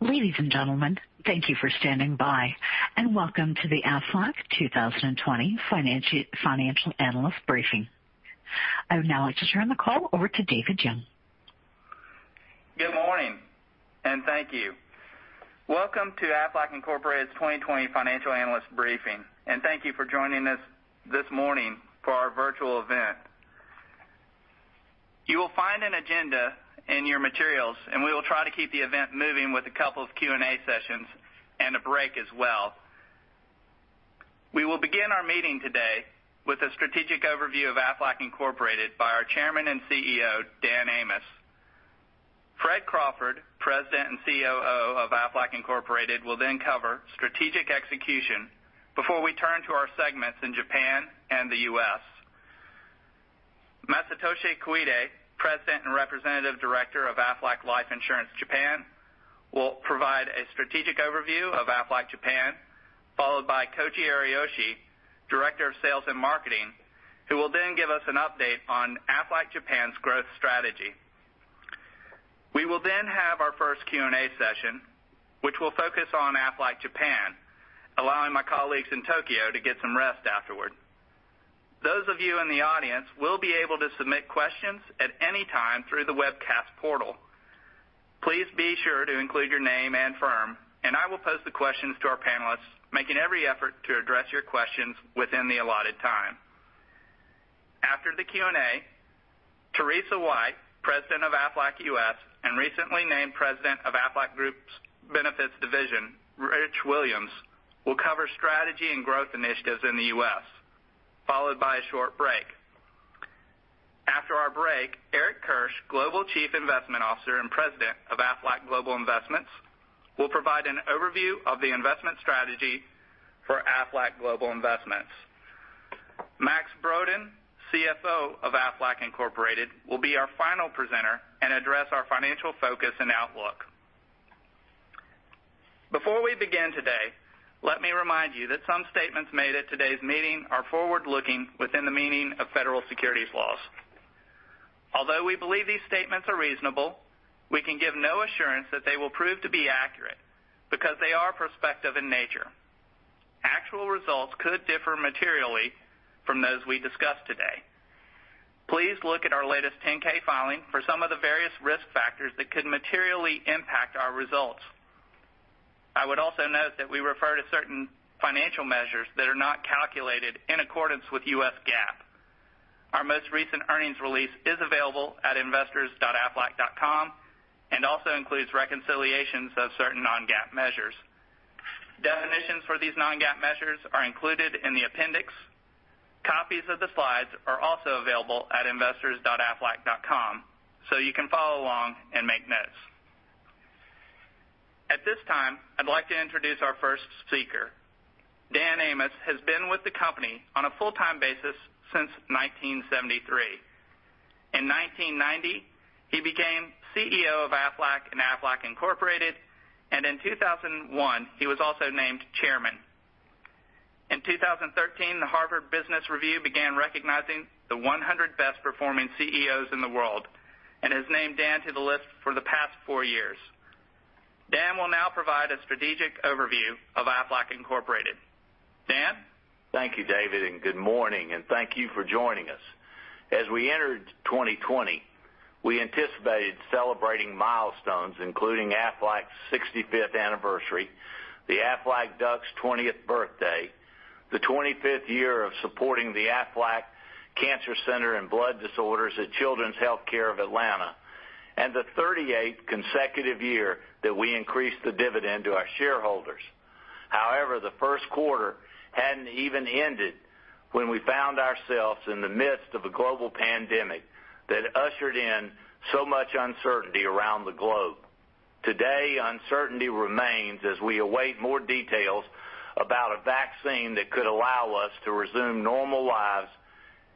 Ladies and gentlemen, thank you for standing by, and welcome to the Aflac 2020 Financial Analyst Briefing. I would now like to turn the call over to David Young. Good morning, and thank you. Welcome to Aflac Incorporated's 2020 Financial Analyst Briefing, and thank you for joining us this morning for our virtual event. You will find an agenda in your materials, and we will try to keep the event moving with a couple of Q&A sessions and a break as well. We will begin our meeting today with a strategic overview of Aflac Incorporated by our Chairman and CEO, Dan Amos. Fred Crawford, President and COO of Aflac Incorporated, will then cover strategic execution before we turn to our segments in Japan and the U.S. Masatoshi Koide, President and Representative Director of Aflac Life Insurance Japan, will provide a strategic overview of Aflac Japan, followed by Koji Ariyoshi, Director of Sales and Marketing, who will then give us an update on Aflac Japan's growth strategy. We will then have our first Q&A session, which will focus on Aflac Japan, allowing my colleagues in Tokyo to get some rest afterward. Those of you in the audience will be able to submit questions at any time through the webcast portal. Please be sure to include your name and firm, and I will pose the questions to our panelists, making every effort to address your questions within the allotted time. After the Q&A, Teresa White, President of Aflac U.S. and recently named President of Aflac Group Benefits Division, Rich Williams, will cover strategy and growth initiatives in the U.S., followed by a short break. After our break, Eric Kirsch, Global Chief Investment Officer and President of Aflac Global Investments, will provide an overview of the investment strategy for Aflac Global Investments. Max Brodén, CFO of Aflac Incorporated, will be our final presenter and address our financial focus and outlook. Before we begin today, let me remind you that some statements made at today's meeting are forward-looking within the meaning of federal securities laws. Although we believe these statements are reasonable, we can give no assurance that they will prove to be accurate because they are prospective in nature. Actual results could differ materially from those we discuss today. Please look at our latest 10-K filing for some of the various risk factors that could materially impact our results. I would also note that we refer to certain financial measures that are not calculated in accordance with U.S. GAAP. Our most recent earnings release is available at investors.aflac.com and also includes reconciliations of certain non-GAAP measures. Definitions for these non-GAAP measures are included in the appendix. Copies of the slides are also available at investors.aflac.com, so you can follow along and make notes. At this time, I'd like to introduce our first speaker. Dan Amos has been with the company on a full-time basis since 1973. In 1990, he became CEO of Aflac and Aflac Incorporated, and in 2001, he was also named Chairman. In 2013, the Harvard Business Review began recognizing the 100 best-performing CEOs in the world and has named Dan to the list for the past four years. Dan will now provide a strategic overview of Aflac Incorporated. Dan? Thank you, David, and good morning, and thank you for joining us. As we entered 2020, we anticipated celebrating milestones including Aflac's 65th anniversary, the Aflac Duck's 20th birthday, the 25th year of supporting the Aflac Cancer Center and Blood Disorders at Children's Healthcare of Atlanta, and the 38th consecutive year that we increased the dividend to our shareholders. However, the first quarter hadn't even ended when we found ourselves in the midst of a global pandemic that ushered in so much uncertainty around the globe. Today, uncertainty remains as we await more details about a vaccine that could allow us to resume normal lives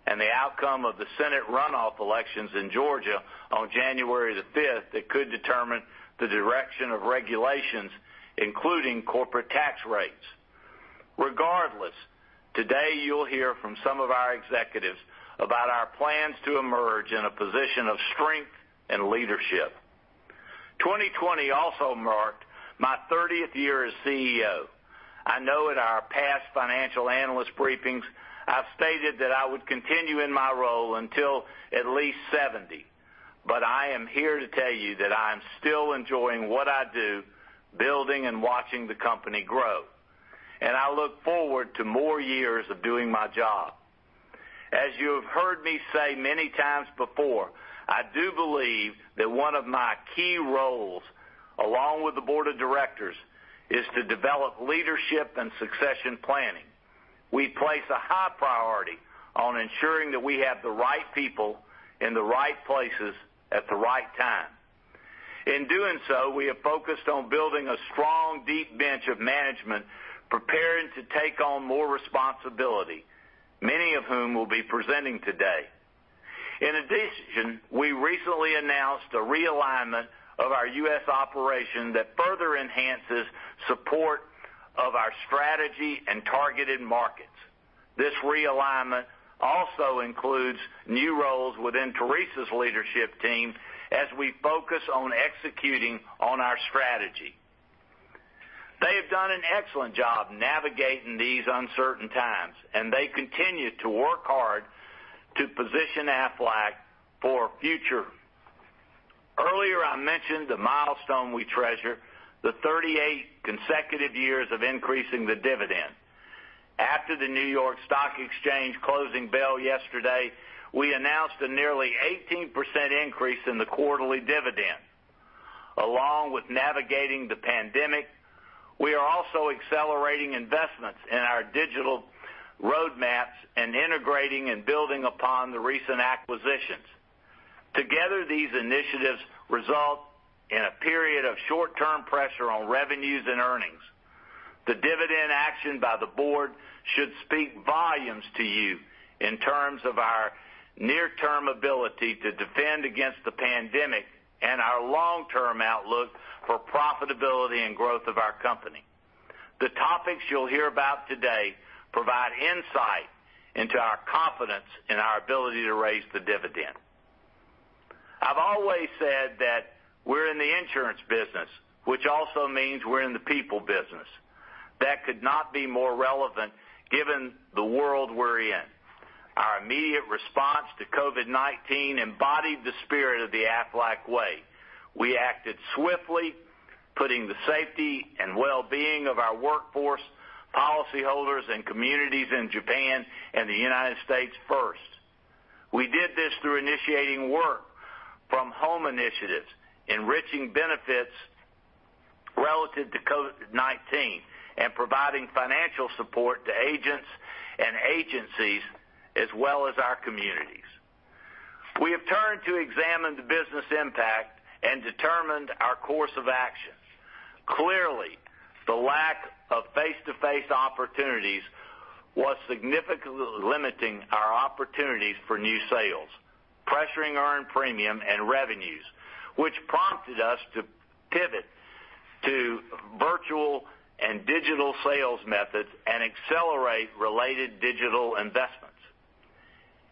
and the outcome of the Senate runoff elections in Georgia on January the 5th that could determine the direction of regulations, including corporate tax rates. Regardless, today you'll hear from some of our executives about our plans to emerge in a position of strength and leadership. 2020 also marked my 30th year as CEO. I know at our past financial analyst briefings I've stated that I would continue in my role until at least 70, but I am here to tell you that I am still enjoying what I do, building and watching the company grow, and I look forward to more years of doing my job. As you have heard me say many times before, I do believe that one of my key roles, along with the Board of Directors, is to develop leadership and succession planning. We place a high priority on ensuring that we have the right people in the right places at the right time. In doing so, we have focused on building a strong, deep bench of management prepared to take on more responsibility, many of whom will be presenting today. In addition, we recently announced a realignment of our U.S. operation that further enhances support of our strategy and targeted markets. This realignment also includes new roles within Teresa's leadership team as we focus on executing on our strategy. They have done an excellent job navigating these uncertain times, and they continue to work hard to position Aflac for future. Earlier, I mentioned the milestone we treasure, the 38 consecutive years of increasing the dividend. After the New York Stock Exchange closing bell yesterday, we announced a nearly 18% increase in the quarterly dividend. Along with navigating the pandemic, we are also accelerating investments in our digital roadmaps and integrating and building upon the recent acquisitions. Together, these initiatives result in a period of short-term pressure on revenues and earnings. The dividend action by the board should speak volumes to you in terms of our near-term ability to defend against the pandemic and our long-term outlook for profitability and growth of our company. The topics you'll hear about today provide insight into our confidence in our ability to raise the dividend. I've always said that we're in the insurance business, which also means we're in the people business. That could not be more relevant given the world we're in. Our immediate response to COVID-19 embodied the spirit of the Aflac way. We acted swiftly, putting the safety and well-being of our workforce, policyholders, and communities in Japan and the United States first. We did this through initiating work from home initiatives, enriching benefits relative to COVID-19, and providing financial support to agents and agencies as well as our communities. We have turned to examine the business impact and determined our course of action. Clearly, the lack of face-to-face opportunities was significantly limiting our opportunities for new sales, pressuring earned premium and revenues, which prompted us to pivot to virtual and digital sales methods and accelerate related digital investments.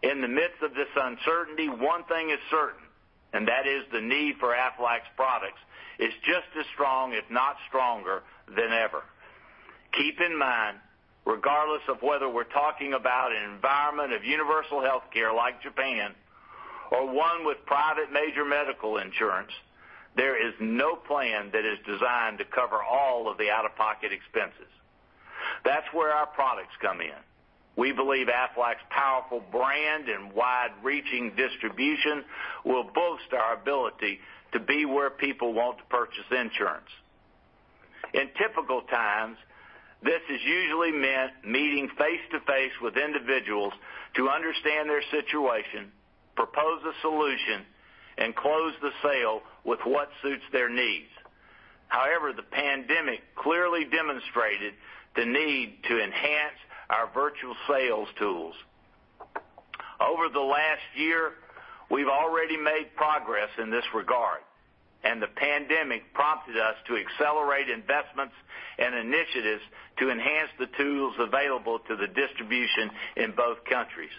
In the midst of this uncertainty, one thing is certain, and that is the need for Aflac's products is just as strong, if not stronger, than ever. Keep in mind, regardless of whether we're talking about an environment of universal healthcare like Japan or one with private major medical insurance, there is no plan that is designed to cover all of the out-of-pocket expenses. That's where our products come in. We believe Aflac's powerful brand and wide-reaching distribution will boost our ability to be where people want to purchase insurance. In typical times, this is usually meeting face-to-face with individuals to understand their situation, propose a solution, and close the sale with what suits their needs. However, the pandemic clearly demonstrated the need to enhance our virtual sales tools. Over the last year, we've already made progress in this regard, and the pandemic prompted us to accelerate investments and initiatives to enhance the tools available to the distribution in both countries.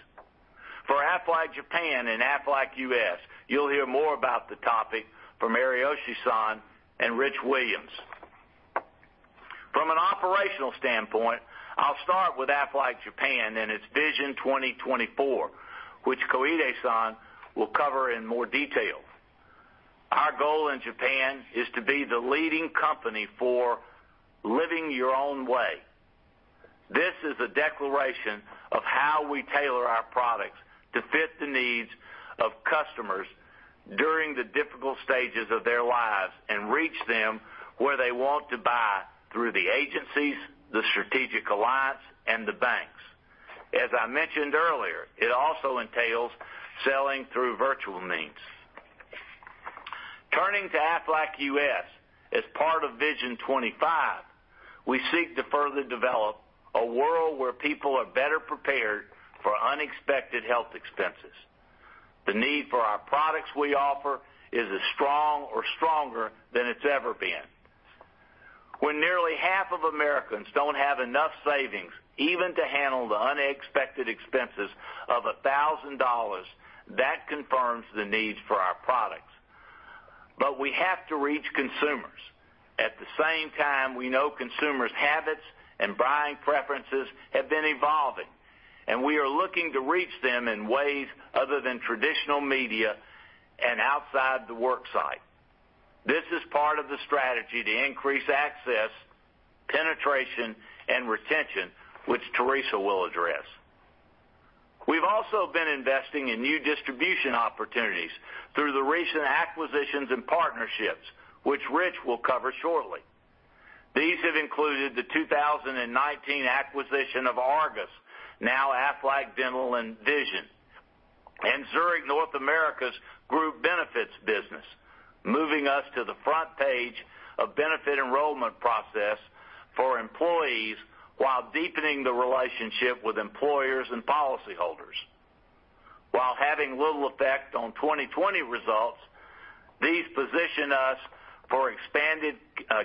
For Aflac Japan and Aflac U.S., you'll hear more about the topic from Koji Ariyoshi and Rich Williams. From an operational standpoint, I'll start with Aflac Japan and its Vision 2024, which Masatoshi Koide will cover in more detail. Our goal in Japan is to be the leading company for living your own way. This is a declaration of how we tailor our products to fit the needs of customers during the difficult stages of their lives and reach them where they want to buy through the agencies, the strategic alliance, and the banks. As I mentioned earlier, it also entails selling through virtual means. Turning to Aflac U.S. as part of Vision 25, we seek to further develop a world where people are better prepared for unexpected health expenses. The need for our products we offer is as strong or stronger than it's ever been. When nearly half of Americans don't have enough savings even to handle the unexpected expenses of $1,000, that confirms the need for our products. But we have to reach consumers. At the same time, we know consumers' habits and buying preferences have been evolving, and we are looking to reach them in ways other than traditional media and outside the work site. This is part of the strategy to increase access, penetration, and retention, which Teresa will address. We've also been investing in new distribution opportunities through the recent acquisitions and partnerships, which Rich will cover shortly. These have included the 2019 acquisition of Argus, now Aflac Dental and Vision, and Zurich North America's group benefits business, moving us to the front page of the benefit enrollment process for employees while deepening the relationship with employers and policyholders. While having little effect on 2020 results, these position us for expanded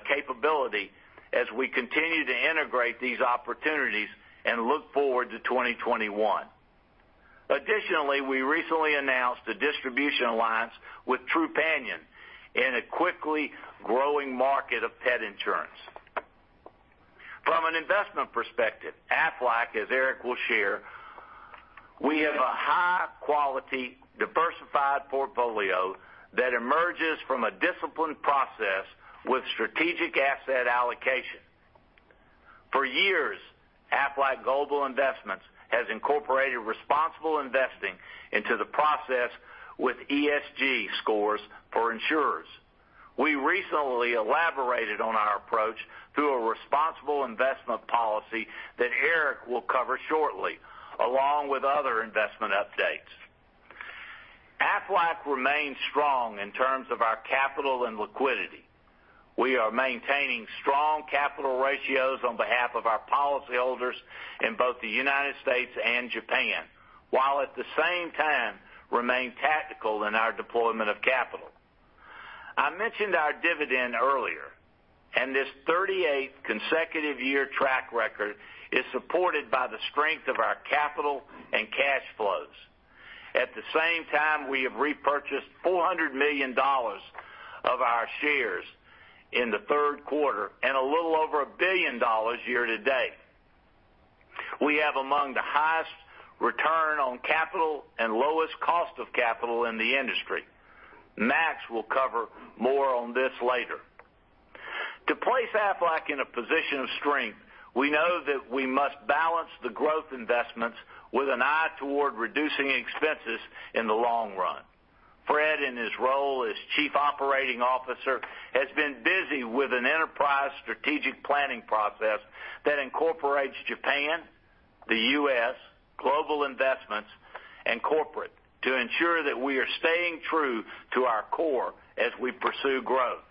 capability as we continue to integrate these opportunities and look forward to 2021. Additionally, we recently announced a distribution alliance with Trupanion in a quickly growing market of pet insurance. From an investment perspective, Aflac, as Eric will share, we have a high-quality, diversified portfolio that emerges from a disciplined process with strategic asset allocation. For years, Aflac Global Investments has incorporated responsible investing into the process with ESG scores for insurers. We recently elaborated on our approach through a responsible investment policy that Eric will cover shortly, along with other investment updates. Aflac remains strong in terms of our capital and liquidity. We are maintaining strong capital ratios on behalf of our policyholders in both the United States and Japan, while at the same time remaining tactical in our deployment of capital. I mentioned our dividend earlier, and this 38th consecutive year track record is supported by the strength of our capital and cash flows. At the same time, we have repurchased $400 million of our shares in the third quarter and a little over $1 billion year to date. We have among the highest return on capital and lowest cost of capital in the industry. Max will cover more on this later. To place Aflac in a position of strength, we know that we must balance the growth investments with an eye toward reducing expenses in the long run. Fred, in his role as Chief Operating Officer, has been busy with an enterprise strategic planning process that incorporates Japan, the U.S., global investments, and corporate to ensure that we are staying true to our core as we pursue growth.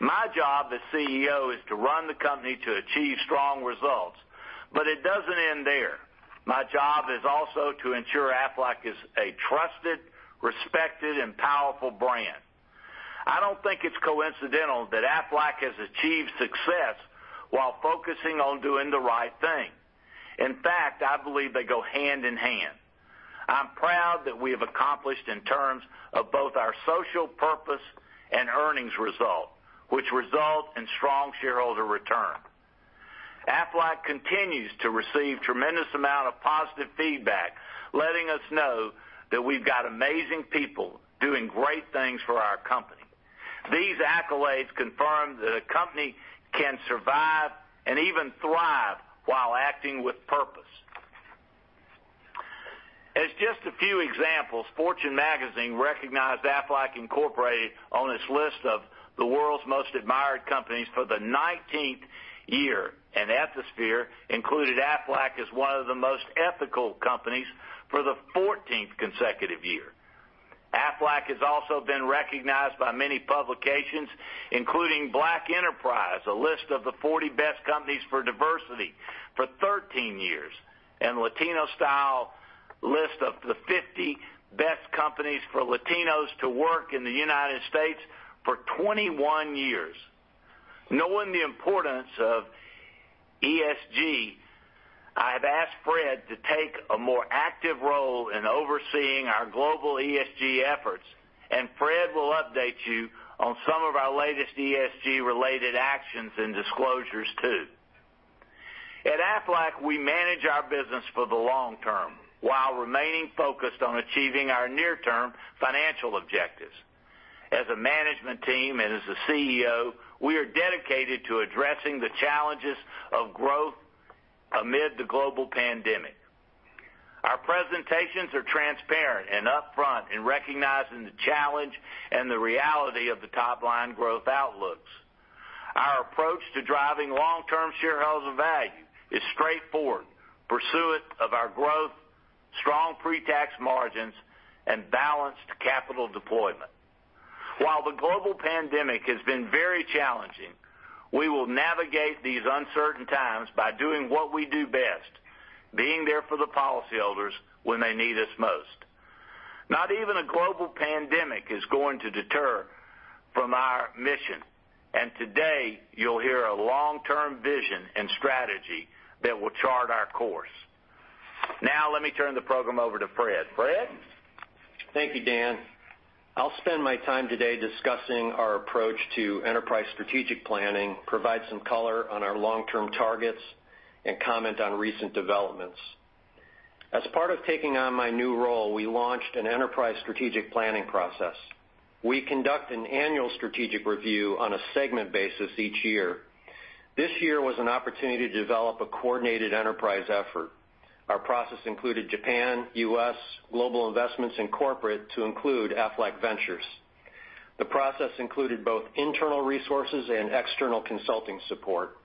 My job as CEO is to run the company to achieve strong results, but it doesn't end there. My job is also to ensure Aflac is a trusted, respected, and powerful brand. I don't think it's coincidental that Aflac has achieved success while focusing on doing the right thing. In fact, I believe they go hand in hand. I'm proud that we have accomplished in terms of both our social purpose and earnings result, which result in strong shareholder return. Aflac continues to receive a tremendous amount of positive feedback, letting us know that we've got amazing people doing great things for our company. These accolades confirm that a company can survive and even thrive while acting with purpose. As just a few examples, Fortune Magazine recognized Aflac Incorporated on its list of the world's most admired companies for the 19th year, and Ethisphere included Aflac as one of the most ethical companies for the 14th consecutive year. Aflac has also been recognized by many publications, including Black Enterprise, a list of the 40 best companies for diversity for 13 years, and the LATINA Style list of the 50 best companies for Latinos to work in the United States for 21 years. Knowing the importance of ESG, I have asked Fred to take a more active role in overseeing our global ESG efforts, and Fred will update you on some of our latest ESG-related actions and disclosures too. At Aflac, we manage our business for the long term while remaining focused on achieving our near-term financial objectives. As a management team and as a CEO, we are dedicated to addressing the challenges of growth amid the global pandemic. Our presentations are transparent and upfront in recognizing the challenge and the reality of the top-line growth outlooks. Our approach to driving long-term shareholder value is straightforward: pursuit of our growth, strong pre-tax margins, and balanced capital deployment. While the global pandemic has been very challenging, we will navigate these uncertain times by doing what we do best: being there for the policyholders when they need us most. Not even a global pandemic is going to deter from our mission, and today you'll hear a long-term vision and strategy that will chart our course. Now, let me turn the program over to Fred. Fred? Thank you, Dan. I'll spend my time today discussing our approach to enterprise strategic planning, provide some color on our long-term targets, and comment on recent developments. As part of taking on my new role, we launched an enterprise strategic planning process. We conduct an annual strategic review on a segment basis each year. This year was an opportunity to develop a coordinated enterprise effort. Our process included Japan, U.S., global investments, and corporate to include Aflac Ventures. The process included both internal resources and external consulting support.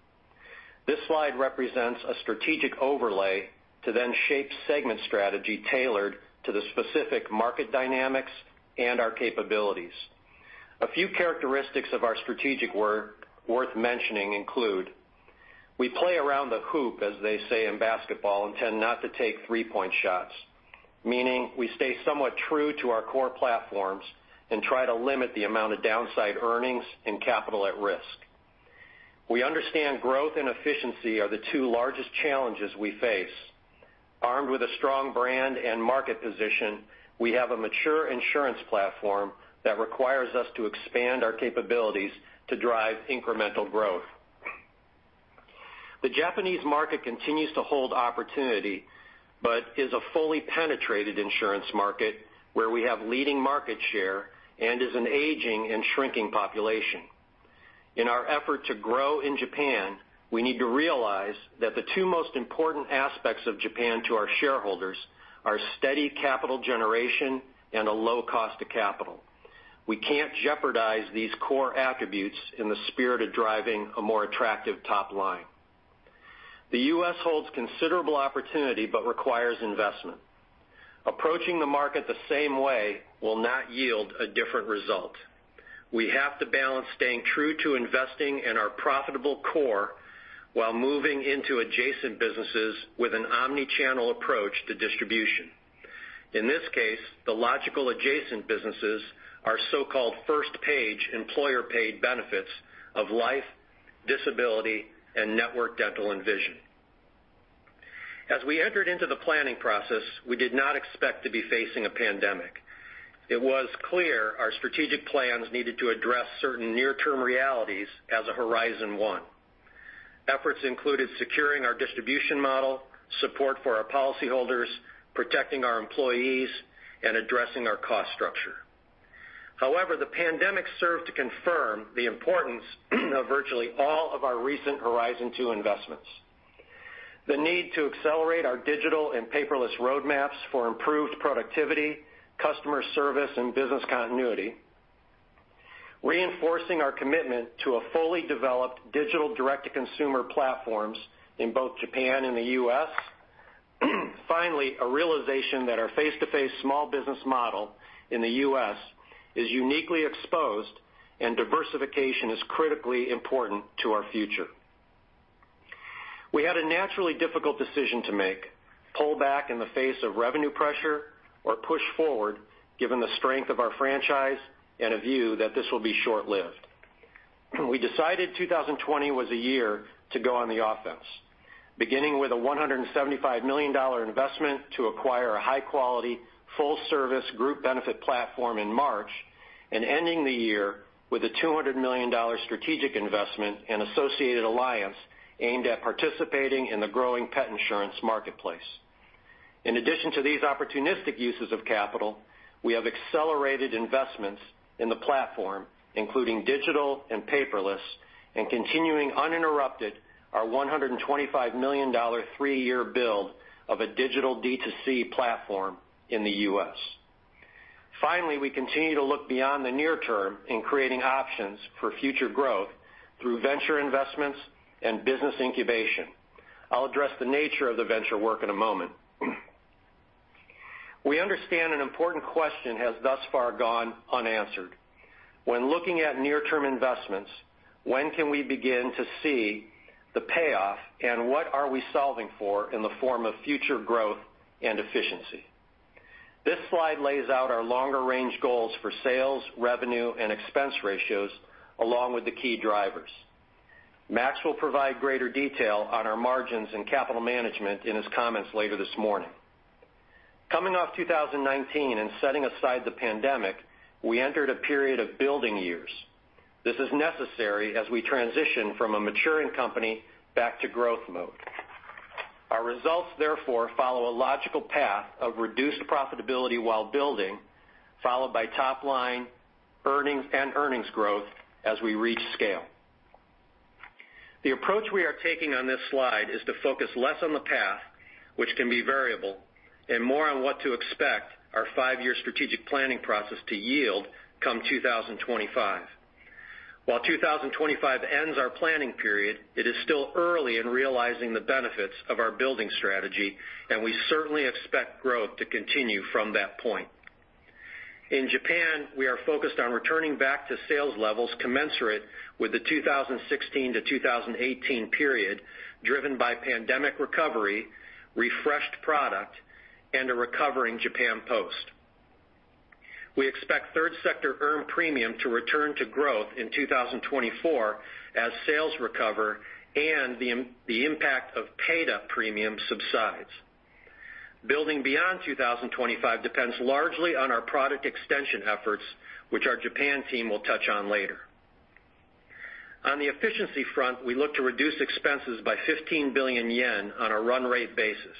This slide represents a strategic overlay to then shape segment strategy tailored to the specific market dynamics and our capabilities. A few characteristics of our strategic work worth mentioning include: we play around the hoop, as they say in basketball, and tend not to take three-point shots, meaning we stay somewhat true to our core platforms and try to limit the amount of downside earnings and capital at risk. We understand growth and efficiency are the two largest challenges we face. Armed with a strong brand and market position, we have a mature insurance platform that requires us to expand our capabilities to drive incremental growth. The Japanese market continues to hold opportunity but is a fully penetrated insurance market where we have leading market share, and is an aging and shrinking population. In our effort to grow in Japan, we need to realize that the two most important aspects of Japan to our shareholders are steady capital generation and a low cost of capital. We can't jeopardize these core attributes in the spirit of driving a more attractive top line. The U.S. holds considerable opportunity but requires investment. Approaching the market the same way will not yield a different result. We have to balance staying true to investing in our profitable core while moving into adjacent businesses with an omnichannel approach to distribution. In this case, the logical adjacent businesses are so-called first-page employer-paid benefits of life, disability, and network dental and vision. As we entered into the planning process, we did not expect to be facing a pandemic. It was clear our strategic plans needed to address certain near-term realities as a Horizon 1. Efforts included securing our distribution model, support for our policyholders, protecting our employees, and addressing our cost structure. However, the pandemic served to confirm the importance of virtually all of our recent Horizon 2 investments. The need to accelerate our digital and paperless roadmaps for improved productivity, customer service, and business continuity, reinforcing our commitment to a fully developed digital direct-to-consumer platforms in both Japan and the U.S., finally, a realization that our face-to-face small business model in the U.S. is uniquely exposed and diversification is critically important to our future. We had a naturally difficult decision to make: pull back in the face of revenue pressure or push forward, given the strength of our franchise and a view that this will be short-lived. We decided 2020 was a year to go on the offense, beginning with a $175 million investment to acquire a high-quality, full-service group benefit platform in March and ending the year with a $200 million strategic investment and associated alliance aimed at participating in the growing pet insurance marketplace. In addition to these opportunistic uses of capital, we have accelerated investments in the platform, including digital and paperless, and continuing uninterrupted our $125 million three-year build of a digital D2C platform in the U.S. Finally, we continue to look beyond the near term in creating options for future growth through venture investments and business incubation. I'll address the nature of the venture work in a moment. We understand an important question has thus far gone unanswered. When looking at near-term investments, when can we begin to see the payoff and what are we solving for in the form of future growth and efficiency? This slide lays out our longer-range goals for sales, revenue, and expense ratios along with the key drivers. Max will provide greater detail on our margins and capital management in his comments later this morning. Coming off 2019 and setting aside the pandemic, we entered a period of building years. This is necessary as we transition from a maturing company back to growth mode. Our results, therefore, follow a logical path of reduced profitability while building, followed by top-line earnings and earnings growth as we reach scale. The approach we are taking on this slide is to focus less on the path, which can be variable, and more on what to expect our five-year strategic planning process to yield come 2025. While 2025 ends our planning period, it is still early in realizing the benefits of our building strategy, and we certainly expect growth to continue from that point. In Japan, we are focused on returning back to sales levels commensurate with the 2016 to 2018 period, driven by pandemic recovery, refreshed product, and a recovering Japan Post. We expect third-sector earned premium to return to growth in 2024 as sales recover and the impact of paid premium subsidies. Building beyond 2025 depends largely on our product extension efforts, which our Japan team will touch on later. On the efficiency front, we look to reduce expenses by 15 billion yen on a run-rate basis.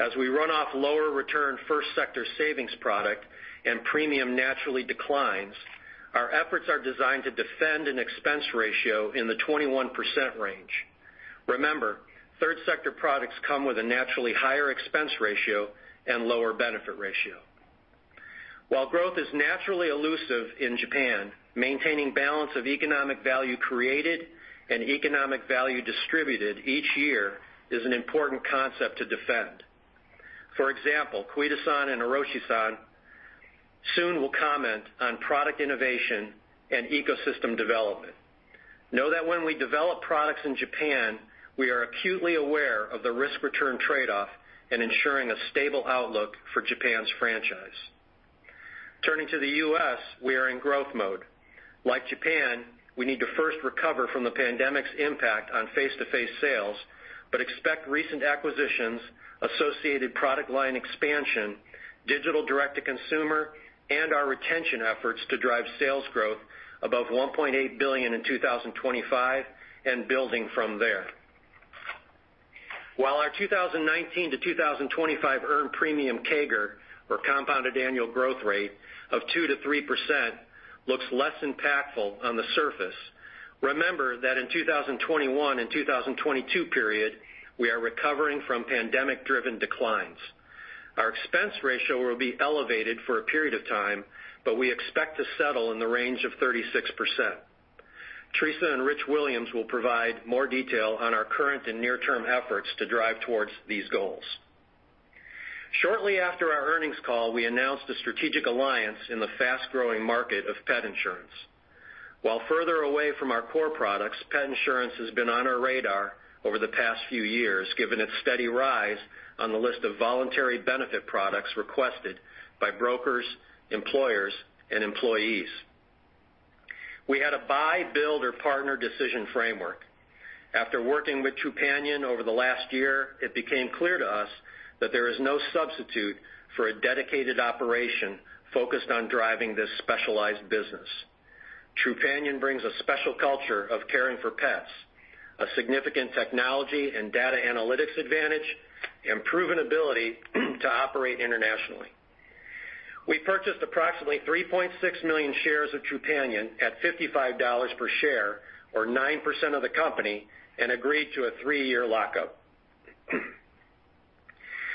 As we run off lower-return first-sector savings product and premium naturally declines, our efforts are designed to defend an expense ratio in the 21% range. Remember, third-sector products come with a naturally higher expense ratio and lower benefit ratio. While growth is naturally elusive in Japan, maintaining balance of economic value created and economic value distributed each year is an important concept to defend. For example, Koide-san Yoshizumi and Koji Ariyoshi soon will comment on product innovation and ecosystem development. Know that when we develop products in Japan, we are acutely aware of the risk-return trade-off and ensuring a stable outlook for Japan's franchise. Turning to the U.S., we are in growth mode. Like Japan, we need to first recover from the pandemic's impact on face-to-face sales but expect recent acquisitions, associated product line expansion, digital direct-to-consumer, and our retention efforts to drive sales growth above $1.8 billion in 2025 and building from there. While our 2019 to 2025 earned premium CAGR, or compounded annual growth rate of 2%-3%, looks less impactful on the surface, remember that in the 2021 and 2022 period, we are recovering from pandemic-driven declines. Our expense ratio will be elevated for a period of time, but we expect to settle in the range of 36%. Teresa White and Rich Williams will provide more detail on our current and near-term efforts to drive towards these goals. Shortly after our earnings call, we announced a strategic alliance in the fast-growing market of pet insurance. While further away from our core products, pet insurance has been on our radar over the past few years, given its steady rise on the list of voluntary benefit products requested by brokers, employers, and employees. We had a buy, build, or partner decision framework. After working with Trupanion over the last year, it became clear to us that there is no substitute for a dedicated operation focused on driving this specialized business. Trupanion brings a special culture of caring for pets, a significant technology and data analytics advantage, and proven ability to operate internationally. We purchased approximately 3.6 million shares of Trupanion at $55 per share, or 9% of the company, and agreed to a three-year lockup.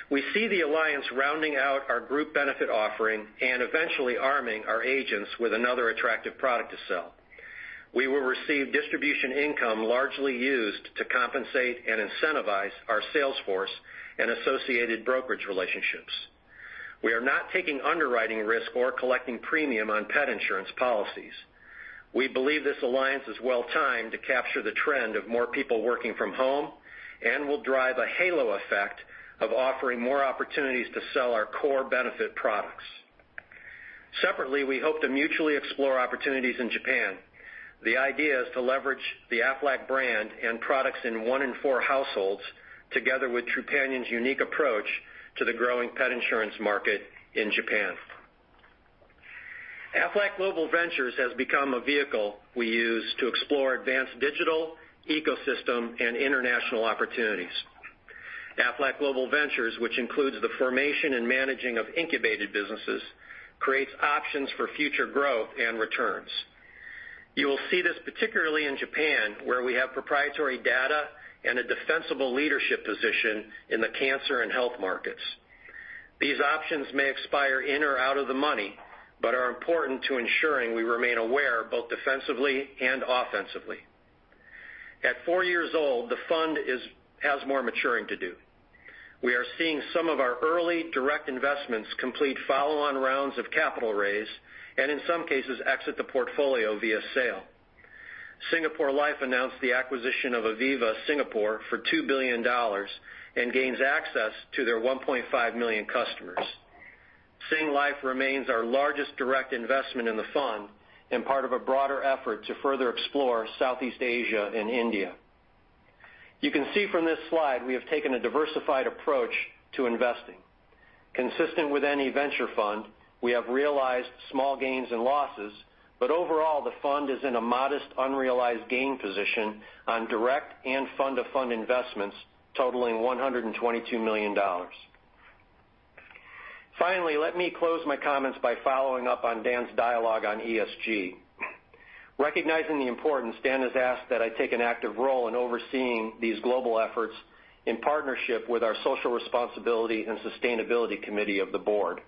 We see the alliance rounding out our group benefit offering and eventually arming our agents with another attractive product to sell. We will receive distribution income largely used to compensate and incentivize our salesforce and associated brokerage relationships. We are not taking underwriting risk or collecting premium on pet insurance policies. We believe this alliance is well-timed to capture the trend of more people working from home and will drive a halo effect of offering more opportunities to sell our core benefit products. Separately, we hope to mutually explore opportunities in Japan. The idea is to leverage the Aflac brand and products in one in four households, together with Trupanion's unique approach to the growing pet insurance market in Japan. Aflac Global Ventures has become a vehicle we use to explore advanced digital ecosystem and international opportunities. Aflac Global Ventures, which includes the formation and managing of incubated businesses, creates options for future growth and returns. You will see this particularly in Japan, where we have proprietary data and a defensible leadership position in the cancer and health markets. These options may expire in or out of the money but are important to ensuring we remain aware both defensively and offensively. At four years old, the fund has more maturing to do. We are seeing some of our early direct investments complete follow-on rounds of capital raise and, in some cases, exit the portfolio via sale. Singapore Life announced the acquisition of Aviva Singapore for $2 billion and gains access to their 1.5 million customers. Singlife remains our largest direct investment in the fund and part of a broader effort to further explore Southeast Asia and India. You can see from this slide we have taken a diversified approach to investing. Consistent with any venture fund, we have realized small gains and losses, but overall, the fund is in a modest unrealized gain position on direct and fund-to-fund investments totaling $122 million. Finally, let me close my comments by following up on Dan's dialogue on ESG. Recognizing the importance, Dan has asked that I take an active role in overseeing these global efforts in partnership with our Social Responsibility and Sustainability Committee of the board.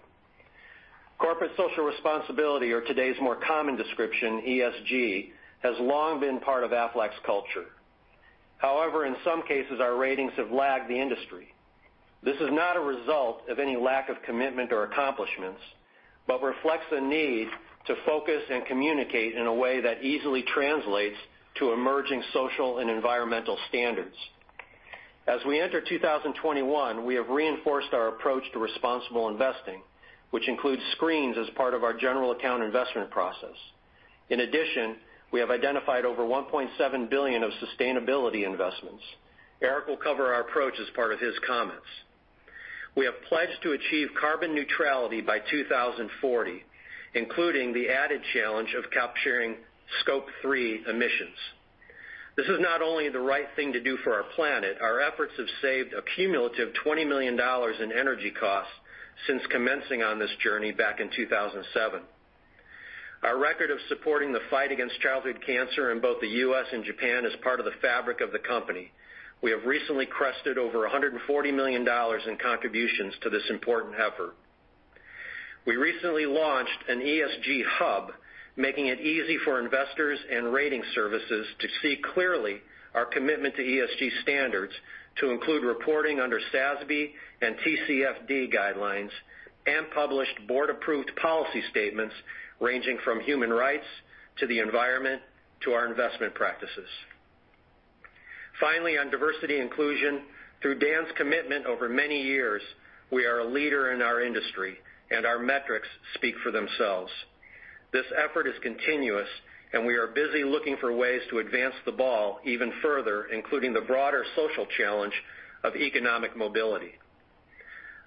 Corporate social responsibility, or today's more common description, ESG, has long been part of Aflac's culture. However, in some cases, our ratings have lagged the industry. This is not a result of any lack of commitment or accomplishments but reflects the need to focus and communicate in a way that easily translates to emerging social and environmental standards. As we enter 2021, we have reinforced our approach to responsible investing, which includes screens as part of our general account investment process. In addition, we have identified over $1.7 billion of sustainability investments. Eric will cover our approach as part of his comments. We have pledged to achieve carbon neutrality by 2040, including the added challenge of capturing Scope 3 emissions. This is not only the right thing to do for our planet. Our efforts have saved a cumulative $20 million in energy costs since commencing on this journey back in 2007. Our record of supporting the fight against childhood cancer in both the U.S. and Japan is part of the fabric of the company. We have recently crossed over $140 million in contributions to this important effort. We recently launched an ESG hub, making it easy for investors and rating services to see clearly our commitment to ESG standards, to include reporting under SASB and TCFD guidelines, and published board-approved policy statements ranging from human rights to the environment to our investment practices. Finally, on diversity inclusion, through Dan's commitment over many years, we are a leader in our industry, and our metrics speak for themselves. This effort is continuous, and we are busy looking for ways to advance the ball even further, including the broader social challenge of economic mobility.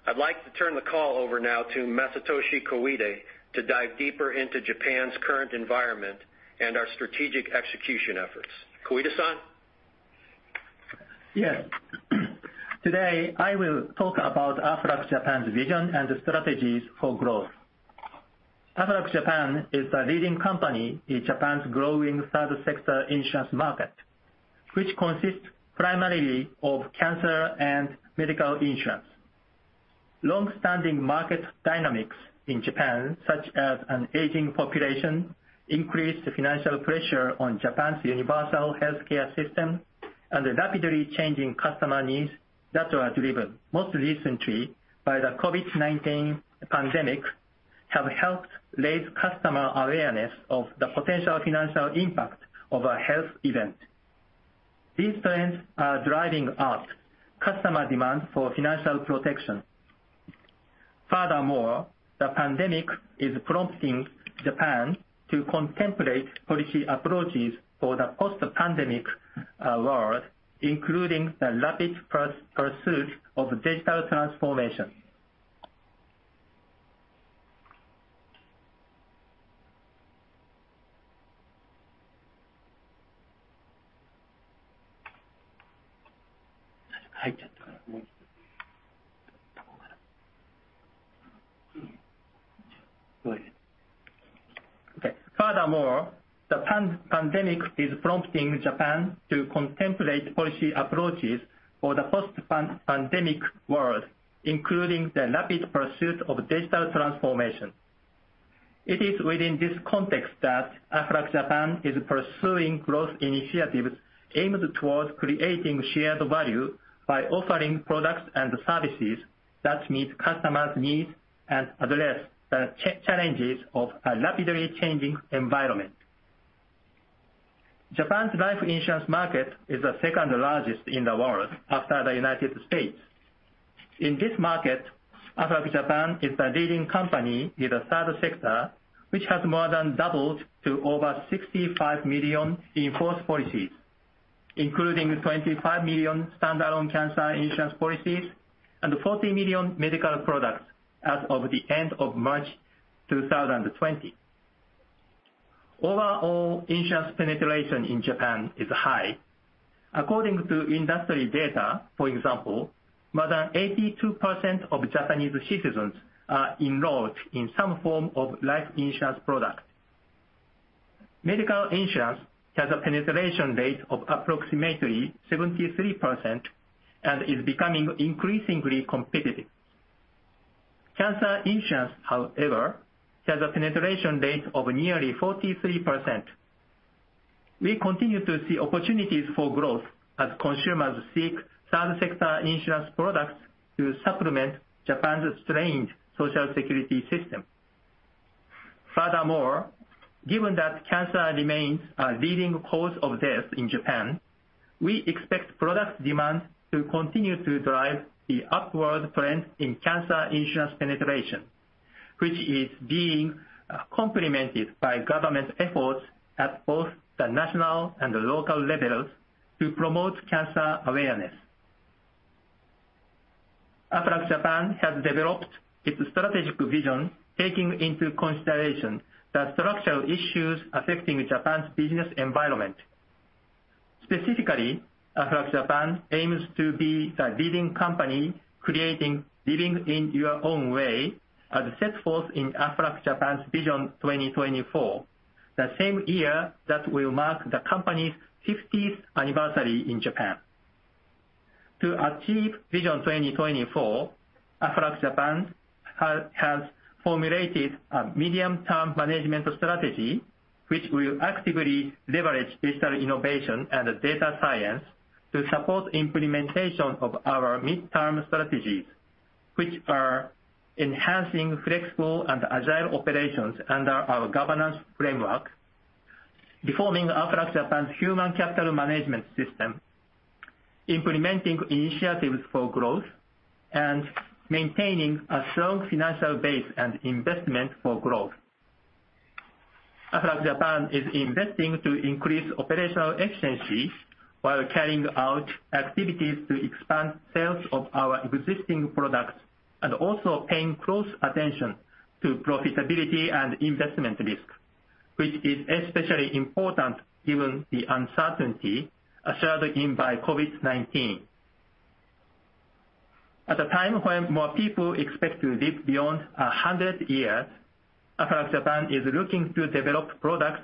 I'd like to turn the call over now to Masatoshi Koide to dive deeper into Japan's current environment and our strategic execution efforts. Koide-san Yoshizumi. Yes. Today, I will talk about Aflac Japan's vision and strategies for growth. Aflac Japan is the leading company in Japan's growing third-sector insurance market, which consists primarily of cancer and medical insurance. Long-standing market dynamics in Japan, such as an aging population, increased financial pressure on Japan's universal healthcare system, and the rapidly changing customer needs that were driven most recently by the COVID-19 pandemic have helped raise customer awareness of the potential financial impact of a health event. These trends are driving up customer demand for financial protection. Furthermore, the pandemic is prompting Japan to contemplate policy approaches for the post-pandemic world, including the rapid pursuit of digital transformation. It is within this context that Aflac Japan is pursuing growth initiatives aimed toward creating shared value by offering products and services that meet customers' needs and address the challenges of a rapidly changing environment. Japan's life insurance market is the second largest in the world after the United States. In this market, Aflac Japan is the leading company in the Third Sector, which has more than doubled to over 65 million in force policies, including 25 million standalone cancer insurance policies and 40 million medical products as of the end of March 2020. Overall, insurance penetration in Japan is high. According to industry data, for example, more than 82% of Japanese citizens are enrolled in some form of life insurance product. Medical insurance has a penetration rate of approximately 73% and is becoming increasingly competitive. Cancer insurance, however, has a penetration rate of nearly 43%. We continue to see opportunities for growth as consumers seek third-sector insurance products to supplement Japan's strained social security system. Furthermore, given that cancer remains a leading cause of death in Japan, we expect product demand to continue to drive the upward trend in cancer insurance penetration, which is being complemented by government efforts at both the national and local levels to promote cancer awareness. Aflac Japan has developed its strategic vision, taking into consideration the structural issues affecting Japan's business environment. Specifically, Aflac Japan aims to be the leading company creating "Living in Your Own Way" as set forth in Aflac Japan's Vision 2024, the same year that will mark the company's 50th anniversary in Japan. To achieve Vision 2024, Aflac Japan has formulated a medium-term management strategy, which will actively leverage digital innovation and data science to support the implementation of our midterm strategies, which are enhancing flexible and agile operations under our governance framework, reforming Aflac Japan's human capital management system, implementing initiatives for growth, and maintaining a strong financial base and investment for growth. Aflac Japan is investing to increase operational efficiency while carrying out activities to expand sales of our existing products and also paying close attention to profitability and investment risk, which is especially important given the uncertainty ushered in by COVID-19. At a time when more people expect to live beyond 100 years, Aflac Japan is looking to develop products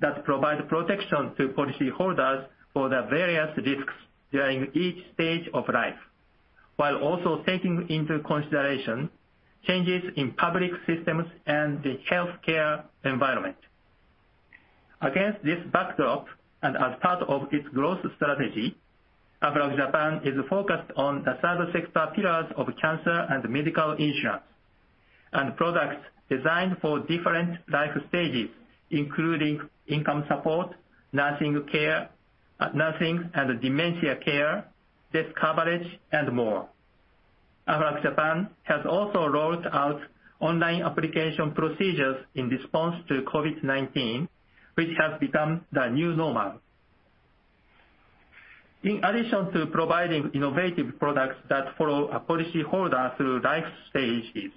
that provide protection to policyholders for the various risks during each stage of life, while also taking into consideration changes in public systems and the healthcare environment. Against this backdrop and as part of its growth strategy, Aflac Japan is focused on the Third Sector pillars of Cancer Insurance and Medical Insurance and products designed for different life stages, including income support, nursing care, nursing and dementia care, death coverage, and more. Aflac Japan has also rolled out online application procedures in response to COVID-19, which has become the new normal. In addition to providing innovative products that follow a policyholder through life stages,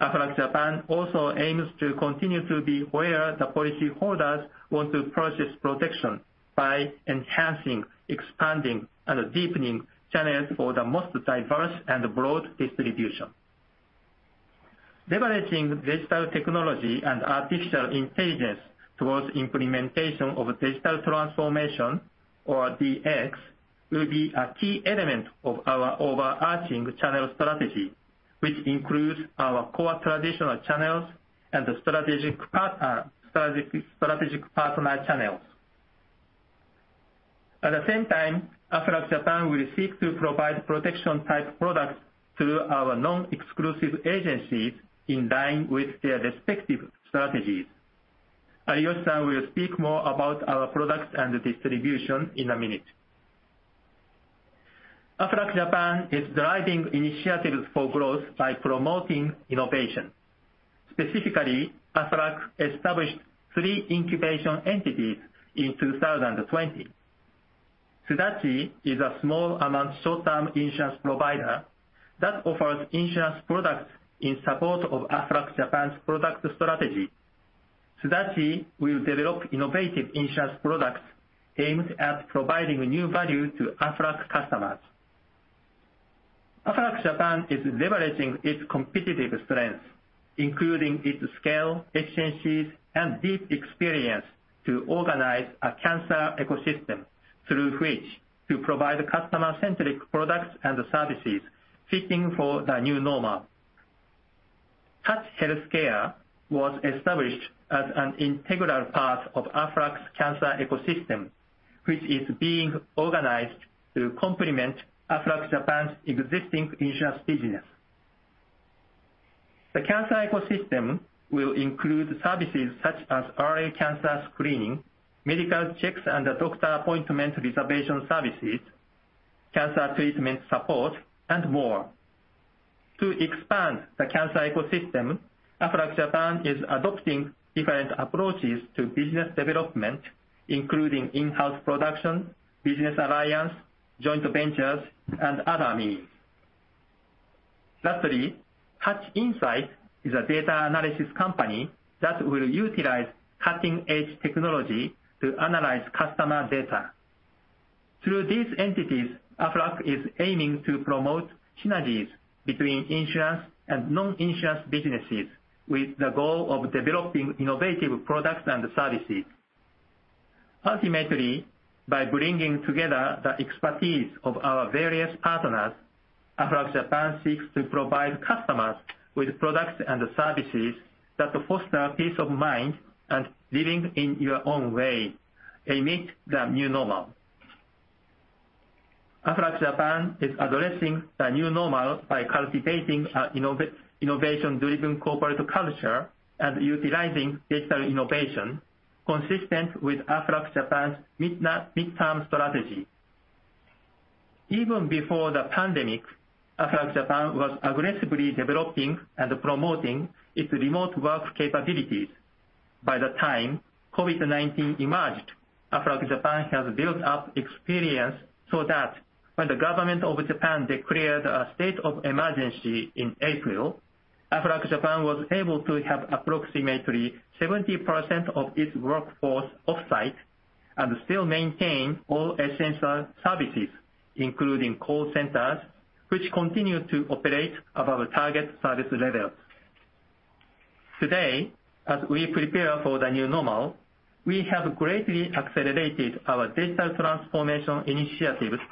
Aflac Japan also aims to continue to be aware the policyholders want to purchase protection by enhancing, expanding, and deepening channels for the most diverse and broad distribution. Leveraging digital technology and artificial intelligence towards implementation of digital transformation, or DX, will be a key element of our overarching channel strategy, which includes our core traditional channels and strategic partner channels. At the same time, Aflac Japan will seek to provide protection-type products through our non-exclusive agencies in line with their respective strategies. I will speak more about our products and distribution in a minute. Aflac Japan is driving initiatives for growth by promoting innovation. Specifically, Aflac established three incubation entities in 2020. Sudachi is a small-amount short-term insurance provider that offers insurance products in support of Aflac Japan's product strategy. Sudachi will develop innovative insurance products aimed at providing new value to Aflac customers. Aflac Japan is leveraging its competitive strengths, including its scale, efficiencies, and deep experience, to organize a cancer ecosystem through which to provide customer-centric products and services fitting for the new normal. Hatch Healthcare was established as an integral part of Aflac's cancer ecosystem, which is being organized to complement Aflac Japan's existing insurance business. The cancer ecosystem will include services such as early cancer screening, medical checks, and doctor appointment reservation services, cancer treatment support, and more. To expand the cancer ecosystem, Aflac Japan is adopting different approaches to business development, including in-house production, business alliance, joint ventures, and other means. Lastly, Hatch Insight is a data analysis company that will utilize cutting-edge technology to analyze customer data. Through these entities, Aflac is aiming to promote synergies between insurance and non-insurance businesses with the goal of developing innovative products and services. Ultimately, by bringing together the expertise of our various partners, Aflac Japan seeks to provide customers with products and services that foster peace of mind and "Living in Your Own Way" amid the new normal. Aflac Japan is addressing the new normal by cultivating an innovation-driven corporate culture and utilizing digital innovation consistent with Aflac Japan's midterm strategy. Even before the pandemic, Aflac Japan was aggressively developing and promoting its remote work capabilities. By the time COVID-19 emerged, Aflac Japan has built up experience so that when the government of Japan declared a state of emergency in April, Aflac Japan was able to have approximately 70% of its workforce off-site and still maintain all essential services, including call centers, which continue to operate above target service levels. Today, as we prepare for the new normal, we have greatly accelerated our digital transformation initiatives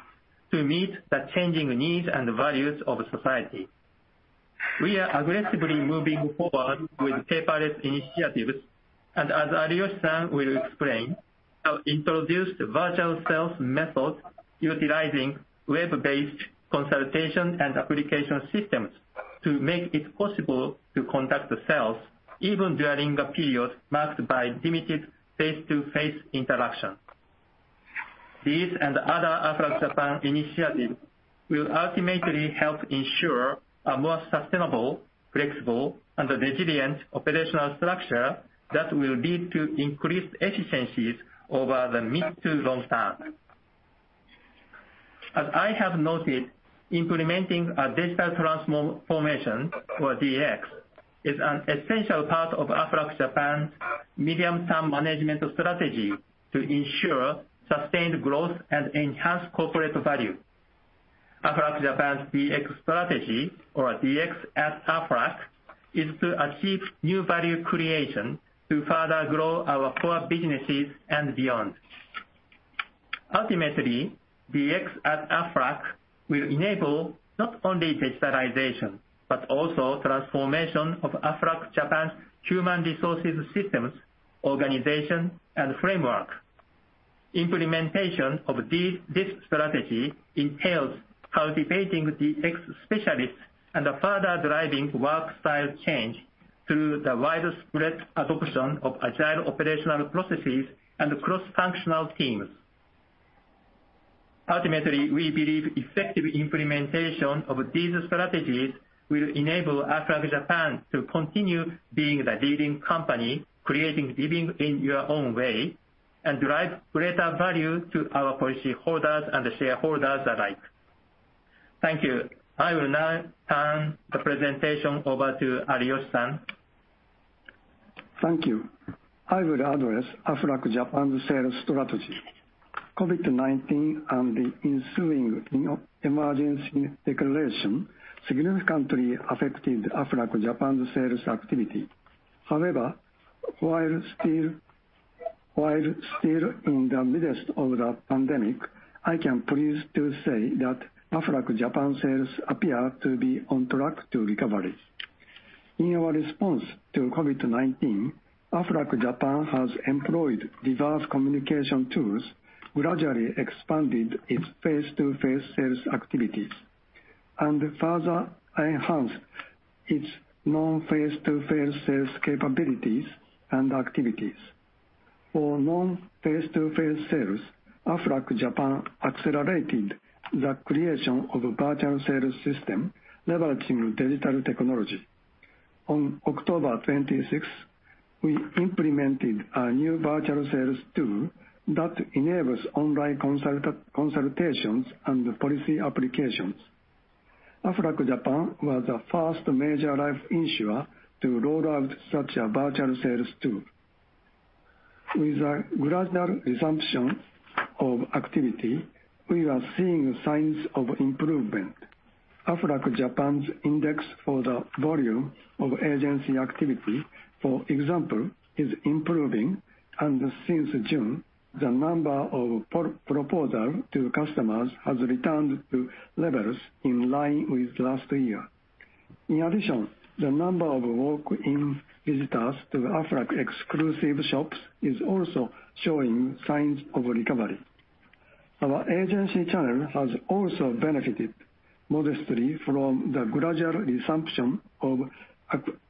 to meet the changing needs and values of society. We are aggressively moving forward with paperless initiatives, and as I will explain, I'll introduce virtual sales methods utilizing web-based consultation and application systems to make it possible to conduct sales even during a period marked by limited face-to-face interaction. These and other Aflac Japan initiatives will ultimately help ensure a more sustainable, flexible, and resilient operational structure that will lead to increased efficiencies over the mid to long term. As I have noted, implementing a digital transformation or DX is an essential part of Aflac Japan's medium-term management strategy to ensure sustained growth and enhanced corporate value. Aflac Japan's DX strategy, or DX at Aflac, is to achieve new value creation to further grow our core businesses and beyond. Ultimately, DX at Aflac will enable not only digitalization but also transformation of Aflac Japan's human resources systems, organization, and framework. Implementation of this strategy entails cultivating DX specialists and further driving work-style change through the widespread adoption of agile operational processes and cross-functional teams. Ultimately, we believe effective implementation of these strategies will enable Aflac Japan to continue being the leading company creating "Living in Your Own Way" and drive greater value to our policyholders and shareholders alike. Thank you. I will now turn the presentation over to Koji Ariyoshi. Thank you. I will address Aflac Japan's sales strategy. COVID-19 and the ensuing emergency declaration significantly affected Aflac Japan's sales activity. However, while still in the midst of the pandemic, I can please say that Aflac Japan's sales appear to be on track to recovery. In our response to COVID-19, Aflac Japan has employed diverse communication tools, gradually expanded its face-to-face sales activities, and further enhanced its non-face-to-face sales capabilities and activities. For non-face-to-face sales, Aflac Japan accelerated the creation of a virtual sales system leveraging digital technology. On October 26, we implemented a new virtual sales tool that enables online consultations and policy applications. Aflac Japan was the first major life insurer to roll out such a virtual sales tool. With the gradual resumption of activity, we are seeing signs of improvement. Aflac Japan's index for the volume of agency activity, for example, is improving, and since June, the number of proposals to customers has returned to levels in line with last year. In addition, the number of walk-in visitors to Aflac exclusive shops is also showing signs of recovery. Our agency channel has also benefited modestly from the gradual resumption of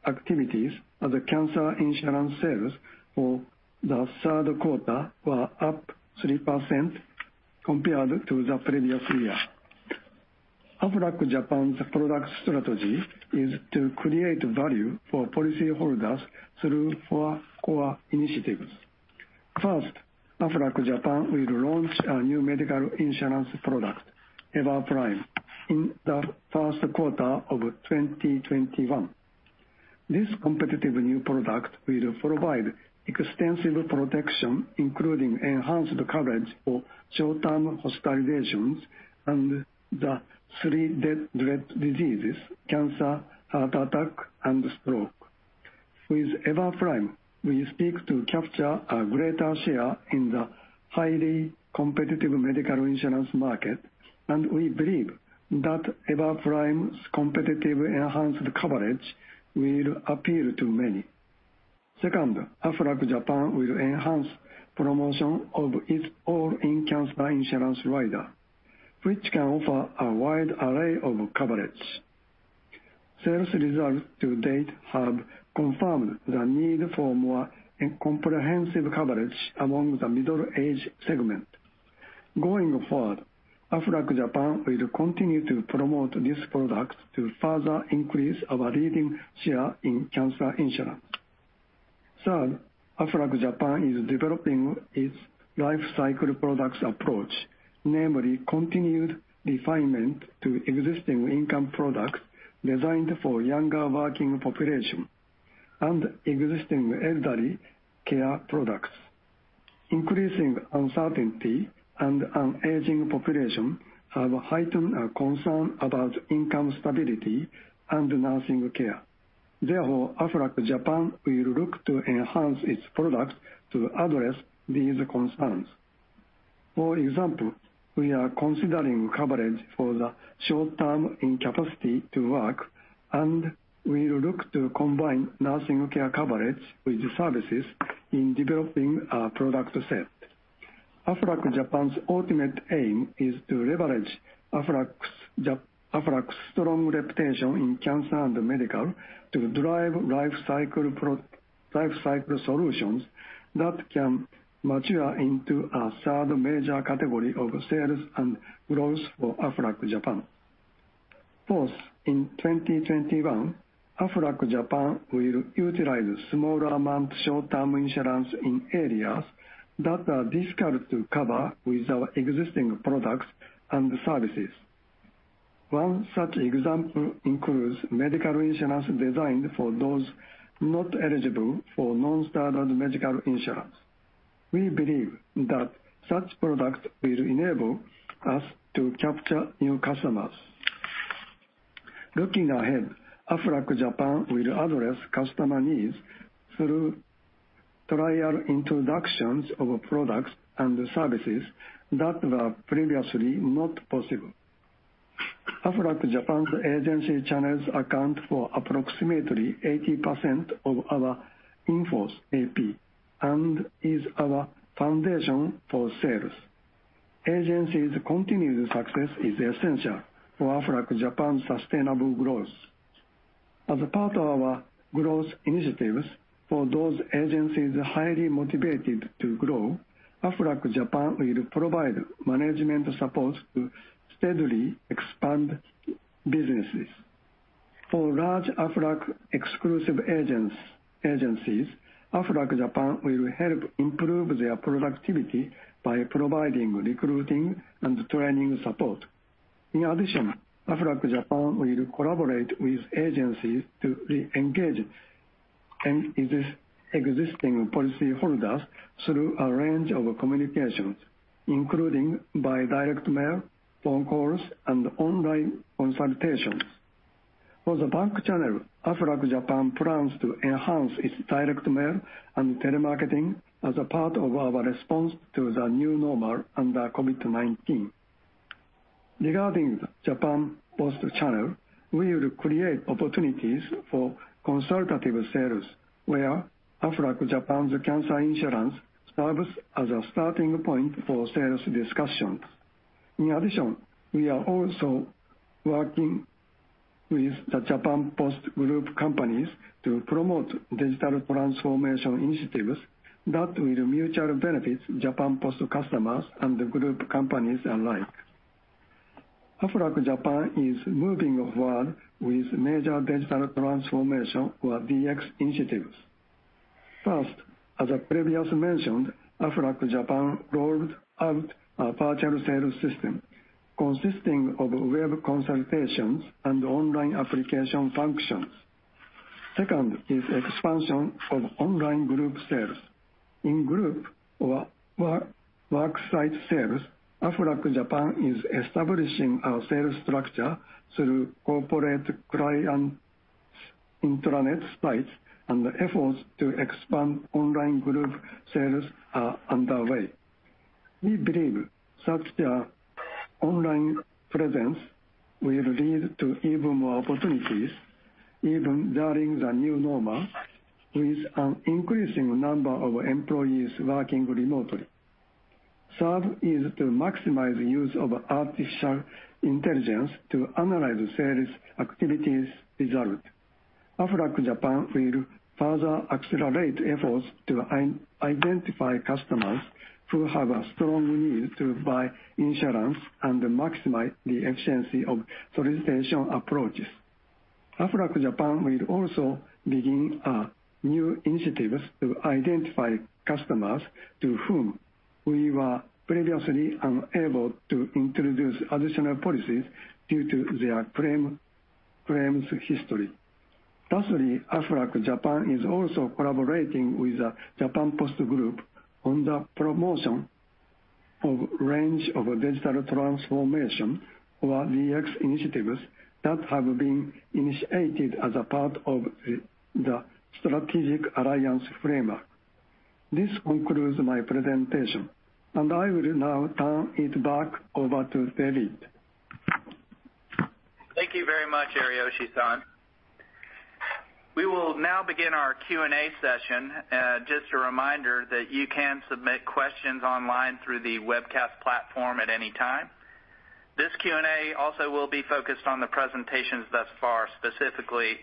activities, as cancer insurance sales for the third quarter were up 3% compared to the previous year. Aflac Japan's product strategy is to create value for policyholders through four core initiatives. First, Aflac Japan will launch a new medical insurance product, EVER Prime, in the first quarter of 2021. This competitive new product will provide extensive protection, including enhanced coverage for short-term hospitalizations and the three death threat diseases: cancer, heart attack, and stroke. With EVER Prime, we seek to capture a greater share in the highly competitive medical insurance market, and we believe that EVER Prime's competitive enhanced coverage will appeal to many. Second, Aflac Japan will enhance promotion of its all-in cancer insurance rider, which can offer a wide array of coverage. Sales results to date have confirmed the need for more comprehensive coverage among the middle-aged segment. Going forward, Aflac Japan will continue to promote this product to further increase our leading share in cancer insurance. Third, Aflac Japan is developing its life cycle products approach, namely continued refinement to existing income products designed for younger working population and existing elderly care products. Increasing uncertainty and an aging population have heightened concerns about income stability and nursing care. Therefore, Aflac Japan will look to enhance its products to address these concerns. For example, we are considering coverage for the short-term incapacity to work, and we will look to combine nursing care coverage with services in developing a product set. Aflac Japan's ultimate aim is to leverage Aflac's strong reputation in cancer and medical to drive life cycle solutions that can mature into a third major category of sales and growth for Aflac Japan. Fourth, in 2021, Aflac Japan will utilize smaller-amount short-term insurance in areas that are difficult to cover with our existing products and services. One such example includes medical insurance designed for those not eligible for non-standard medical insurance. We believe that such products will enable us to capture new customers. Looking ahead, Aflac Japan will address customer needs through trial introductions of products and services that were previously not possible. Aflac Japan's agency channels account for approximately 80% of our in-force AP and is our foundation for sales. Agency's continued success is essential for Aflac Japan's sustainable growth. As part of our growth initiatives for those agencies highly motivated to grow, Aflac Japan will provide management support to steadily expand businesses. For large Aflac exclusive agencies, Aflac Japan will help improve their productivity by providing recruiting and training support. In addition, Aflac Japan will collaborate with agencies to re-engage existing policyholders through a range of communications, including by direct mail, phone calls, and online consultations. For the bank channel, Aflac Japan plans to enhance its direct mail and telemarketing as a part of our response to the new normal and COVID-19. Regarding Japan Post channel, we will create opportunities for consultative sales where Aflac Japan's cancer insurance serves as a starting point for sales discussions. In addition, we are also working with the Japan Post Group companies to promote digital transformation initiatives that will mutually benefit Japan Post customers and group companies alike. Aflac Japan is moving forward with major digital transformation or DX initiatives. First, as previously mentioned, Aflac Japan rolled out a virtual sales system consisting of web consultations and online application functions. Second is the expansion of online group sales. In group or worksite sales, Aflac Japan is establishing our sales structure through corporate client intranet sites, and efforts to expand online group sales are underway. We believe such an online presence will lead to even more opportunities, even during the new normal with an increasing number of employees working remotely. Third is to maximize the use of artificial intelligence to analyze sales activities results. Aflac Japan will further accelerate efforts to identify customers who have a strong need to buy insurance and maximize the efficiency of solicitation approaches. Aflac Japan will also begin new initiatives to identify customers to whom we were previously unable to introduce additional policies due to their claims history. Lastly, Aflac Japan is also collaborating with the Japan Post Group on the promotion of a range of digital transformation or DX initiatives that have been initiated as a part of the strategic alliance framework. This concludes my presentation, and I will now turn it back over to David. Thank you very much, Koji Ariyoshi. We will now begin our Q&A session. Just a reminder that you can submit questions online through the webcast platform at any time. This Q&A also will be focused on the presentations thus far, specifically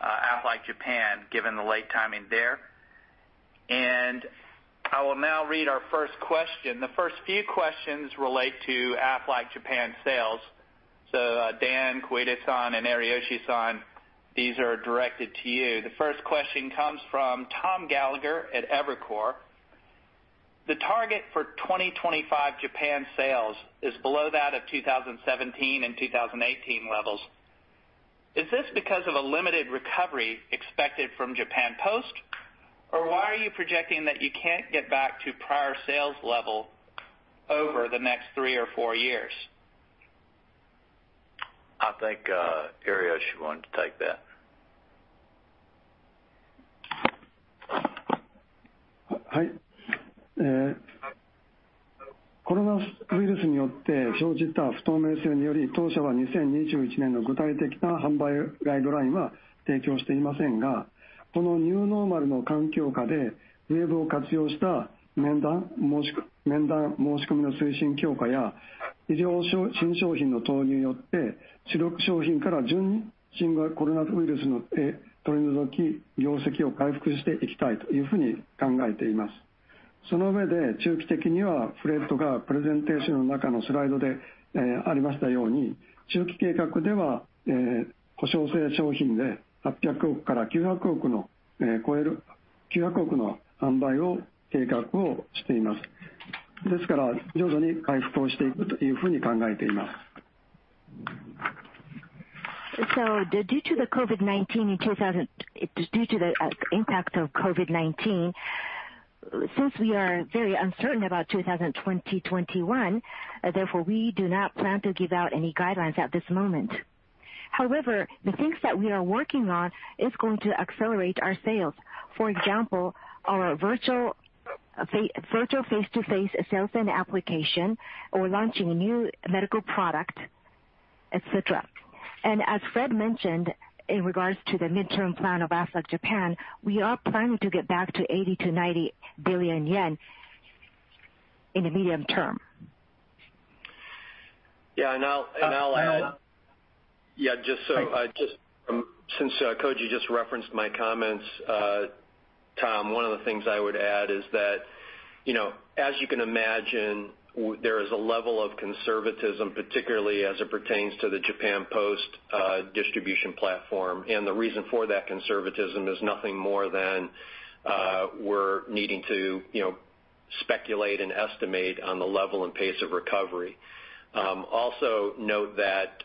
Aflac Japan, given the late timing there. I will now read our first question. The first few questions relate to Aflac Japan sales. So Dan, Koji-san, and Koide-san, these are directed to you. The first question comes from Tom Gallagher at Evercore. The target for 2025 Japan sales is below that of 2017 and 2018 levels. Is this because of a limited recovery expected from Japan Post, or why are you projecting that you can't get back to prior sales level over the next three or four years? I think Koide-san wants to take that. Due to the COVID-19, due to the impact of COVID-19, since we are very uncertain about 2020-21, therefore we do not plan to give out any guidelines at this moment. However, the things that we are working on are going to accelerate our sales. For example, our virtual face-to-face sales and application, or launching a new medical product, etc. As Fred mentioned, in regards to the midterm plan of Aflac Japan, we are planning to get back to 80 billion-90 billion yen in the medium term. Yeah, and I'll add, yeah, just so, since Koide-san just referenced my comments, Tom, one of the things I would add is that, you know, as you can imagine, there is a level of conservatism, particularly as it pertains to the Japan Post distribution platform. The reason for that conservatism is nothing more than we're needing to speculate and estimate on the level and pace of recovery. Also, note that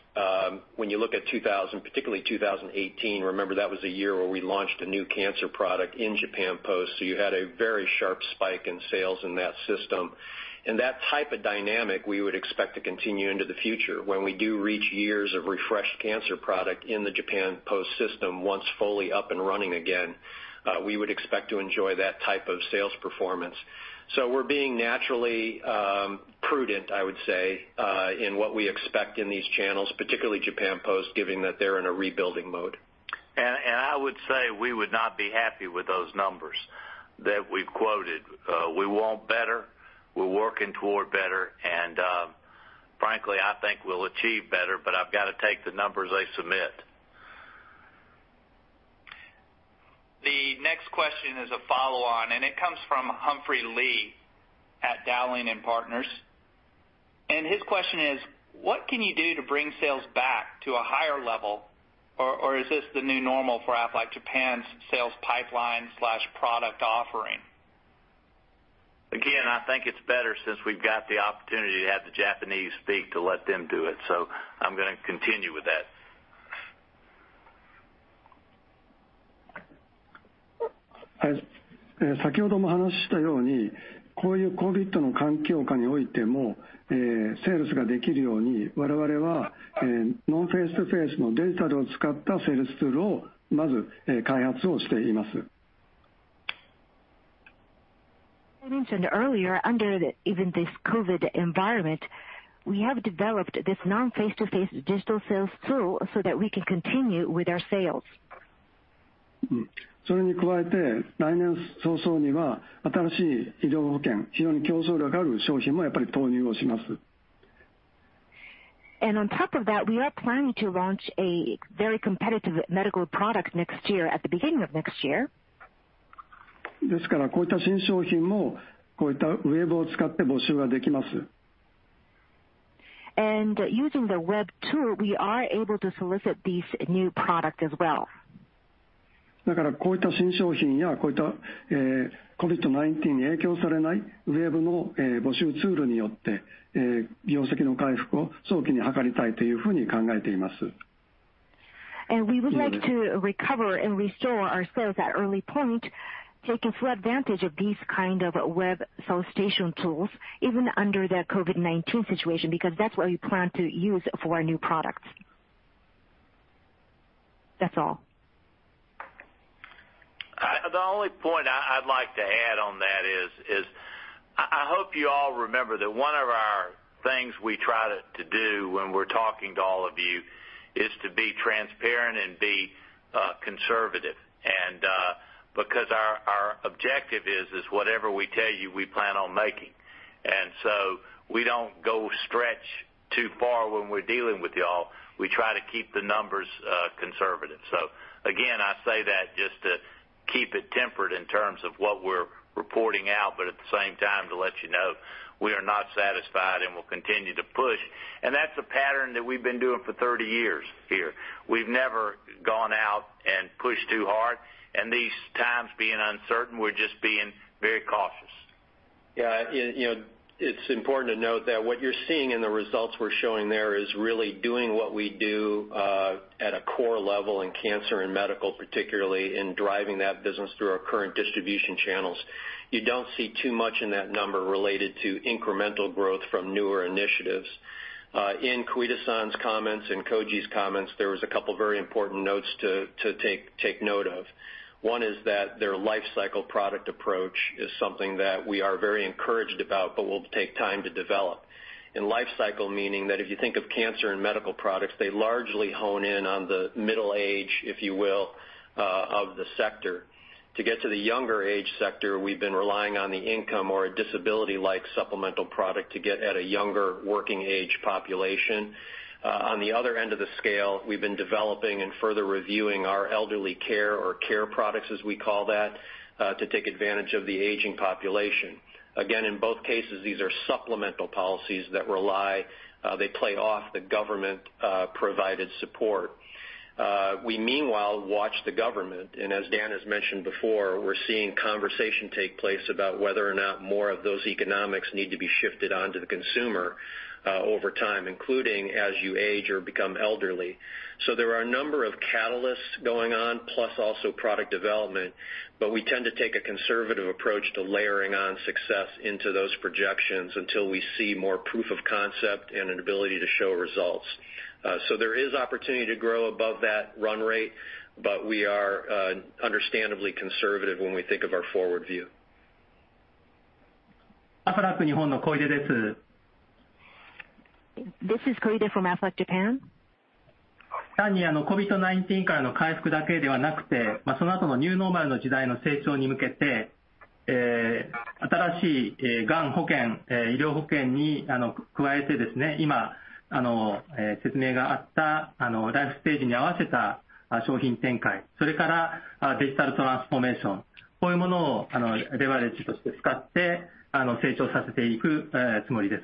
when you look at 2000, particularly 2018, remember that was a year where we launched a new cancer product in Japan Post, so you had a very sharp spike in sales in that system. That type of dynamic we would expect to continue into the future. When we do reach years of refreshed cancer product in the Japan Post system once fully up and running again, we would expect to enjoy that type of sales performance, so we're being naturally prudent, I would say, in what we expect in these channels, particularly Japan Post, given that they're in a rebuilding mode, and I would say we would not be happy with those numbers that we quoted. We want better, we're working toward better, and frankly, I think we'll achieve better, but I've got to take the numbers they submit. The next question is a follow-on, and it comes from Humphrey Lee at Dowling & Partners, and his question is, what can you do to bring sales back to a higher level, or is this the new normal for Aflac Japan's sales pipeline/product offering? Again, I think it's better since we've got the opportunity to have the Japanese speak to let them do it. So I'm going to continue with that. 先ほども話したように、こういうCOVIDの環境下においてもセールスができるように、我々はノンフェイストゥフェイスのデジタルを使ったセールスツールをまず開発をしています。I mentioned earlier, under even this COVID environment, we have developed this non-face-to-face digital sales tool so that we can continue with our sales. それに加えて、来年早々には新しい医療保険、非常に競争力ある商品もやっぱり投入をします。And on top of that, we are planning to launch a very competitive medical product next year, at the beginning of next year. ですから、こういった新商品もこういったWebを使って募集ができます。And using the web tool, we are able to solicit these new products as well. だから、こういった新商品やこういったCOVID-19に影響されないWebの募集ツールによって業績の回復を早期に図りたいというふうに考えています。And we would like to recover and restore our sales at early point, taking full advantage of these kind of web solicitation tools, even under the COVID-19 situation, because that's what we plan to use for our new products. That's all. The only point I'd like to add on that is, I hope you all remember that one of our things we try to do when we're talking to all of you is to be transparent and be conservative, and because our objective is whatever we tell you we plan on making, and so we don't go stretch too far when we're dealing with y'all. We try to keep the numbers conservative, so again, I say that just to keep it tempered in terms of what we're reporting out, but at the same time to let you know we are not satisfied and we'll continue to push, and that's a pattern that we've been doing for 30 years here. We've never gone out and pushed too hard, and these times being uncertain, we're just being very cautious. Yeah, it's important to note that what you're seeing in the results we're showing there is really doing what we do at a core level in cancer and medical, particularly in driving that business through our current distribution channels. You don't see too much in that number related to incremental growth from newer initiatives. In Koide-san's comments and Koji's comments, there were a couple of very important notes to take note of. One is that their lifecycle product approach is something that we are very encouraged about, but will take time to develop. And lifecycle meaning that if you think of cancer and medical products, they largely home in on the middle age, if you will, of the sector. To get to the younger age sector, we've been relying on the income or a disability-like supplemental product to get at a younger working-age population. On the other end of the scale, we've been developing and further reviewing our elderly care or care products, as we call that, to take advantage of the aging population. Again, in both cases, these are supplemental policies that rely. They play off the government-provided support. We, meanwhile, watch the government, and as Dan has mentioned before, we're seeing conversation take place about whether or not more of those economics need to be shifted onto the consumer over time, including as you age or become elderly, so there are a number of catalysts going on, plus also product development, but we tend to take a conservative approach to layering on success into those projections until we see more proof of concept and an ability to show results, so there is opportunity to grow above that run rate, but we are understandably conservative when we think of our forward view. アフラック日本の小出です。This is Koide from Aflac Japan. 単にCOVID-19からの回復だけではなくて、その後のニューノーマルの時代の成長に向けて、新しいがん保険、医療保険に加えて、今説明があったライフステージに合わせた商品展開、それからデジタルトランスフォーメーション、こういうものをレバレッジとして使って成長させていくつもりです。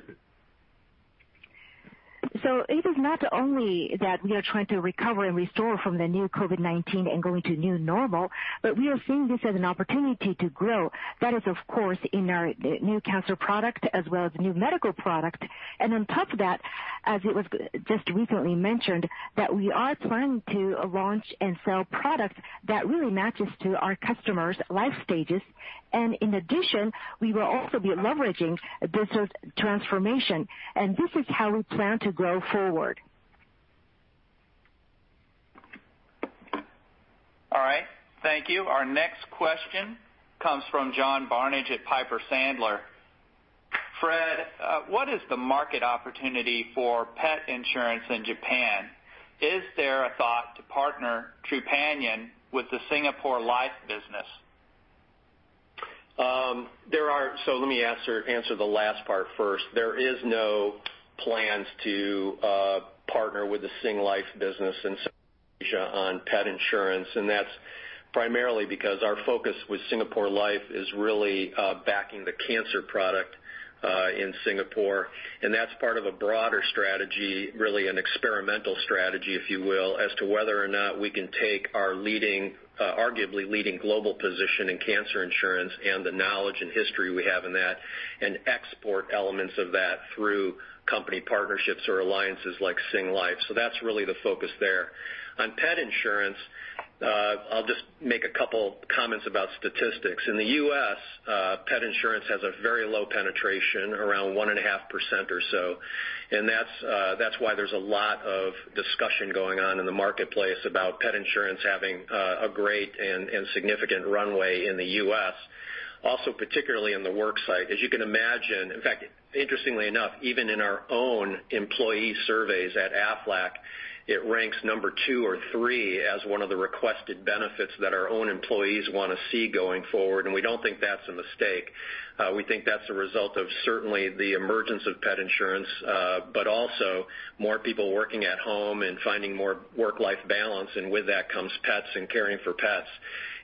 It is not only that we are trying to recover and restore from COVID-19 and go into new normal, but we are seeing this as an opportunity to grow. That is, of course, in our new cancer product as well as the new medical product. And on top of that, as it was just recently mentioned, that we are planning to launch and sell products that really match our customers' life stages. And in addition, we will also be leveraging this transformation, and this is how we plan to go forward. All right, thank you. Our next question comes from John Barnidge at Piper Sandler. Fred, what is the market opportunity for pet insurance in Japan? Is there a thought to partner Trupanion with the Singapore Life business? There are, so let me answer the last part first. There are no plans to partner with the Singlife business in Asia on pet insurance, and that's primarily because our focus with Singapore Life is really backing the cancer product in Singapore. And that's part of a broader strategy, really an experimental strategy, if you will, as to whether or not we can take our arguably leading global position in cancer insurance and the knowledge and history we have in that and export elements of that through company partnerships or alliances like Singlife. So that's really the focus there. On pet insurance, I'll just make a couple of comments about statistics. In the U.S., pet insurance has a very low penetration, around 1.5% or so, and that's why there's a lot of discussion going on in the marketplace about pet insurance having a great and significant runway in the U.S. Also, particularly in the worksite, as you can imagine, in fact, interestingly enough, even in our own employee surveys at Aflac, it ranks number two or three as one of the requested benefits that our own employees want to see going forward, and we don't think that's a mistake. We think that's a result of certainly the emergence of pet insurance, but also more people working at home and finding more work-life balance, and with that comes pets and caring for pets,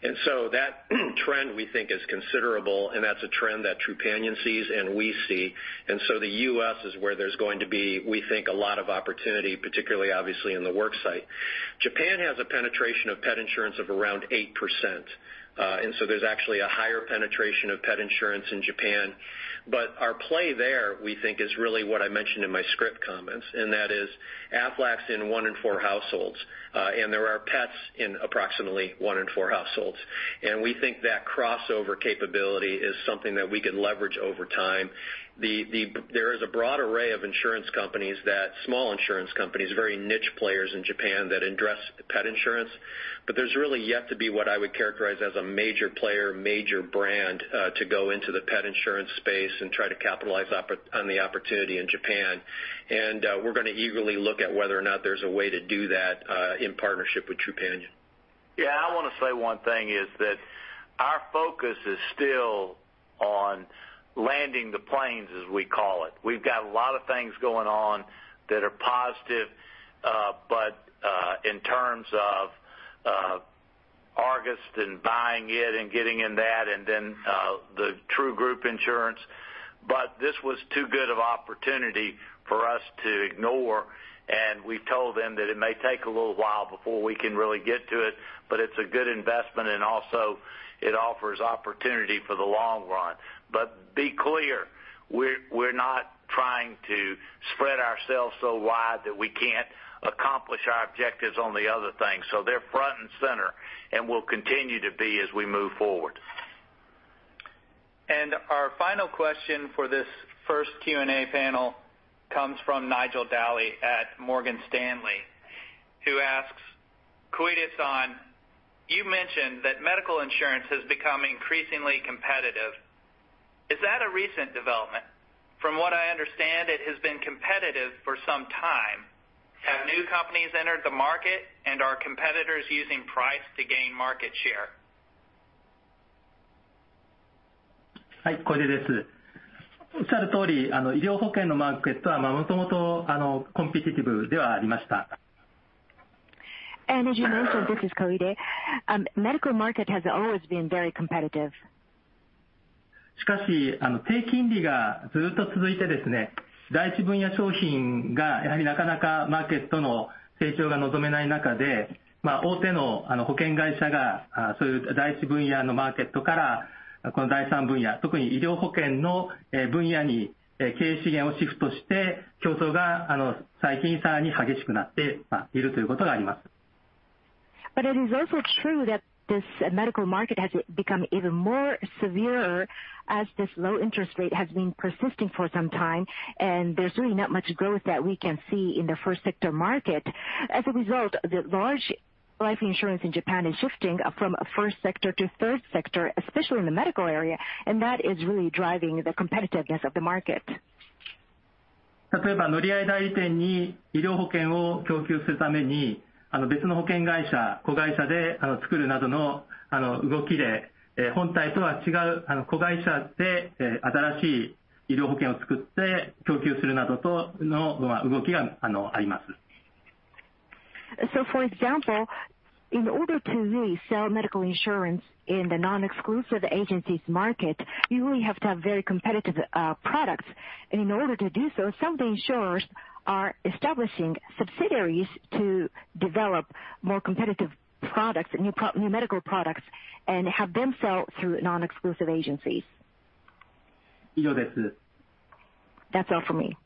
and so that trend we think is considerable, and that's a trend that Trupanion sees and we see, and so the U.S. is where there's going to be, we think, a lot of opportunity, particularly obviously in the worksite. Japan has a penetration of pet insurance of around 8%, and so there's actually a higher penetration of pet insurance in Japan. But our play there, we think, is really what I mentioned in my script comments, and that is Aflac is in one in four households, and there are pets in approximately one in four households. And we think that crossover capability is something that we can leverage over time. There is a broad array of insurance companies, small insurance companies, very niche players in Japan that address pet insurance, but there's really yet to be what I would characterize as a major player, major brand to go into the pet insurance space and try to capitalize on the opportunity in Japan. And we're going to eagerly look at whether or not there's a way to do that in partnership with Trupanion. Yeah, I want to say one thing is that our focus is still on landing the planes, as we call it. We've got a lot of things going on that are positive, but in terms of Argus and buying it and getting in that and then the true group insurance, but this was too good of opportunity for us to ignore, and we've told them that it may take a little while before we can really get to it, but it's a good investment, and also it offers opportunity for the long run. But be clear, we're not trying to spread ourselves so wide that we can't accomplish our objectives on the other things. So they're front and center, and we'll continue to be as we move forward. And our final question for this first Q&A panel comes from Nigel Dally at Morgan Stanley, who asks, "Koide-san, you mentioned that medical insurance has become increasingly competitive. Is that a recent development? From what I understand, it has been competitive for some time. Have new companies entered the market, and are competitors using price to gain market share?" はい、小出です。おっしゃる通り、医療保険のマーケットはもともとコンピティティブではありました。And as you mentioned, this is Koide. Medical market has always been very competitive. しかし、低金利がずっと続いて、第一分野商品がやはりなかなかマーケットの成長が望めない中で、大手の保険会社がそういう第一分野のマーケットからこの第三分野、特に医療保険の分野に経営資源をシフトして、競争が最近さらに激しくなっているということがあります。But it is also true that this medical market has become even more severe as this low interest rate has been persisting for some time, and there's really not much growth that we can see in the First Sector market. As a result, the large life insurance in Japan is shifting from First Sector to Third Sector, especially in the medical area, and that is really driving the competitiveness of the market. 例えば、乗り合い代理店に医療保険を供給するために、別の保険会社、子会社で作るなどの動きで、本体とは違う子会社で新しい医療保険を作って供給するなどの動きがあります。So, for example, in order to resell medical insurance in the non-exclusive agencies market, you really have to have very competitive products. In order to do so, some of the insurers are establishing subsidiaries to develop more competitive products, new medical products, and have them sell through non-exclusive agencies. 以上です. That's all for me.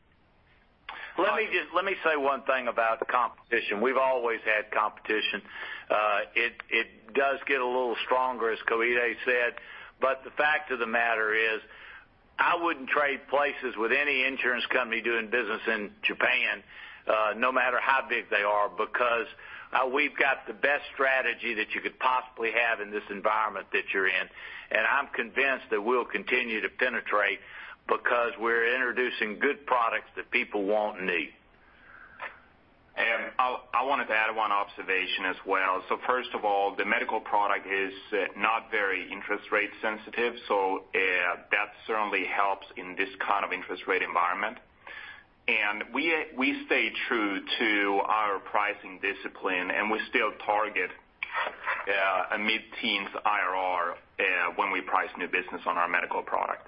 Let me say one thing about competition. We've always had competition. It does get a little stronger, as Koide said, but the fact of the matter is, I wouldn't trade places with any insurance company doing business in Japan, no matter how big they are, because we've got the best strategy that you could possibly have in this environment that you're in. I'm convinced that we'll continue to penetrate because we're introducing good products that people won't need. I wanted to add one observation as well. First of all, the medical product is not very interest rate sensitive, so that certainly helps in this kind of interest rate environment. And we stay true to our pricing discipline, and we still target a mid-teens IRR when we price new business on our medical product.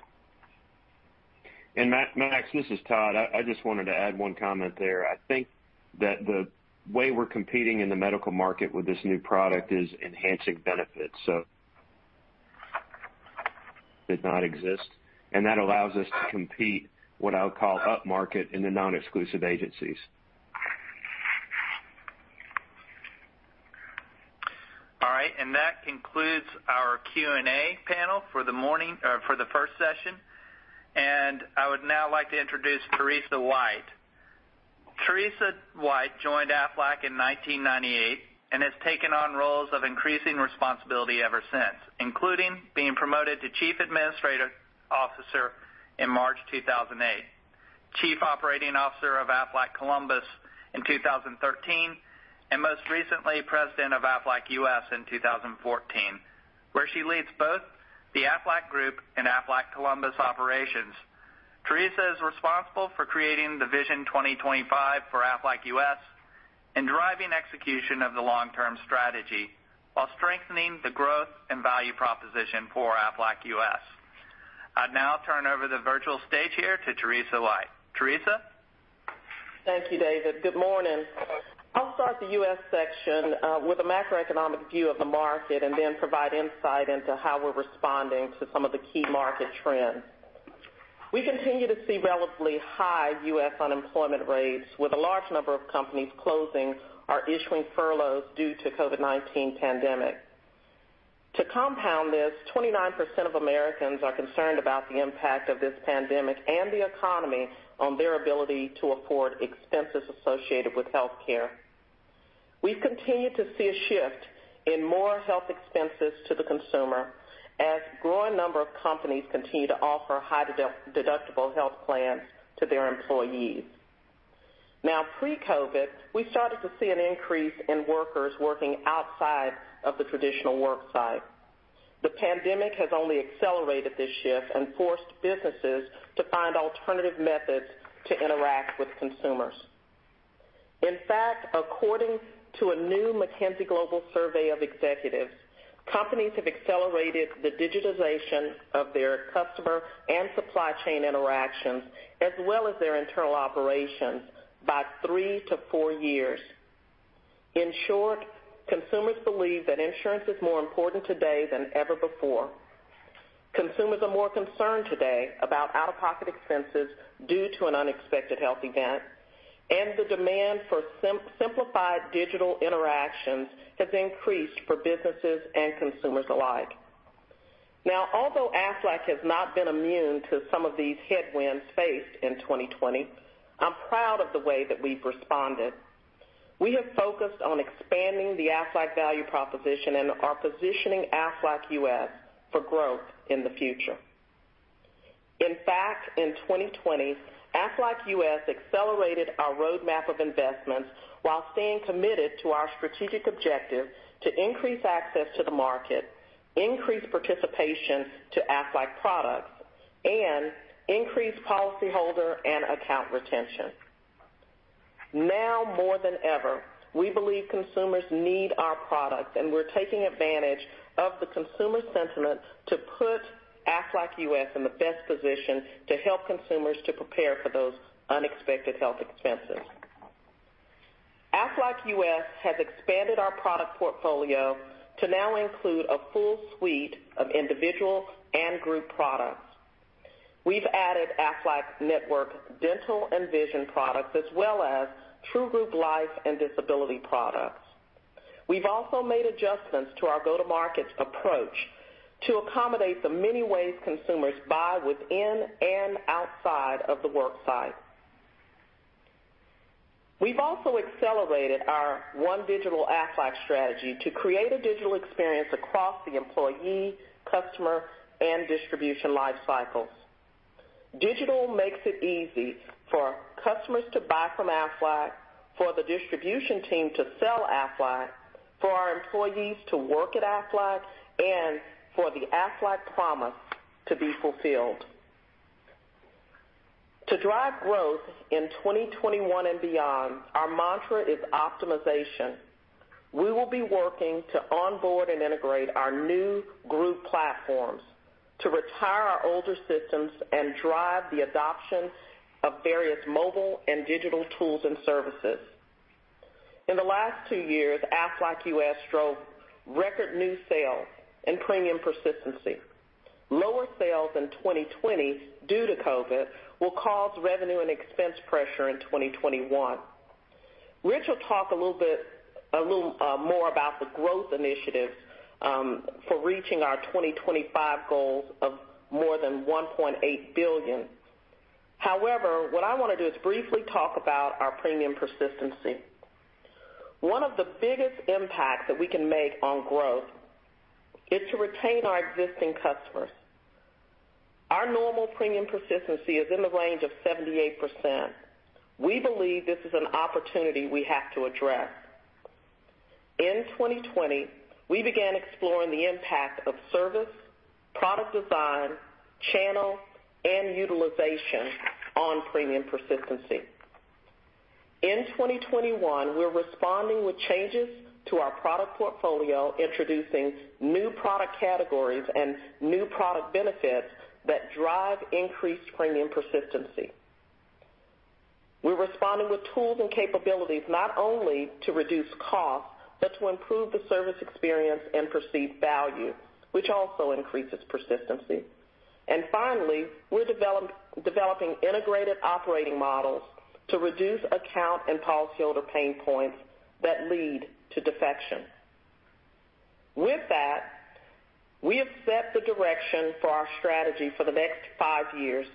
And Max, this is Todd. I just wanted to add one comment there. I think that the way we're competing in the medical market with this new product is enhancing benefits. So it did not exist, and that allows us to compete what I'll call up market in the non-exclusive agencies. All right, and that concludes our Q&A panel for the first session. And I would now like to introduce Teresa White. Teresa White joined Aflac in 1998 and has taken on roles of increasing responsibility ever since, including being promoted to Chief Administrative Officer in March 2008, Chief Operating Officer of Aflac Columbus in 2013, and most recently President of Aflac U.S. in 2014, where she leads both the Aflac Group and Aflac Columbus operations. Teresa is responsible for creating the Vision 2025 for Aflac U.S. and driving execution of the long-term strategy while strengthening the growth and value proposition for Aflac U.S. I now turn over the virtual stage here to Teresa White. Teresa? Thank you, David. Good morning. I'll start the U.S. section with a macroeconomic view of the market and then provide insight into how we're responding to some of the key market trends. We continue to see relatively high U.S. unemployment rates, with a large number of companies closing or issuing furloughs due to the COVID-19 pandemic. To compound this, 29% of Americans are concerned about the impact of this pandemic and the economy on their ability to afford expenses associated with healthcare. We've continued to see a shift in more health expenses to the consumer as a growing number of companies continue to offer high-deductible health plans to their employees. Now, pre-COVID, we started to see an increase in workers working outside of the traditional worksite. The pandemic has only accelerated this shift and forced businesses to find alternative methods to interact with consumers. In fact, according to a new McKinsey Global Survey of Executives, companies have accelerated the digitization of their customer and supply chain interactions as well as their internal operations by three to four years. In short, consumers believe that insurance is more important today than ever before. Consumers are more concerned today about out-of-pocket expenses due to an unexpected health event, and the demand for simplified digital interactions has increased for businesses and consumers alike. Now, although Aflac has not been immune to some of these headwinds faced in 2020, I'm proud of the way that we've responded. We have focused on expanding the Aflac value proposition and are positioning Aflac U.S. for growth in the future. In fact, in 2020, Aflac U.S. accelerated our roadmap of investments while staying committed to our strategic objective to increase access to the market, increase participation to Aflac products, and increase policyholder and account retention. Now more than ever, we believe consumers need our products, and we're taking advantage of the consumer sentiment to put Aflac U.S. in the best position to help consumers to prepare for those unexpected health expenses. Aflac U.S. has expanded our product portfolio to now include a full suite of individual and group products. We've added Aflac Dental and Vision products as well as true group Life and disability products. We've also made adjustments to our go-to-market approach to accommodate the many ways consumers buy within and outside of the worksite. We've also accelerated our One Digital Aflac strategy to create a digital experience across the employee, customer, and distribution lifecycles. Digital makes it easy for customers to buy from Aflac, for the distribution team to sell Aflac, for our employees to work at Aflac, and for the Aflac promise to be fulfilled. To drive growth in 2021 and beyond, our mantra is optimization. We will be working to onboard and integrate our new group platforms, to retire our older systems, and drive the adoption of various mobile and digital tools and services. In the last two years, Aflac U.S. drove record new sales and premium persistency. Lower sales in 2020 due to COVID will cause revenue and expense pressure in 2021. Rich will talk a little more about the growth initiatives for reaching our 2025 goals of more than $1.8 billion. However, what I want to do is briefly talk about our premium persistency. One of the biggest impacts that we can make on growth is to retain our existing customers. Our normal premium persistency is in the range of 78%. We believe this is an opportunity we have to address. In 2020, we began exploring the impact of service, product design, channel, and utilization on premium persistency. In 2021, we're responding with changes to our product portfolio, introducing new product categories and new product benefits that drive increased premium persistency. We're responding with tools and capabilities not only to reduce costs but to improve the service experience and perceived value, which also increases persistency, and finally, we're developing integrated operating models to reduce account and policyholder pain points that lead to defection. With that, we have set the direction for our strategy for the next five years.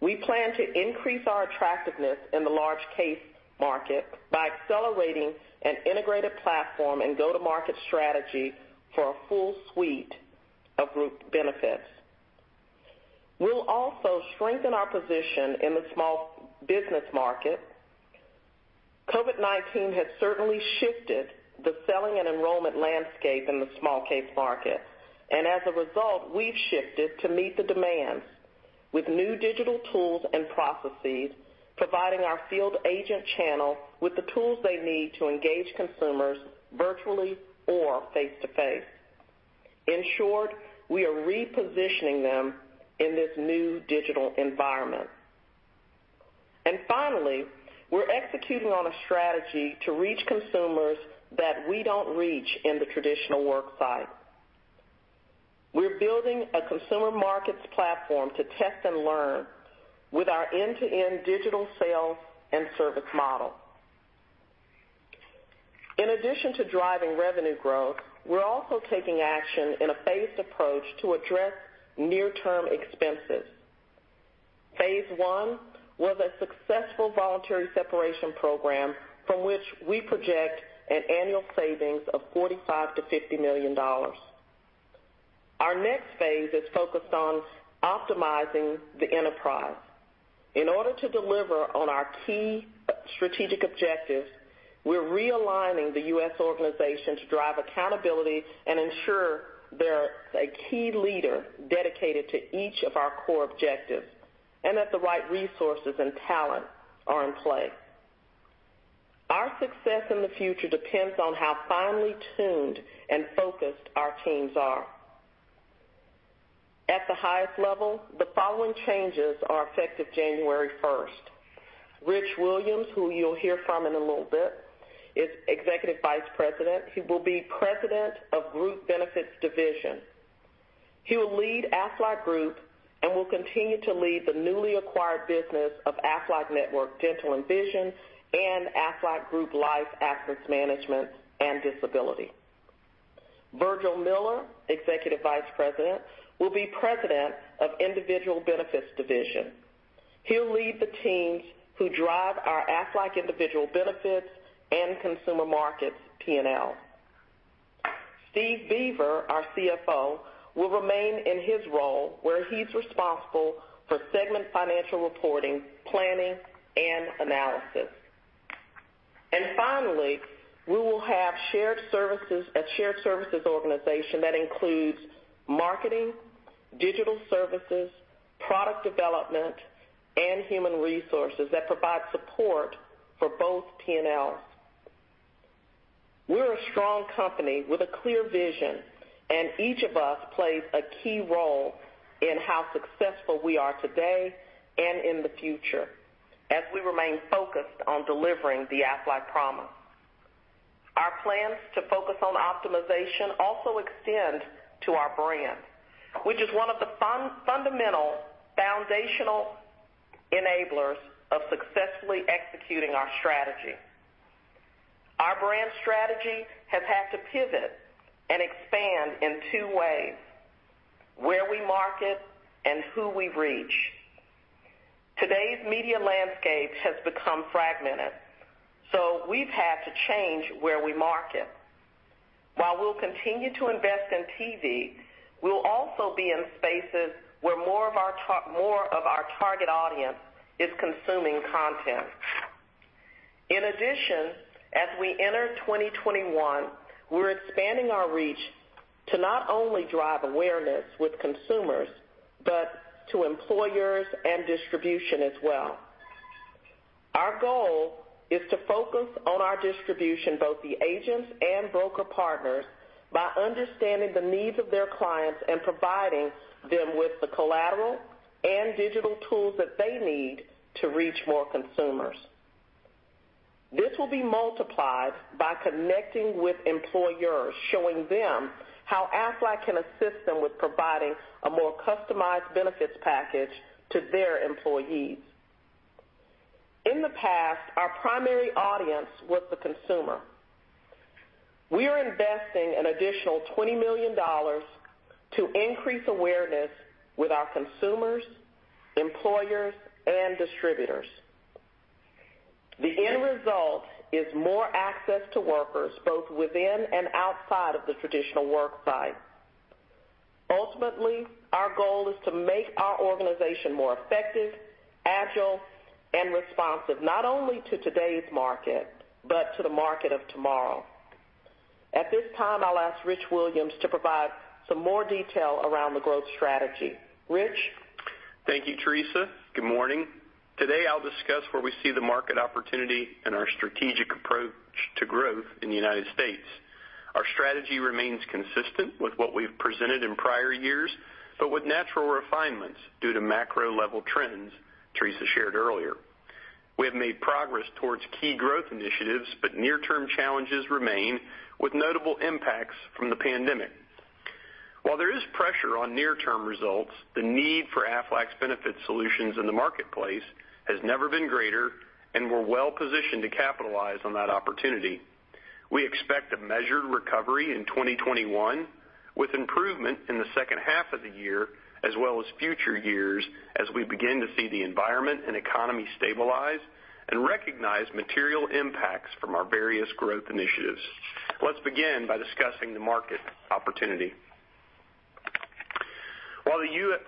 We plan to increase our attractiveness in the large case market by accelerating an integrated platform and go-to-market strategy for a full suite of group benefits. We'll also strengthen our position in the small business market. COVID-19 has certainly shifted the selling and enrollment landscape in the small case market, and as a result, we've shifted to meet the demands with new digital tools and processes, providing our field agent channel with the tools they need to engage consumers virtually or face-to-face. In short, we are repositioning them in this new digital environment. And finally, we're executing on a strategy to reach consumers that we don't reach in the traditional worksite. We're building a consumer markets platform to test and learn with our end-to-end digital sales and service model. In addition to driving revenue growth, we're also taking action in a phased approach to address near-term expenses. Phase one was a successful voluntary separation program from which we project an annual savings of $45 million-$50 million. Our next phase is focused on optimizing the enterprise. In order to deliver on our key strategic objectives, we're realigning the U.S. organization to drive accountability and ensure there is a key leader dedicated to each of our core objectives and that the right resources and talent are in play. Our success in the future depends on how finely tuned and focused our teams are. At the highest level, the following changes are effective January 1st. Rich Williams, who you'll hear from in a little bit, is Executive Vice President. He will be President of Group Benefits Division. He will lead Aflac Group and will continue to lead the newly acquired business of Aflac Dental and Vision and Aflac Group Life, Disability, and Absence Management. Virgil Miller, Executive Vice President, will be President of Individual Benefits Division. He'll lead the teams who drive our Aflac Individual Benefits and Consumer Markets P&L. Steve Beaver, our CFO, will remain in his role where he's responsible for segment financial reporting, planning, and analysis. And finally, we will have shared services at a shared services organization that includes marketing, digital services, product development, and human resources that provide support for both P&Ls. We're a strong company with a clear vision, and each of us plays a key role in how successful we are today and in the future as we remain focused on delivering the Aflac promise. Our plans to focus on optimization also extend to our brand, which is one of the fundamental foundational enablers of successfully executing our strategy. Our brand strategy has had to pivot and expand in two ways: where we market and who we reach. Today's media landscape has become fragmented, so we've had to change where we market. While we'll continue to invest in TV, we'll also be in spaces where more of our target audience is consuming content. In addition, as we enter 2021, we're expanding our reach to not only drive awareness with consumers but to employers and distribution as well. Our goal is to focus on our distribution, both the agents and broker partners, by understanding the needs of their clients and providing them with the collateral and digital tools that they need to reach more consumers. This will be multiplied by connecting with employers, showing them how Aflac can assist them with providing a more customized benefits package to their employees. In the past, our primary audience was the consumer. We are investing an additional $20 million to increase awareness with our consumers, employers, and distributors. The end result is more access to workers both within and outside of the traditional worksite. Ultimately, our goal is to make our organization more effective, agile, and responsive not only to today's market but to the market of tomorrow. At this time, I'll ask Rich Williams to provide some more detail around the growth strategy. Rich? Thank you, Teresa. Good morning. Today, I'll discuss where we see the market opportunity and our strategic approach to growth in the United States. Our strategy remains consistent with what we've presented in prior years but with natural refinements due to macro-level trends, Teresa shared earlier. We have made progress towards key growth initiatives, but near-term challenges remain with notable impacts from the pandemic. While there is pressure on near-term results, the need for Aflac's benefits solutions in the marketplace has never been greater, and we're well positioned to capitalize on that opportunity. We expect a measured recovery in 2021 with improvement in the second half of the year as well as future years as we begin to see the environment and economy stabilize and recognize material impacts from our various growth initiatives. Let's begin by discussing the market opportunity.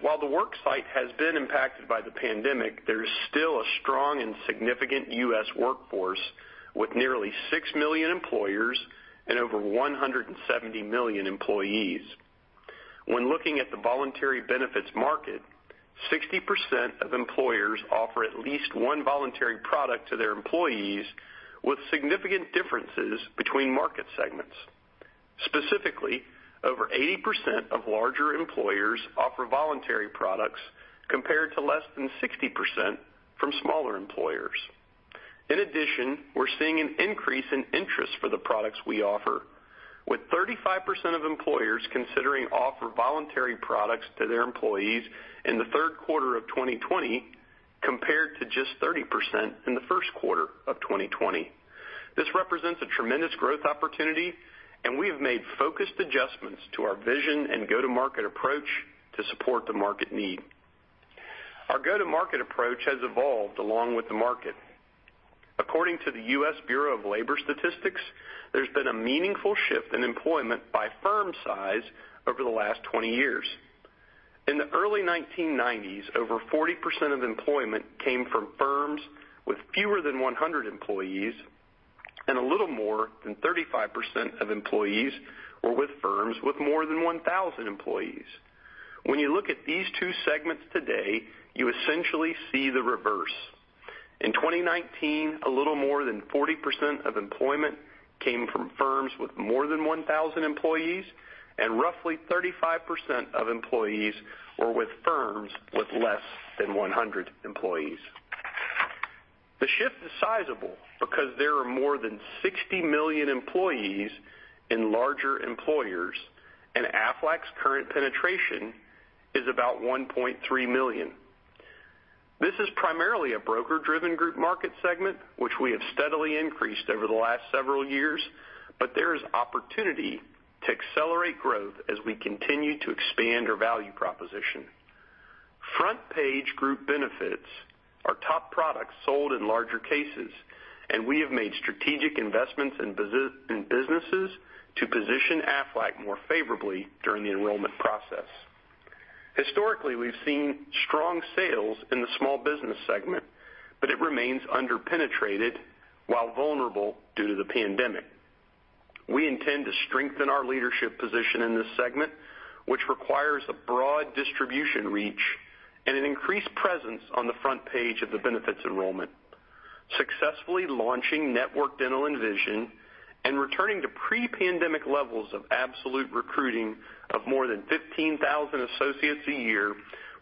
While the worksite has been impacted by the pandemic, there is still a strong and significant U.S. workforce with nearly 6 million employers and over 170 million employees. When looking at the voluntary benefits market, 60% of employers offer at least one voluntary product to their employees, with significant differences between market segments. Specifically, over 80% of larger employers offer voluntary products compared to less than 60% from smaller employers. In addition, we're seeing an increase in interest for the products we offer, with 35% of employers considering offering voluntary products to their employees in the third quarter of 2020 compared to just 30% in the first quarter of 2020. This represents a tremendous growth opportunity, and we have made focused adjustments to our vision and go-to-market approach to support the market need. Our go-to-market approach has evolved along with the market. According to the U.S. Bureau of Labor Statistics, there's been a meaningful shift in employment by firm size over the last 20 years. In the early 1990s, over 40% of employment came from firms with fewer than 100 employees, and a little more than 35% of employees were with firms with more than 1,000 employees. When you look at these two segments today, you essentially see the reverse. In 2019, a little more than 40% of employment came from firms with more than 1,000 employees, and roughly 35% of employees were with firms with less than 100 employees. The shift is sizable because there are more than 60 million employees in larger employers, and Aflac's current penetration is about 1.3 million. This is primarily a broker-driven group market segment, which we have steadily increased over the last several years, but there is opportunity to accelerate growth as we continue to expand our value proposition. Front-page group benefits are top products sold in larger cases, and we have made strategic investments in businesses to position Aflac more favorably during the enrollment process. Historically, we've seen strong sales in the small business segment, but it remains under-penetrated while vulnerable due to the pandemic. We intend to strengthen our leadership position in this segment, which requires a broad distribution reach and an increased presence on the front page of the benefits enrollment. Successfully launching Aflac Dental and Vision and returning to pre-pandemic levels of absolute recruiting of more than 15,000 associates a year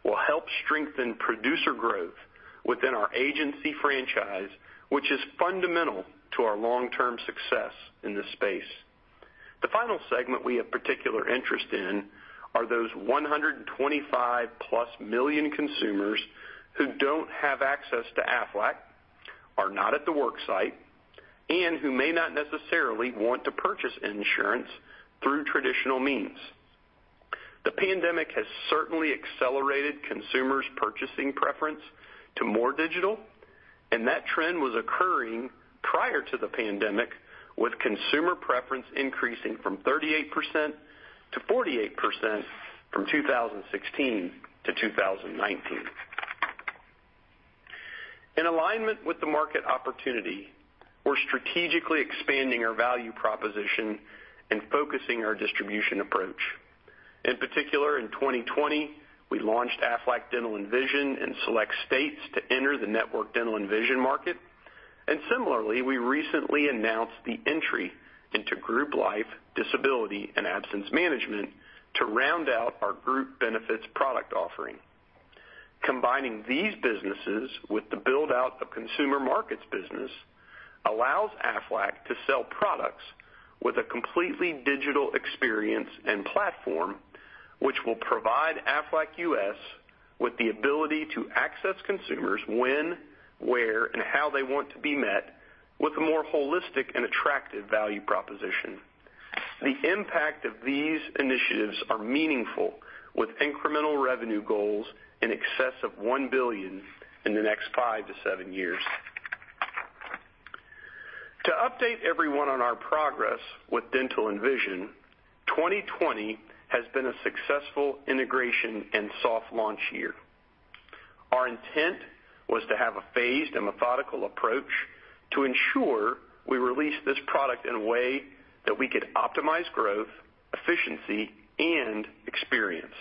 will help strengthen producer growth within our agency franchise, which is fundamental to our long-term success in this space. The final segment we have particular interest in are those 125+ million consumers who don't have access to Aflac, are not at the worksite, and who may not necessarily want to purchase insurance through traditional means. The pandemic has certainly accelerated consumers' purchasing preference to more digital, and that trend was occurring prior to the pandemic, with consumer preference increasing from 38% to 48% from 2016 to 2019. In alignment with the market opportunity, we're strategically expanding our value proposition and focusing our distribution approach. In particular, in 2020, we launched Aflac Dental and Vision in select states to enter the network dental and vision market, and similarly, we recently announced the entry into Group Life, Disability, and Absence Management to round out our group benefits product offering. Combining these businesses with the build-out of consumer markets business allows Aflac to sell products with a completely digital experience and platform, which will provide Aflac U.S. with the ability to access consumers when, where, and how they want to be met with a more holistic and attractive value proposition. The impact of these initiatives is meaningful, with incremental revenue goals in excess of $1 billion in the next five to seven years. To update everyone on our progress with Dental and Vision, 2020 has been a successful integration and soft launch year. Our intent was to have a phased and methodical approach to ensure we release this product in a way that we could optimize growth, efficiency, and experience.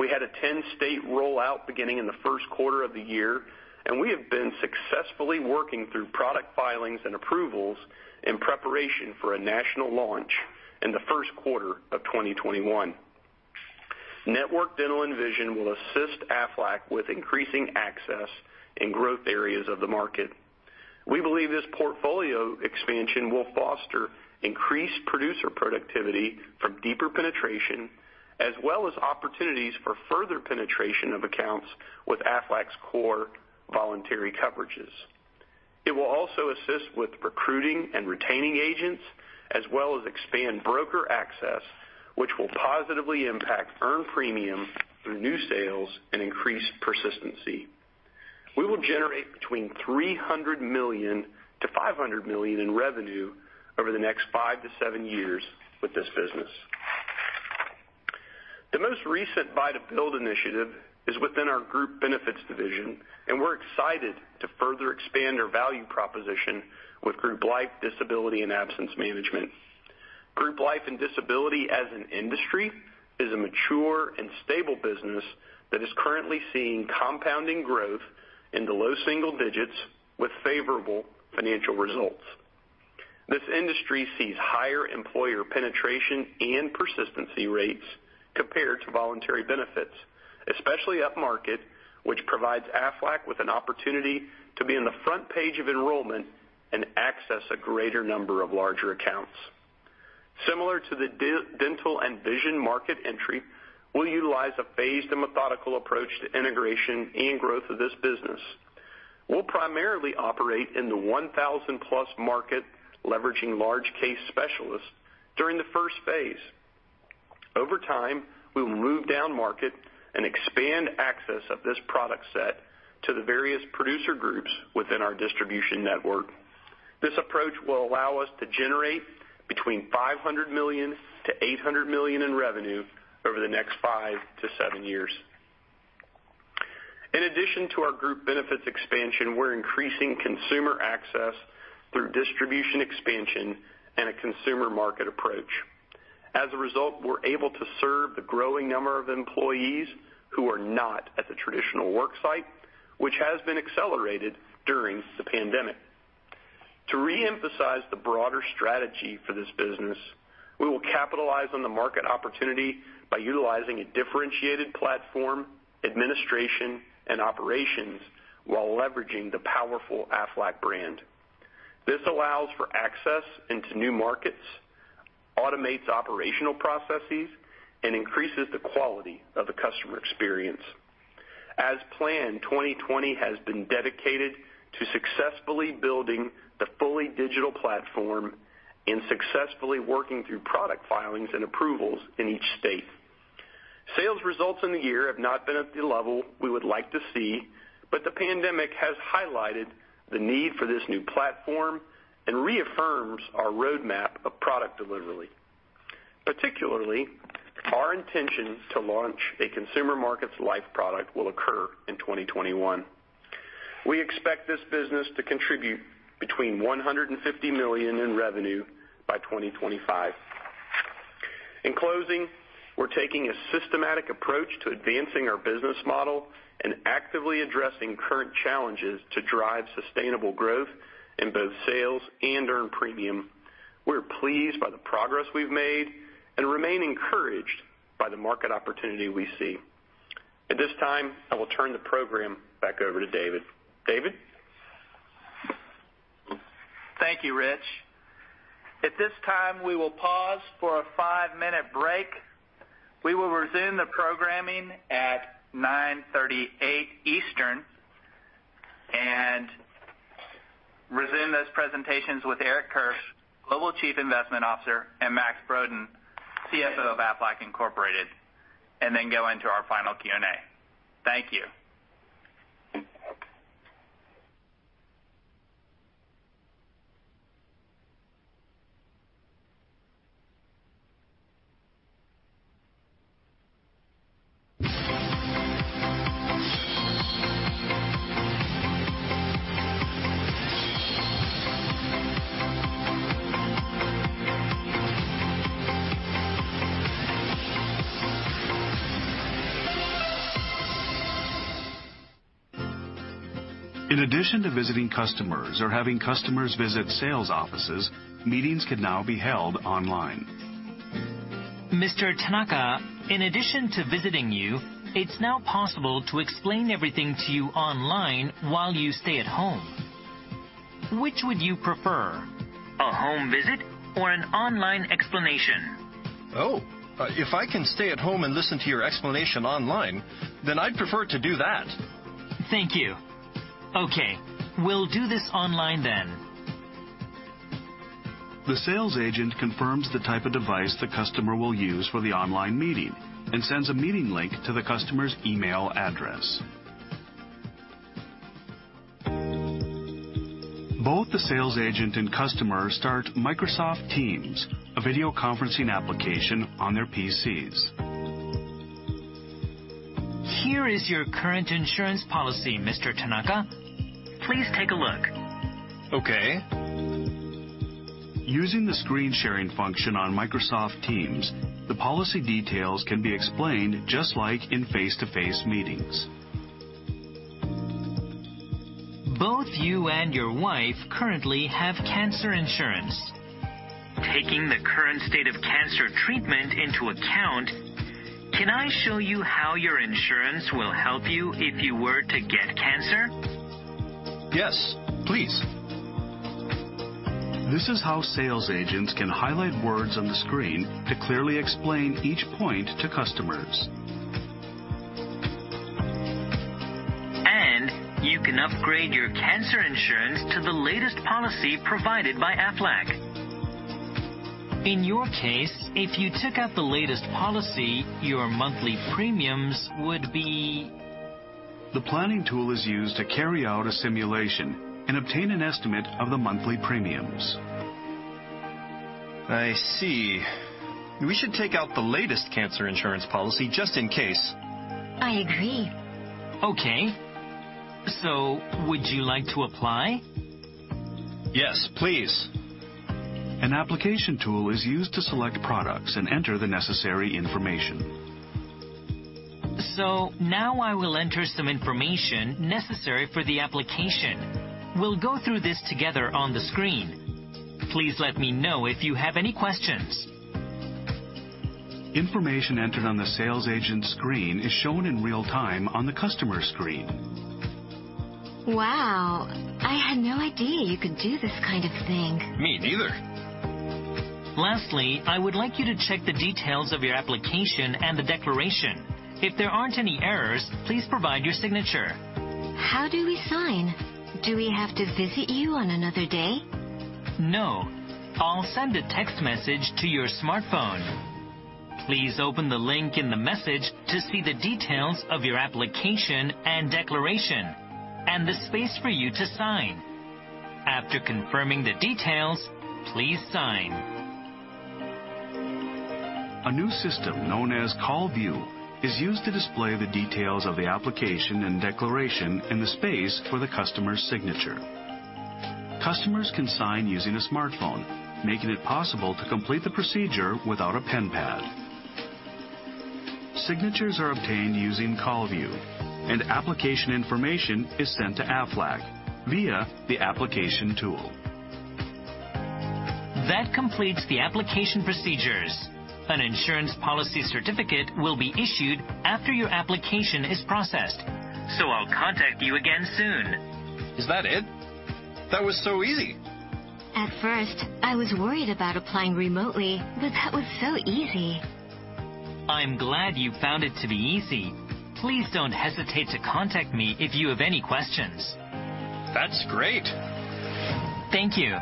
We had a 10-state rollout beginning in the first quarter of the year, and we have been successfully working through product filings and approvals in preparation for a national launch in the first quarter of 2021. network dental and vision will assist Aflac with increasing access in growth areas of the market. We believe this portfolio expansion will foster increased producer productivity from deeper penetration as well as opportunities for further penetration of accounts with Aflac's core voluntary coverages. It will also assist with recruiting and retaining agents as well as expand broker access, which will positively impact earned premium through new sales and increased persistency. We will generate between $300 million-$500 million in revenue over the next five to seven years with this business. The most recent buy-to-build initiative is within our group benefits division, and we're excited to further expand our value proposition with Group Life, Disability, and Absence Management. group life and disability as an industry is a mature and stable business that is currently seeing compounding growth in the low single digits with favorable financial results. This industry sees higher employer penetration and persistency rates compared to voluntary benefits, especially at market, which provides Aflac with an opportunity to be on the front page of enrollment and access a greater number of larger accounts. Similar to the Dental and Vision market entry, we'll utilize a phased and methodical approach to integration and growth of this business. We'll primarily operate in the 1,000-plus market, leveraging large case specialists during the first phase. Over time, we will move down market and expand access of this product set to the various producer groups within our distribution network. This approach will allow us to generate between $500 million-$800 million in revenue over the next five to seven years. In addition to our group benefits expansion, we're increasing consumer access through distribution expansion and a consumer market approach. As a result, we're able to serve the growing number of employees who are not at the traditional worksite, which has been accelerated during the pandemic. To reemphasize the broader strategy for this business, we will capitalize on the market opportunity by utilizing a differentiated platform, administration, and operations while leveraging the powerful Aflac brand. This allows for access into new markets, automates operational processes, and increases the quality of the customer experience. As planned, 2020 has been dedicated to successfully building the fully digital platform and successfully working through product filings and approvals in each state. Sales results in the year have not been at the level we would like to see, but the pandemic has highlighted the need for this new platform and reaffirms our roadmap of product delivery. Particularly, our intention to launch a consumer markets life product will occur in 2021. We expect this business to contribute between $150 million in revenue by 2025. In closing, we're taking a systematic approach to advancing our business model and actively addressing current challenges to drive sustainable growth in both sales and earned premium. We're pleased by the progress we've made and remain encouraged by the market opportunity we see. At this time, I will turn the program back over to David. David? Thank you, Rich. At this time, we will pause for a five-minute break. We will resume the programming at 9:38 Eastern and resume those presentations with Eric Kirsch, Global Chief Investment Officer, and Max Broden, CFO of Aflac Incorporated, and then go into our final Q&A. Thank you. In addition to visiting customers or having customers visit sales offices, meetings can now be held online. Mr. Tanaka, in addition to visiting you, it's now possible to explain everything to you online while you stay at home. Which would you prefer, a home visit or an online explanation? Oh, if I can stay at home and listen to your explanation online, then I'd prefer to do that. Thank you. Okay. We'll do this online then. The sales agent confirms the type of device the customer will use for the online meeting and sends a meeting link to the customer's email address. Both the sales agent and customer start Microsoft Teams, a video conferencing application on their PCs. Here is your current insurance policy, Mr. Tanaka. Please take a look. Okay. Using the screen sharing function on Microsoft Teams, the policy details can be explained just like in face-to-face meetings. Both you and your wife currently have cancer insurance. Taking the current state of cancer treatment into account, can I show you how your insurance will help you if you were to get cancer? Yes, please. This is how sales agents can highlight words on the screen to clearly explain each point to customers, and you can upgrade your cancer insurance to the latest policy provided by Aflac. In your case, if you took out the latest policy, your monthly premiums would be... The planning tool is used to carry out a simulation and obtain an estimate of the monthly premiums. I see. We should take out the latest cancer insurance policy just in case. I agree. Okay. So would you like to apply? Yes, please. An application tool is used to select products and enter the necessary information. So now I will enter some information necessary for the application. We'll go through this together on the screen. Please let me know if you have any questions. Information entered on the sales agent's screen is shown in real time on the customer screen. Wow. I had no idea you could do this kind of thing. Me neither. Lastly, I would like you to check the details of your application and the declaration. If there aren't any errors, please provide your signature. How do we sign? Do we have to visit you on another day? No. I'll send a text message to your smartphone. Please open the link in the message to see the details of your application and declaration and the space for you to sign. After confirming the details, please sign. A new system known as Call View is used to display the details of the application and declaration in the space for the customer's signature. Customers can sign using a smartphone, making it possible to complete the procedure without a pen pad. Signatures are obtained using CallView, and application information is sent to Aflac via the application tool. That completes the application procedures. An insurance policy certificate will be issued after your application is processed. So I'll contact you again soon. Is that it? That was so easy. At first, I was worried about applying remotely, but that was so easy. I'm glad you found it to be easy. Please don't hesitate to contact me if you have any questions. That's great. Thank you.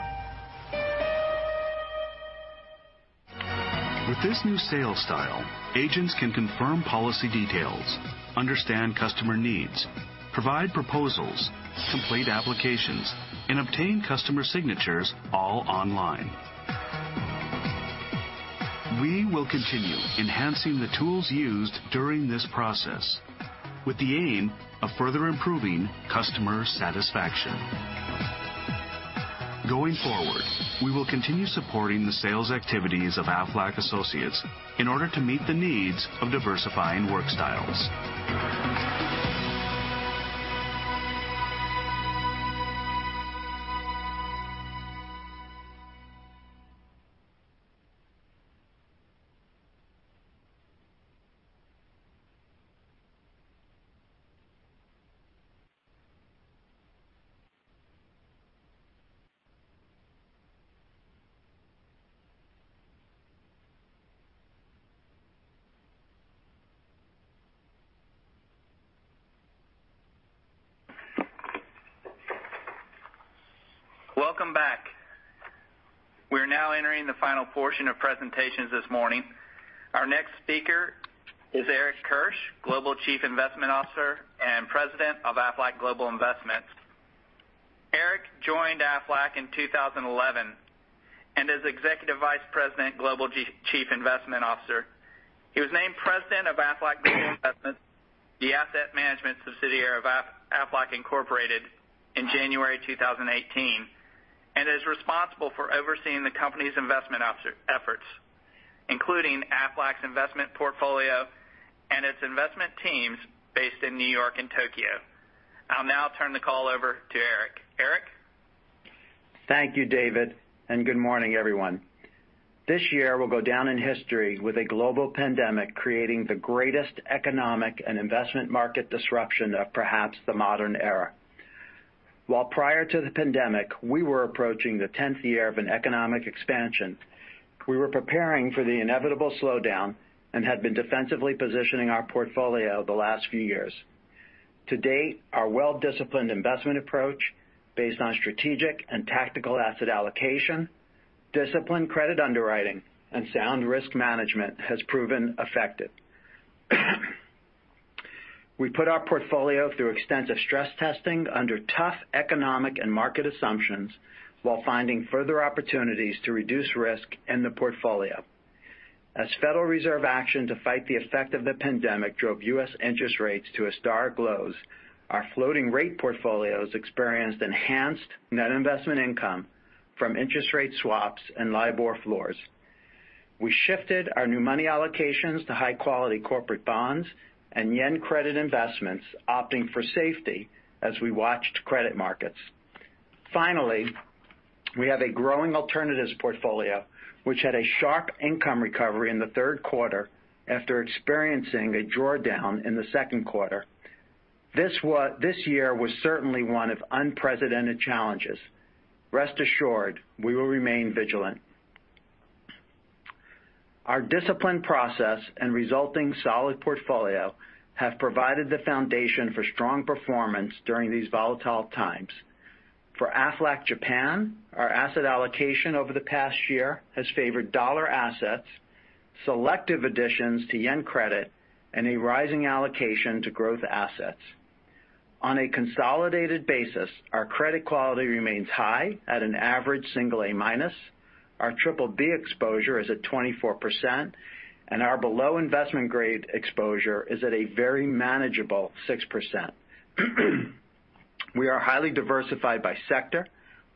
With this new sales style, agents can confirm policy details, understand customer needs, provide proposals, complete applications, and obtain customer signatures all online. We will continue enhancing the tools used during this process with the aim of further improving customer satisfaction. Going forward, we will continue supporting the sales activities of Aflac Associates in order to meet the needs of diversifying work styles. Welcome back. We're now entering the final portion of presentations this morning. Our next speaker is Eric Kirsch, Global Chief Investment Officer and President of Aflac Global Investments. Eric joined Aflac in 2011 and is Executive Vice President, Global Chief Investment Officer. He was named President of Aflac Global Investments, the asset management subsidiary of Aflac Incorporated in January 2018, and is responsible for overseeing the company's investment efforts, including Aflac's investment portfolio and its investment teams based in New York and Tokyo. I'll now turn the call over to Eric. Eric? Thank you, David, and good morning, everyone. This year, we'll go down in history with a global pandemic creating the greatest economic and investment market disruption of perhaps the modern era. While prior to the pandemic, we were approaching the 10th year of an economic expansion, we were preparing for the inevitable slowdown and had been defensively positioning our portfolio the last few years. To date, our well-disciplined investment approach based on strategic and tactical asset allocation, disciplined credit underwriting, and sound risk management has proven effective. We put our portfolio through extensive stress testing under tough economic and market assumptions while finding further opportunities to reduce risk in the portfolio. As Federal Reserve action to fight the effect of the pandemic drove U.S. interest rates to historic lows, our floating rate portfolios experienced enhanced net investment income from interest rate swaps and LIBOR floors. We shifted our new money allocations to high-quality corporate bonds and yen credit investments, opting for safety as we watched credit markets. Finally, we have a growing alternatives portfolio, which had a sharp income recovery in the third quarter after experiencing a drawdown in the second quarter. This year was certainly one of unprecedented challenges. Rest assured, we will remain vigilant. Our disciplined process and resulting solid portfolio have provided the foundation for strong performance during these volatile times. For Aflac Japan, our asset allocation over the past year has favored dollar assets, selective additions to yen credit, and a rising allocation to growth assets. On a consolidated basis, our credit quality remains high at an average single A-minus. Our triple B exposure is at 24%, and our below investment grade exposure is at a very manageable 6%. We are highly diversified by sector,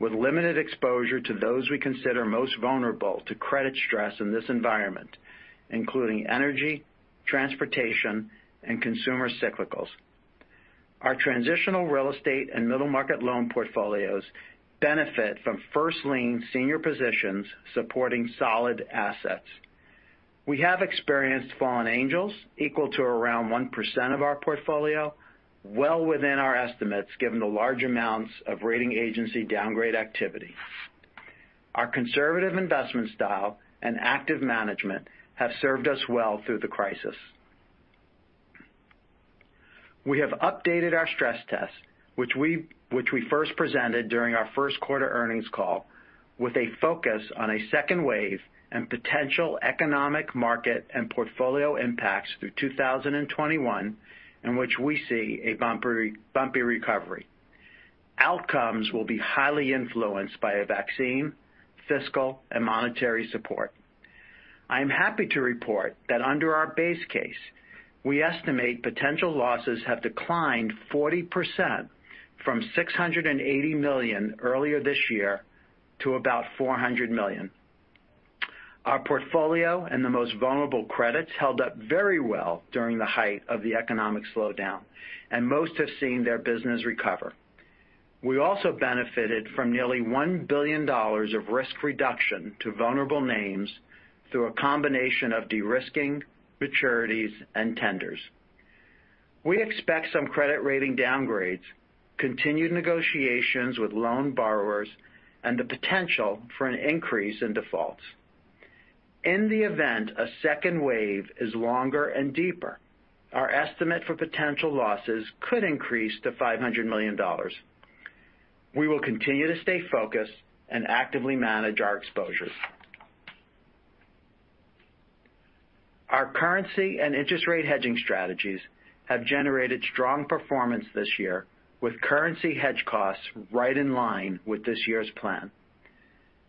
with limited exposure to those we consider most vulnerable to credit stress in this environment, including energy, transportation, and consumer cyclicals. Our transitional real estate and middle market loan portfolios benefit from first-lien senior positions supporting solid assets. We have experienced fallen angels equal to around 1% of our portfolio, well within our estimates given the large amounts of rating agency downgrade activity. Our conservative investment style and active management have served us well through the crisis. We have updated our stress test, which we first presented during our first quarter earnings call, with a focus on a second wave and potential economic market and portfolio impacts through 2021, in which we see a bumpy recovery. Outcomes will be highly influenced by a vaccine, fiscal, and monetary support. I am happy to report that under our base case, we estimate potential losses have declined 40% from $680 million earlier this year to about $400 million. Our portfolio and the most vulnerable credits held up very well during the height of the economic slowdown, and most have seen their business recover. We also benefited from nearly $1 billion of risk reduction to vulnerable names through a combination of de-risking, maturities, and tenders. We expect some credit rating downgrades, continued negotiations with loan borrowers, and the potential for an increase in defaults. In the event a second wave is longer and deeper, our estimate for potential losses could increase to $500 million. We will continue to stay focused and actively manage our exposures. Our currency and interest rate hedging strategies have generated strong performance this year, with currency hedge costs right in line with this year's plan.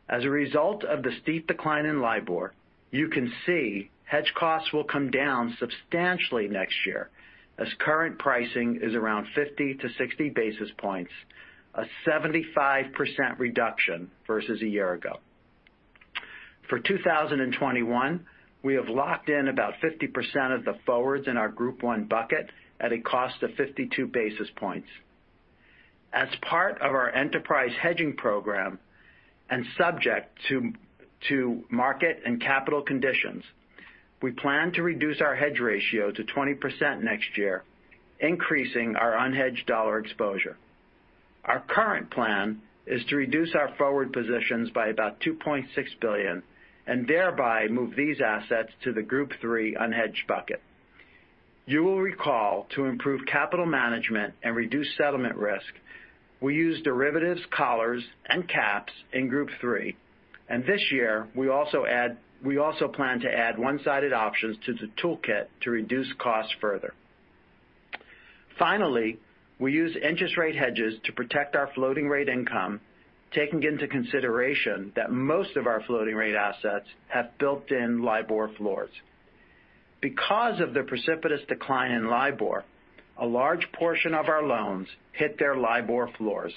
As a result of the steep decline in LIBOR, you can see hedge costs will come down substantially next year as current pricing is around 50 to 60 basis points, a 75% reduction versus a year ago. For 2021, we have locked in about 50% of the forwards in our Group 1 bucket at a cost of 52 basis points. As part of our enterprise hedging program and subject to market and capital conditions, we plan to reduce our hedge ratio to 20% next year, increasing our unhedged dollar exposure. Our current plan is to reduce our forward positions by about $2.6 billion and thereby move these assets to the Group 3 unhedged bucket. You will recall, to improve capital management and reduce settlement risk, we use derivatives, collars, and caps in Group 3, and this year, we also plan to add one-sided options to the toolkit to reduce costs further. Finally, we use interest rate hedges to protect our floating rate income, taking into consideration that most of our floating rate assets have built-in LIBOR floors. Because of the precipitous decline in LIBOR, a large portion of our loans hit their LIBOR floors.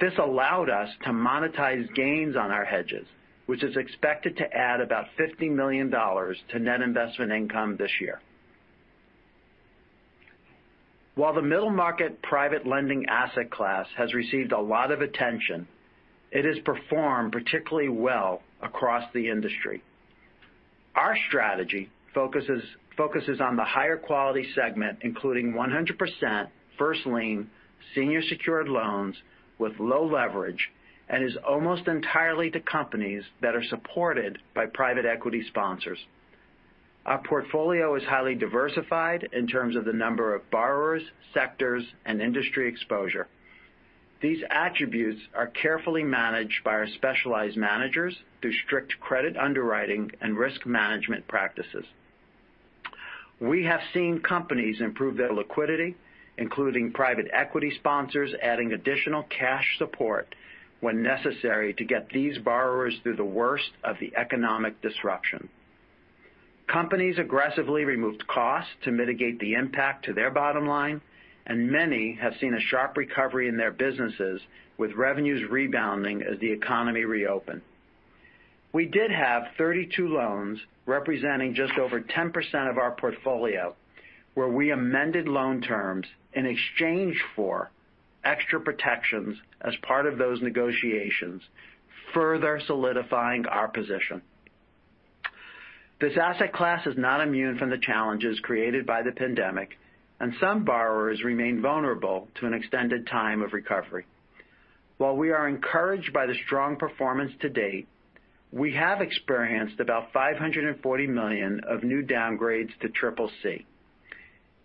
This allowed us to monetize gains on our hedges, which is expected to add about $50 million to net investment income this year. While the middle market private lending asset class has received a lot of attention, it has performed particularly well across the industry. Our strategy focuses on the higher quality segment, including 100% first-lien senior secured loans with low leverage, and is almost entirely to companies that are supported by private equity sponsors. Our portfolio is highly diversified in terms of the number of borrowers, sectors, and industry exposure. These attributes are carefully managed by our specialized managers through strict credit underwriting and risk management practices. We have seen companies improve their liquidity, including private equity sponsors adding additional cash support when necessary to get these borrowers through the worst of the economic disruption. Companies aggressively removed costs to mitigate the impact to their bottom line, and many have seen a sharp recovery in their businesses with revenues rebounding as the economy reopened. We did have 32 loans representing just over 10% of our portfolio, where we amended loan terms in exchange for extra protections as part of those negotiations, further solidifying our position. This asset class is not immune from the challenges created by the pandemic, and some borrowers remain vulnerable to an extended time of recovery. While we are encouraged by the strong performance to date, we have experienced about 540 million of new downgrades to Triple C.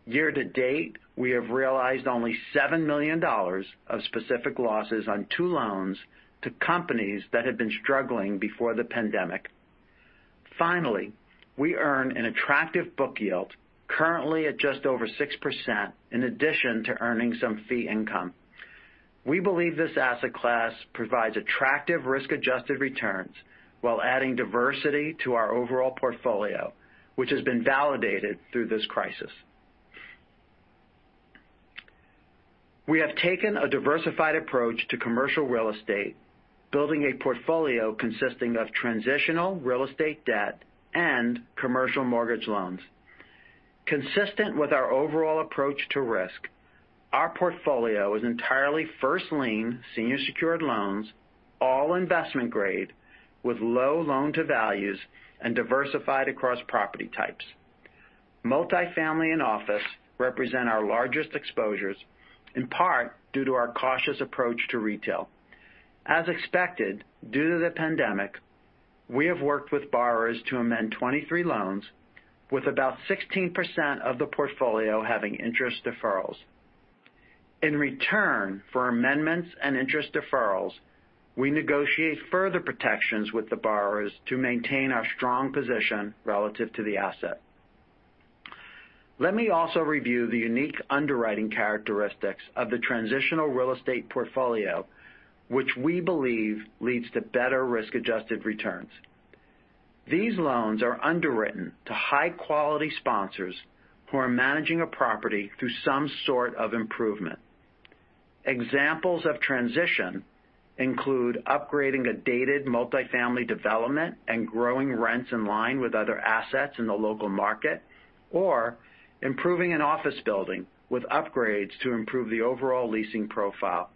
Year to date, we have realized only $7 million of specific losses on two loans to companies that had been struggling before the pandemic. Finally, we earn an attractive book yield currently at just over 6% in addition to earning some fee income. We believe this asset class provides attractive risk-adjusted returns while adding diversity to our overall portfolio, which has been validated through this crisis. We have taken a diversified approach to commercial real estate, building a portfolio consisting of transitional real estate debt and commercial mortgage loans. Consistent with our overall approach to risk, our portfolio is entirely first-lien senior secured loans, all investment grade, with low loan-to-values and diversified across property types. Multifamily and office represent our largest exposures, in part due to our cautious approach to retail. As expected due to the pandemic, we have worked with borrowers to amend 23 loans, with about 16% of the portfolio having interest deferrals. In return for amendments and interest deferrals, we negotiate further protections with the borrowers to maintain our strong position relative to the asset. Let me also review the unique underwriting characteristics of the transitional real estate portfolio, which we believe leads to better risk-adjusted returns. These loans are underwritten to high-quality sponsors who are managing a property through some sort of improvement. Examples of transition include upgrading a dated multifamily development and growing rents in line with other assets in the local market, or improving an office building with upgrades to improve the overall leasing profile.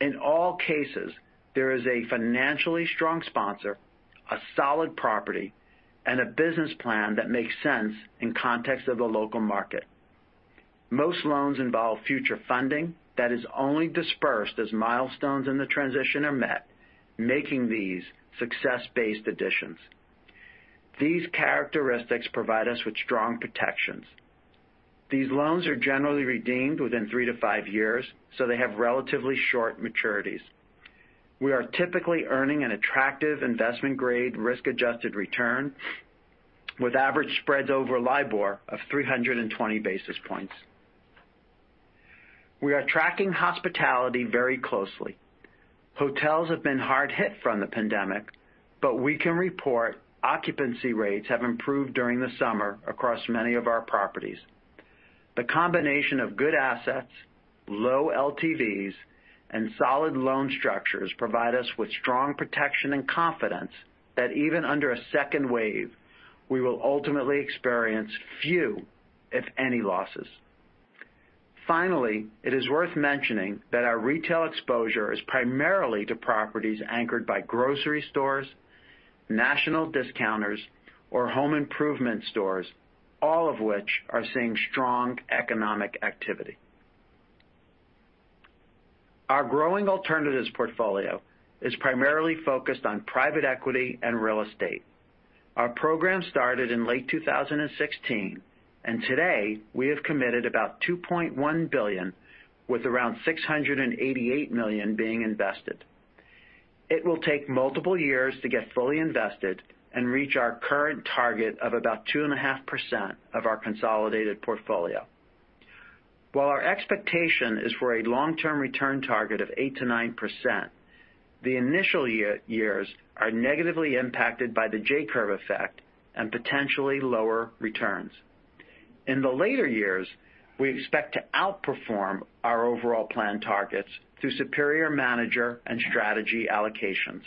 In all cases, there is a financially strong sponsor, a solid property, and a business plan that makes sense in context of the local market. Most loans involve future funding that is only dispersed as milestones in the transition are met, making these success-based additions. These characteristics provide us with strong protections. These loans are generally redeemed within three to five years, so they have relatively short maturities. We are typically earning an attractive investment-grade risk-adjusted return with average spreads over LIBOR of 320 basis points. We are tracking hospitality very closely. Hotels have been hard hit from the pandemic, but we can report occupancy rates have improved during the summer across many of our properties. The combination of good assets, low LTVs, and solid loan structures provide us with strong protection and confidence that even under a second wave, we will ultimately experience few, if any, losses. Finally, it is worth mentioning that our retail exposure is primarily to properties anchored by grocery stores, national discounters, or home improvement stores, all of which are seeing strong economic activity. Our growing alternatives portfolio is primarily focused on private equity and real estate. Our program started in late 2016, and today we have committed about $2.1 billion, with around $688 million being invested. It will take multiple years to get fully invested and reach our current target of about 2.5% of our consolidated portfolio. While our expectation is for a long-term return target of 8%-9%, the initial years are negatively impacted by the J-Curve effect and potentially lower returns. In the later years, we expect to outperform our overall plan targets through superior manager and strategy allocations.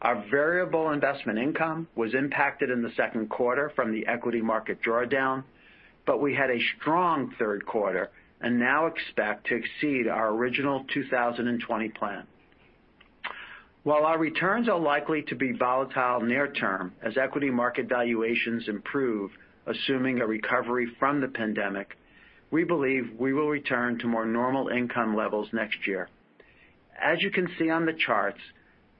Our variable investment income was impacted in the second quarter from the equity market drawdown, but we had a strong third quarter and now expect to exceed our original 2020 plan. While our returns are likely to be volatile near-term as equity market valuations improve, assuming a recovery from the pandemic, we believe we will return to more normal income levels next year. As you can see on the charts,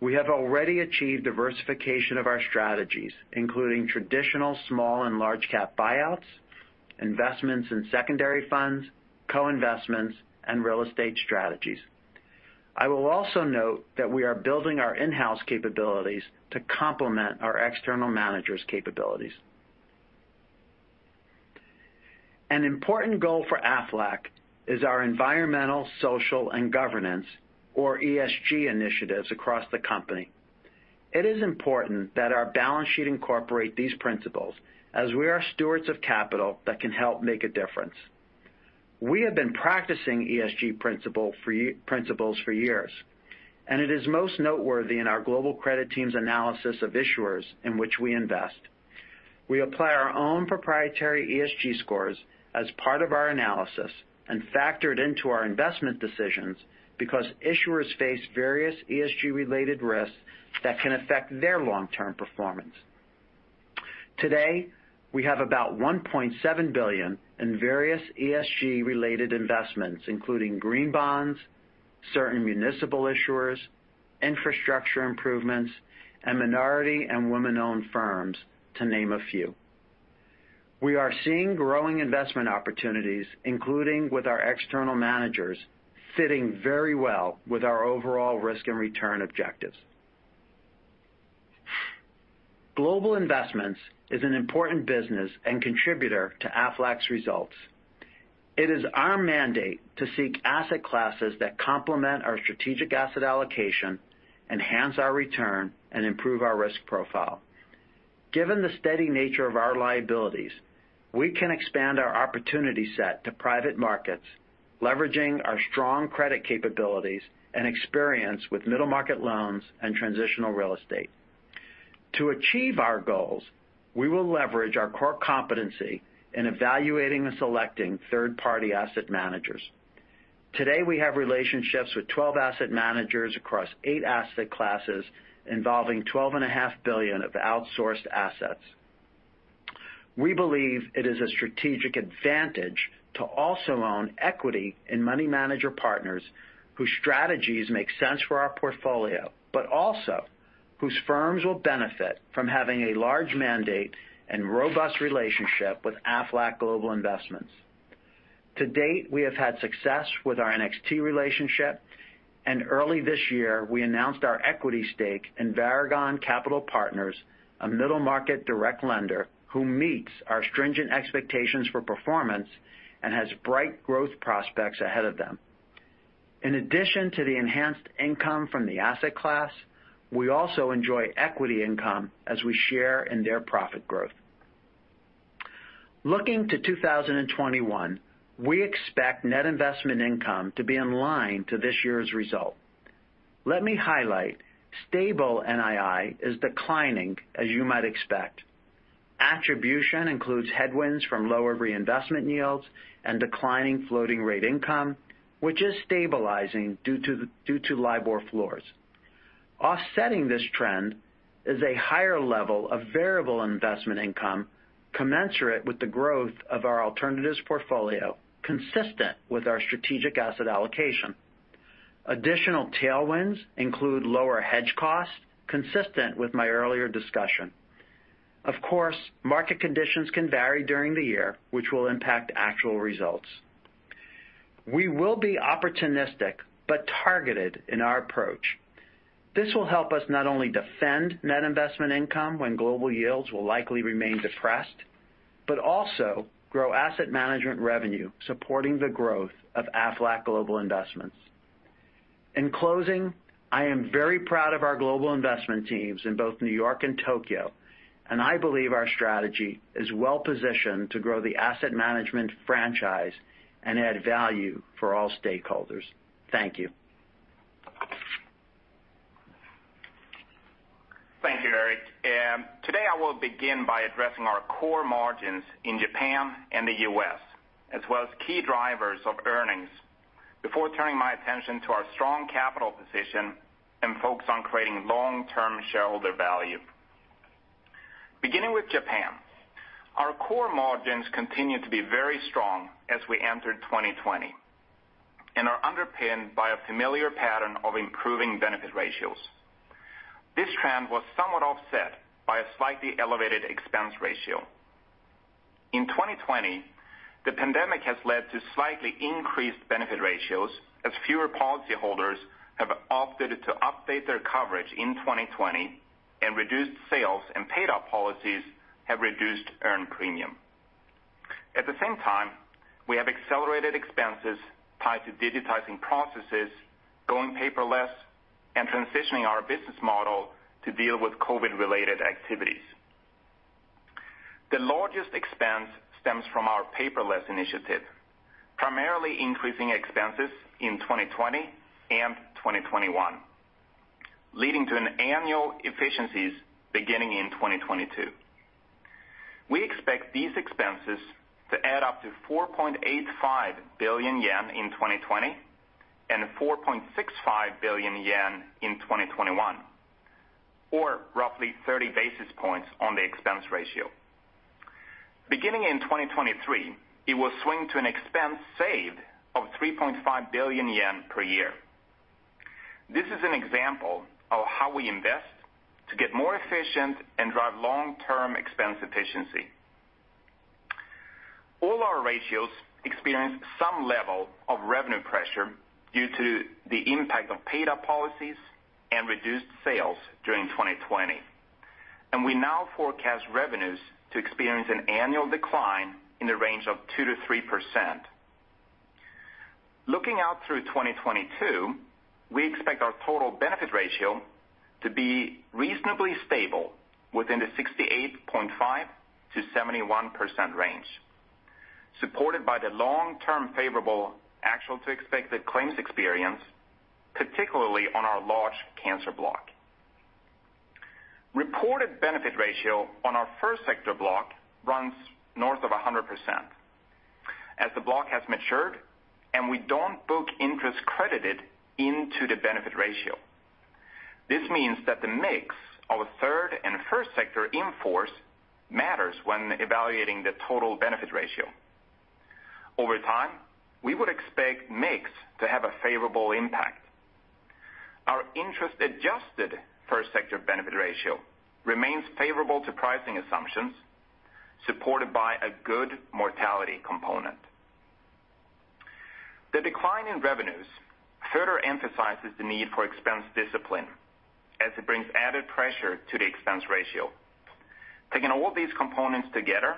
we have already achieved diversification of our strategies, including traditional small and large-cap buyouts, investments in secondary funds, co-investments, and real estate strategies. I will also note that we are building our in-house capabilities to complement our external managers' capabilities. An important goal for Aflac is our environmental, social, and governance, or ESG, initiatives across the company. It is important that our balance sheet incorporate these principles as we are stewards of capital that can help make a difference. We have been practicing ESG principles for years, and it is most noteworthy in our global credit teams' analysis of issuers in which we invest. We apply our own proprietary ESG scores as part of our analysis and factor it into our investment decisions because issuers face various ESG-related risks that can affect their long-term performance. Today, we have about $1.7 billion in various ESG-related investments, including green bonds, certain municipal issuers, infrastructure improvements, and minority and women-owned firms, to name a few. We are seeing growing investment opportunities, including with our external managers, fitting very well with our overall risk and return objectives. Global investments is an important business and contributor to Aflac's results. It is our mandate to seek asset classes that complement our strategic asset allocation, enhance our return, and improve our risk profile. Given the steady nature of our liabilities, we can expand our opportunity set to private markets, leveraging our strong credit capabilities and experience with middle market loans and transitional real estate. To achieve our goals, we will leverage our core competency in evaluating and selecting third-party asset managers. Today, we have relationships with 12 asset managers across eight asset classes involving $12.5 billion of outsourced assets. We believe it is a strategic advantage to also own equity in money manager partners whose strategies make sense for our portfolio, but also whose firms will benefit from having a large mandate and robust relationship with Aflac Global Investments. To date, we have had success with our NXT Capital relationship, and early this year, we announced our equity stake in Varagon Capital Partners, a middle market direct lender who meets our stringent expectations for performance and has bright growth prospects ahead of them. In addition to the enhanced income from the asset class, we also enjoy equity income as we share in their profit growth. Looking to 2021, we expect net investment income to be in line to this year's result. Let me highlight, stable NII is declining, as you might expect. Attribution includes headwinds from lower reinvestment yields and declining floating rate income, which is stabilizing due to LIBOR floors. Offsetting this trend is a higher level of variable investment income commensurate with the growth of our alternatives portfolio, consistent with our strategic asset allocation. Additional tailwinds include lower hedge costs, consistent with my earlier discussion. Of course, market conditions can vary during the year, which will impact actual results. We will be opportunistic but targeted in our approach. This will help us not only defend net investment income when global yields will likely remain depressed, but also grow asset management revenue, supporting the growth of Aflac Global Investments. In closing, I am very proud of our global investment teams in both New York and Tokyo, and I believe our strategy is well-positioned to grow the asset management franchise and add value for all stakeholders. Thank you. Thank you, Eric. Today, I will begin by addressing our core margins in Japan and the U.S., as well as key drivers of earnings, before turning my attention to our strong capital position and focus on creating long-term shareholder value. Beginning with Japan, our core margins continue to be very strong as we entered 2020 and are underpinned by a familiar pattern of improving benefit ratios. This trend was somewhat offset by a slightly elevated expense ratio. In 2020, the pandemic has led to slightly increased benefit ratios as fewer policyholders have opted to update their coverage in 2020, and reduced sales and paid-out policies have reduced earned premium. At the same time, we have accelerated expenses tied to digitizing processes, going paperless, and transitioning our business model to deal with COVID-related activities. The largest expense stems from our paperless initiative, primarily increasing expenses in 2020 and 2021, leading to annual efficiencies beginning in 2022. We expect these expenses to add up to 4.85 billion yen in 2020 and 4.65 billion yen in 2021, or roughly 30 basis points on the expense ratio. Beginning in 2023, it will swing to an expense saved of 3.5 billion yen per year. This is an example of how we invest to get more efficient and drive long-term expense efficiency. All our ratios experience some level of revenue pressure due to the impact of paid-out policies and reduced sales during 2020, and we now forecast revenues to experience an annual decline in the range of 2 to 3%. Looking out through 2022, we expect our total benefit ratio to be reasonably stable within the 68.5%-71% range, supported by the long-term favorable actual-to-expected claims experience, particularly on our large cancer block. Reported benefit ratio on our First Sector block runs north of 100% as the block has matured, and we don't book interest credited into the benefit ratio. This means that the mix of third and First Sector in force matters when evaluating the total benefit ratio. Over time, we would expect mix to have a favorable impact. Our interest-adjusted First Sector benefit ratio remains favorable to pricing assumptions, supported by a good mortality component. The decline in revenues further emphasizes the need for expense discipline as it brings added pressure to the expense ratio. Taking all these components together,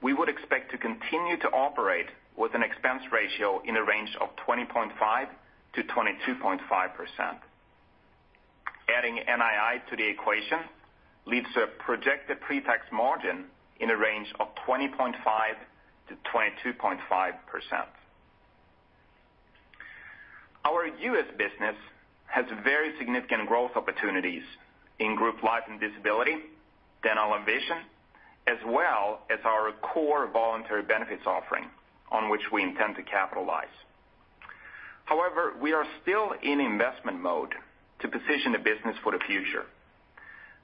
we would expect to continue to operate with an expense ratio in the range of 20.5%-22.5%. Adding NII to the equation leads to a projected pre-tax margin in the range of 20.5%-22.5%. Our U.S. business has very significant growth opportunities in group life and disability, dental and vision, as well as our core voluntary benefits offering on which we intend to capitalize. However, we are still in investment mode to position the business for the future.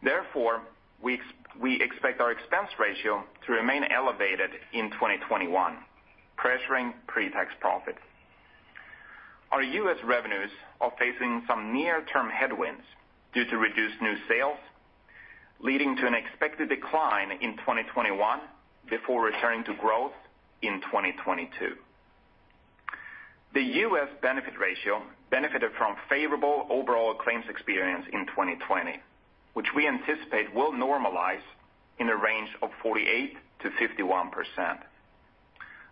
Therefore, we expect our expense ratio to remain elevated in 2021, pressuring pre-tax profit. Our U.S. revenues are facing some near-term headwinds due to reduced new sales, leading to an expected decline in 2021 before returning to growth in 2022. The U.S. benefit ratio benefited from favorable overall claims experience in 2020, which we anticipate will normalize in the range of 48%-51%.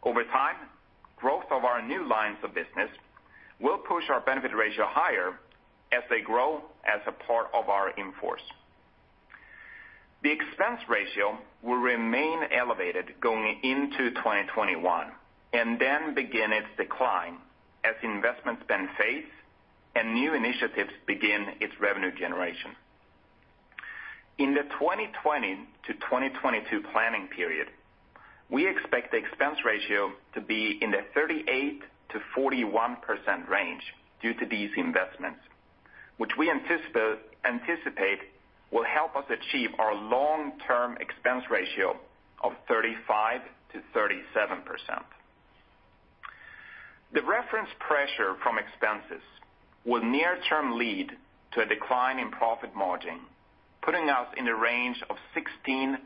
Over time, growth of our new lines of business will push our benefit ratio higher as they grow as a part of our in force. The expense ratio will remain elevated going into 2021 and then begin its decline as investments phase in and new initiatives begin its revenue generation. In the 2020 to 2022 planning period, we expect the expense ratio to be in the 38%-41% range due to these investments, which we anticipate will help us achieve our long-term expense ratio of 35%-37%. The resultant pressure from expenses will near-term lead to a decline in profit margin, putting us in the range of 16%-19%,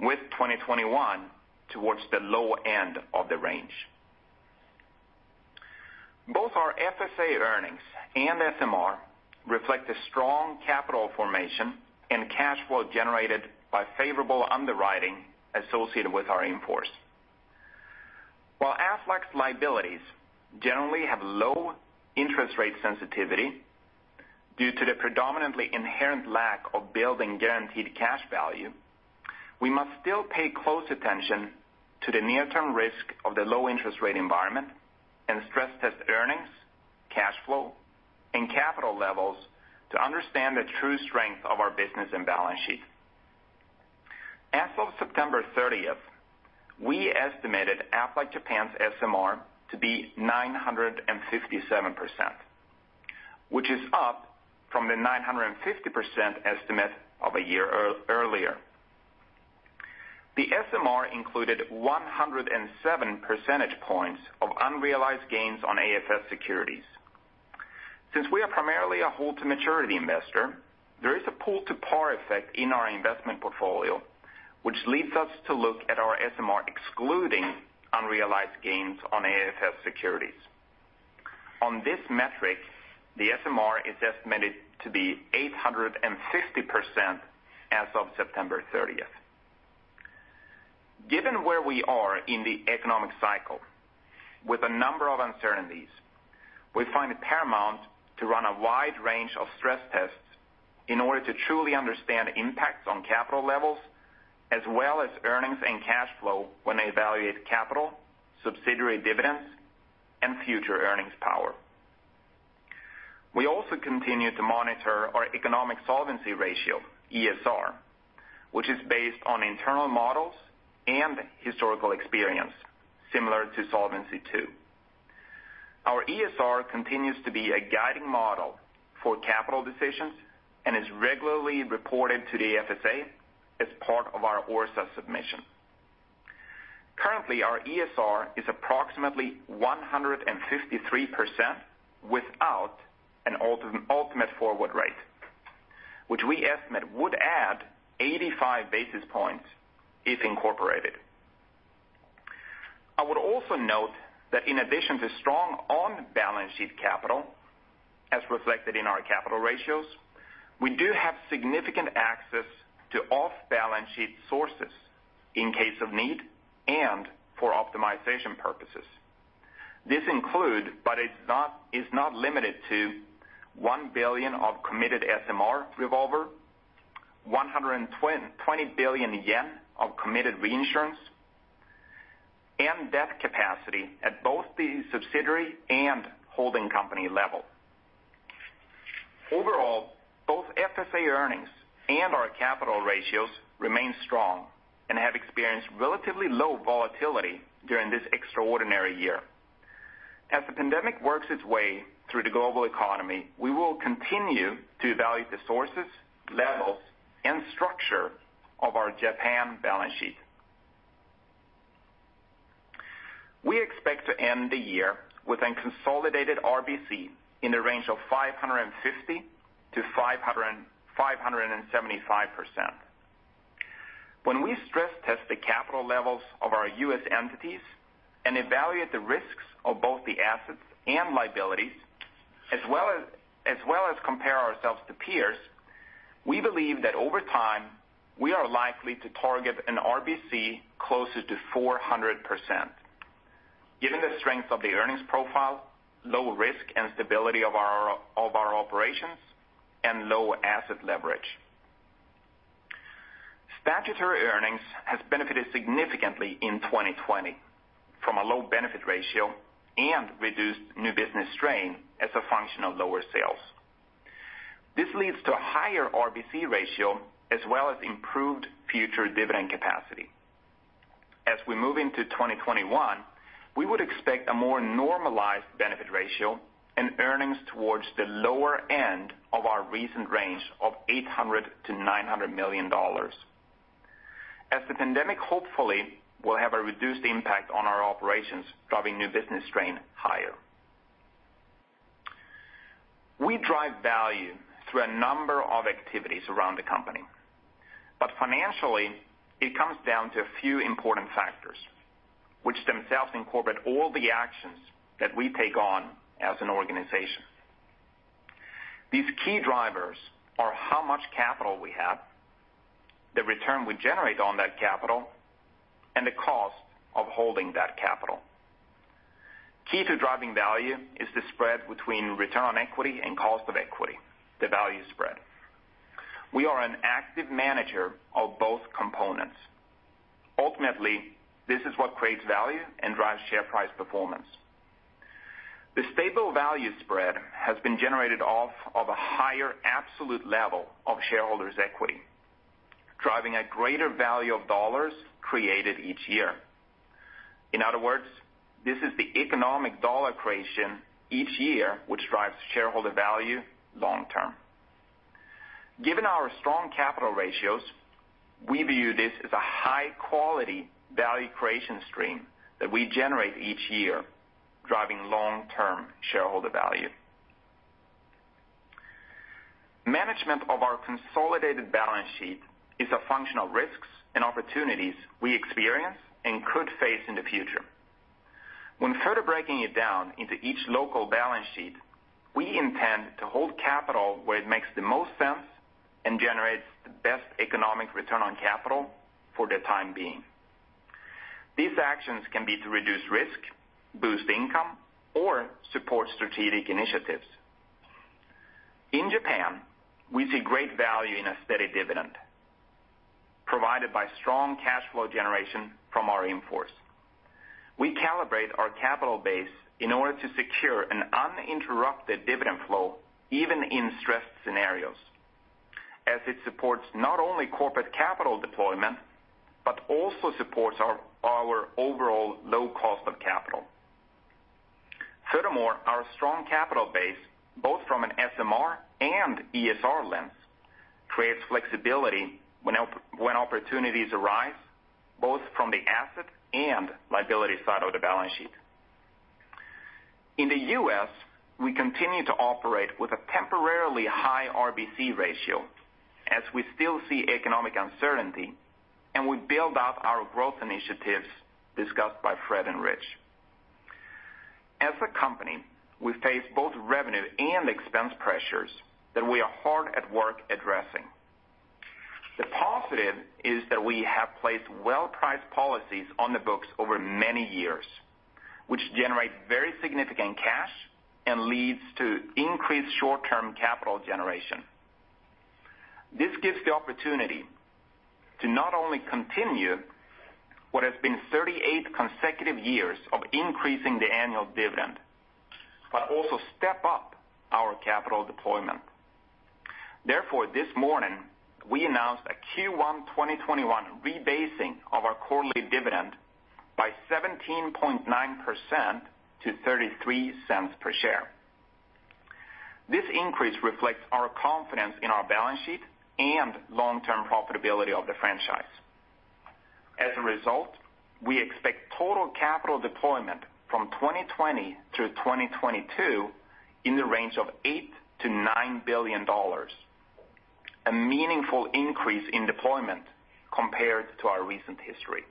with 2021 towards the lower end of the range. Both our FSA earnings and SMR reflect a strong capital formation and cash flow generated by favorable underwriting associated with our in force. While Aflac's liabilities generally have low interest rate sensitivity due to the predominantly inherent lack of building guaranteed cash value, we must still pay close attention to the near-term risk of the low interest rate environment and stress test earnings, cash flow, and capital levels to understand the true strength of our business and balance sheet. As of September 30th, we estimated Aflac Japan's SMR to be 957%, which is up from the 950% estimate of a year earlier. The SMR included 107 percentage points of unrealized gains on AFS securities. Since we are primarily a hold-to-maturity investor, there is a pull-to-par effect in our investment portfolio, which leads us to look at our SMR excluding unrealized gains on AFS securities. On this metric, the SMR is estimated to be 850% as of September 30th. Given where we are in the economic cycle with a number of uncertainties, we find it paramount to run a wide range of stress tests in order to truly understand impacts on capital levels as well as earnings and cash flow when evaluating capital, subsidiary dividends, and future earnings power. We also continue to monitor our Economic Solvency Ratio, ESR, which is based on internal models and historical experience, similar to Solvency II. Our ESR continues to be a guiding model for capital decisions and is regularly reported to the FSA as part of our ORSA submission. Currently, our ESR is approximately 153% without an ultimate forward rate, which we estimate would add 85 basis points if incorporated. I would also note that in addition to strong on-balance sheet capital, as reflected in our capital ratios, we do have significant access to off-balance sheet sources in case of need and for optimization purposes. This includes, but is not limited to, $1 billion of committed SMR revolver, 120 billion yen of committed reinsurance, and debt capacity at both the subsidiary and holding company level. Overall, both FSA earnings and our capital ratios remain strong and have experienced relatively low volatility during this extraordinary year. As the pandemic works its way through the global economy, we will continue to evaluate the sources, levels, and structure of our Japan balance sheet. We expect to end the year with a consolidated RBC in the range of 550%-575%. When we stress test the capital levels of our U.S. entities and evaluate the risks of both the assets and liabilities, as well as compare ourselves to peers, we believe that over time we are likely to target an RBC closer to 400%, given the strength of the earnings profile, low risk and stability of our operations, and low asset leverage. Statutory earnings have benefited significantly in 2020 from a low benefit ratio and reduced new business strain as a function of lower sales. This leads to a higher RBC ratio as well as improved future dividend capacity. As we move into 2021, we would expect a more normalized benefit ratio and earnings towards the lower end of our recent range of $800 million-$900 million, as the pandemic hopefully will have a reduced impact on our operations, driving new business strain higher. We drive value through a number of activities around the company, but financially, it comes down to a few important factors, which themselves incorporate all the actions that we take on as an organization. These key drivers are how much capital we have, the return we generate on that capital, and the cost of holding that capital. Key to driving value is the spread between return on equity and cost of equity, the value spread. We are an active manager of both components. Ultimately, this is what creates value and drives share price performance. The stable value spread has been generated off of a higher absolute level of shareholders' equity, driving a greater value of dollars created each year. In other words, this is the economic dollar creation each year, which drives shareholder value long-term. Given our strong capital ratios, we view this as a high-quality value creation stream that we generate each year, driving long-term shareholder value. Management of our consolidated balance sheet is a function of risks and opportunities we experience and could face in the future. When further breaking it down into each local balance sheet, we intend to hold capital where it makes the most sense and generates the best economic return on capital for the time being. These actions can be to reduce risk, boost income, or support strategic initiatives. In Japan, we see great value in a steady dividend provided by strong cash flow generation from our in force. We calibrate our capital base in order to secure an uninterrupted dividend flow even in stressed scenarios, as it supports not only corporate capital deployment but also supports our overall low cost of capital. Furthermore, our strong capital base, both from an SMR and ESR lens, creates flexibility when opportunities arise, both from the asset and liability side of the balance sheet. In the U.S., we continue to operate with a temporarily high RBC ratio as we still see economic uncertainty, and we build out our growth initiatives discussed by Fred and Rich. As a company, we face both revenue and expense pressures that we are hard at work addressing. The positive is that we have placed well-priced policies on the books over many years, which generate very significant cash and lead to increased short-term capital generation. This gives the opportunity to not only continue what has been 38 consecutive years of increasing the annual dividend, but also step up our capital deployment. Therefore, this morning, we announced a Q1 2021 rebasing of our quarterly dividend by 17.9%-$0.33 per share. This increase reflects our confidence in our balance sheet and long-term profitability of the franchise. As a result, we expect total capital deployment from 2020 through 2022 in the range of $8 billion-$9 billion, a meaningful increase in deployment compared to our recent history.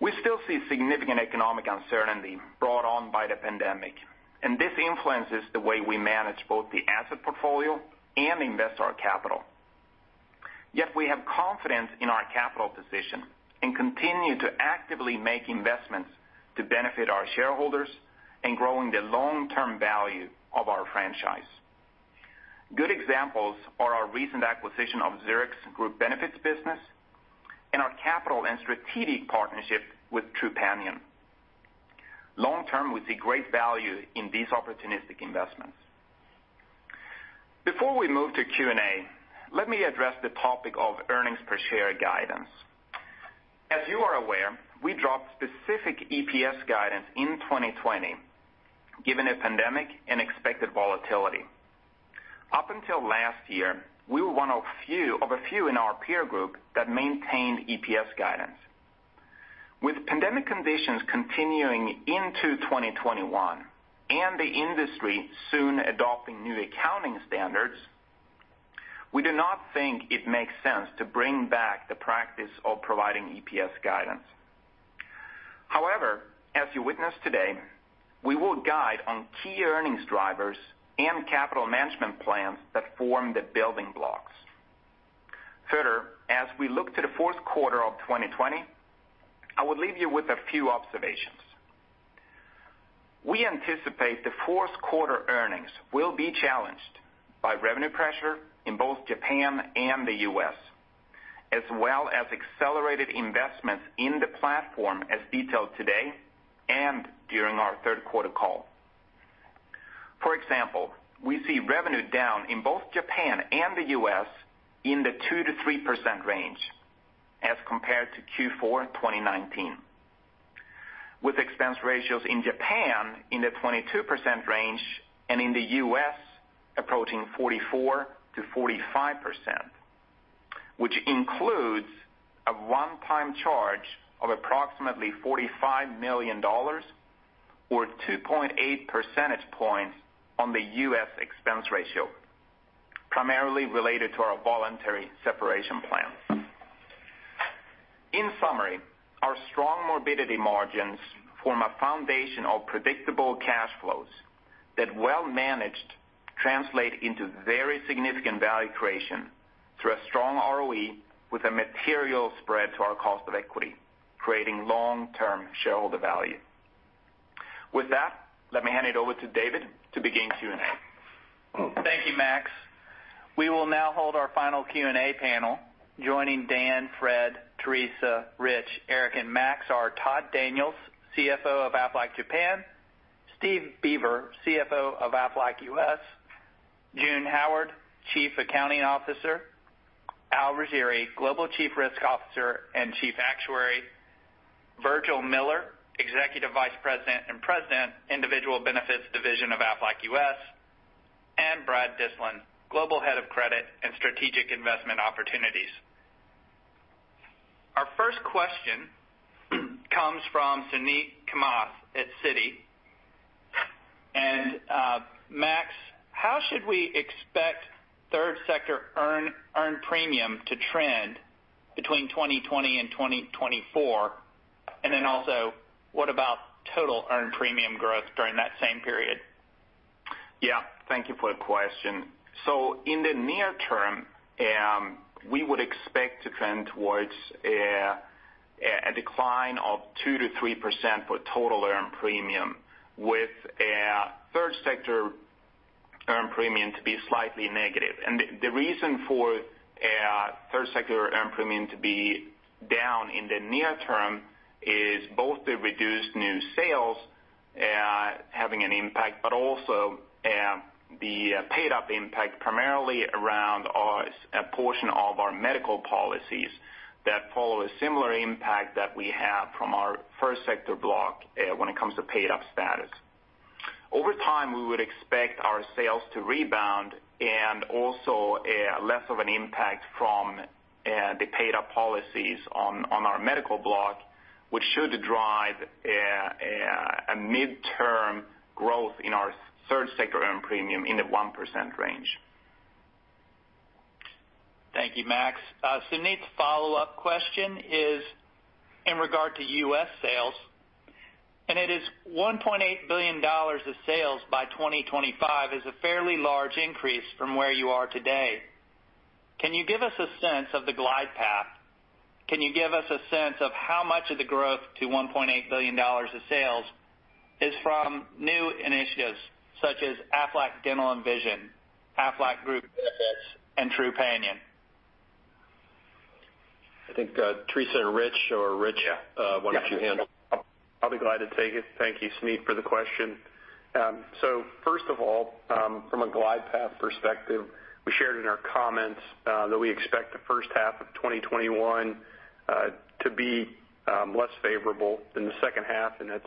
We still see significant economic uncertainty brought on by the pandemic, and this influences the way we manage both the asset portfolio and invest our capital. Yet, we have confidence in our capital position and continue to actively make investments to benefit our shareholders and grow the long-term value of our franchise. Good examples are our recent acquisition of Zurich's group benefits business and our capital and strategic partnership with Trupanion. Long-term, we see great value in these opportunistic investments. Before we move to Q&A, let me address the topic of earnings per share guidance. As you are aware, we dropped specific EPS guidance in 2020, given the pandemic and expected volatility. Up until last year, we were one of a few in our peer group that maintained EPS guidance. With pandemic conditions continuing into 2021 and the industry soon adopting new accounting standards, we do not think it makes sense to bring back the practice of providing EPS guidance. However, as you witness today, we will guide on key earnings drivers and capital management plans that form the building blocks. Further, as we look to the fourth quarter of 2020, I would leave you with a few observations. We anticipate the fourth quarter earnings will be challenged by revenue pressure in both Japan and the U.S., as well as accelerated investments in the platform as detailed today and during our third quarter call. For example, we see revenue down in both Japan and the U.S. in the 2%-3% range as compared to Q4 2019, with expense ratios in Japan in the 22% range and in the U.S. approaching 44%-45%, which includes a one-time charge of approximately $45 million or 2.8 percentage points on the U.S. expense ratio, primarily related to our voluntary separation plan. In summary, our strong morbidity margins form a foundation of predictable cash flows that, well managed, translate into very significant value creation through a strong ROE with a material spread to our cost of equity, creating long-term shareholder value. With that, let me hand it over to David to begin Q&A. Thank you, Max. We will now hold our final Q&A panel. Joining Dan, Fred, Teresa, Rich, Eric, and Max are Todd Daniels, CFO of Aflac Japan, Steve Beaver, CFO of Aflac U.S., June Howard, Chief Accounting Officer, Al Razzetti, Global Chief Risk Officer and Chief Actuary, Virgil Miller, Executive Vice President and President, Individual Benefits Division of Aflac U.S., and Brad Dyslin, Global Head of Credit and Strategic Investment Opportunities. Our first question comes from Suneet Kamath at Citi. And Max, how should we expect Third Sector earned premium to trend between 2020 and 2024? And then also, what about total earned premium growth during that same period? Yeah, thank you for the question, so in the near term, we would expect to trend towards a decline of 2%-3% for total earned premium, with Third Sector earned premium to be slightly negative. The reason for Third Sector earned premium to be down in the near term is both the reduced new sales having an impact, but also the paid-up impact primarily around a portion of our medical policies that follow a similar impact that we have from our First Sector block when it comes to paid-up status. Over time, we would expect our sales to rebound and also less of an impact from the paid-up policies on our medical block, which should drive a mid-term growth in our Third Sector earned premium in the 1% range. Thank you, Max. Suneet's follow-up question is in regard to U.S. sales, and it is $1.8 billion of sales by 2025, is a fairly large increase from where you are today. Can you give us a sense of the glide path? Can you give us a sense of how much of the growth to $1.8 billion of sales is from new initiatives such as Aflac Dental and Vision, Aflac Group, and Trupanion? I think Teresa and Rich or Rich, why don't you handle it? I'll be glad to take it. Thank you, Suneet, for the question. So first of all, from a glide path perspective, we shared in our comments that we expect the first half of 2021 to be less favorable than the second half, and that's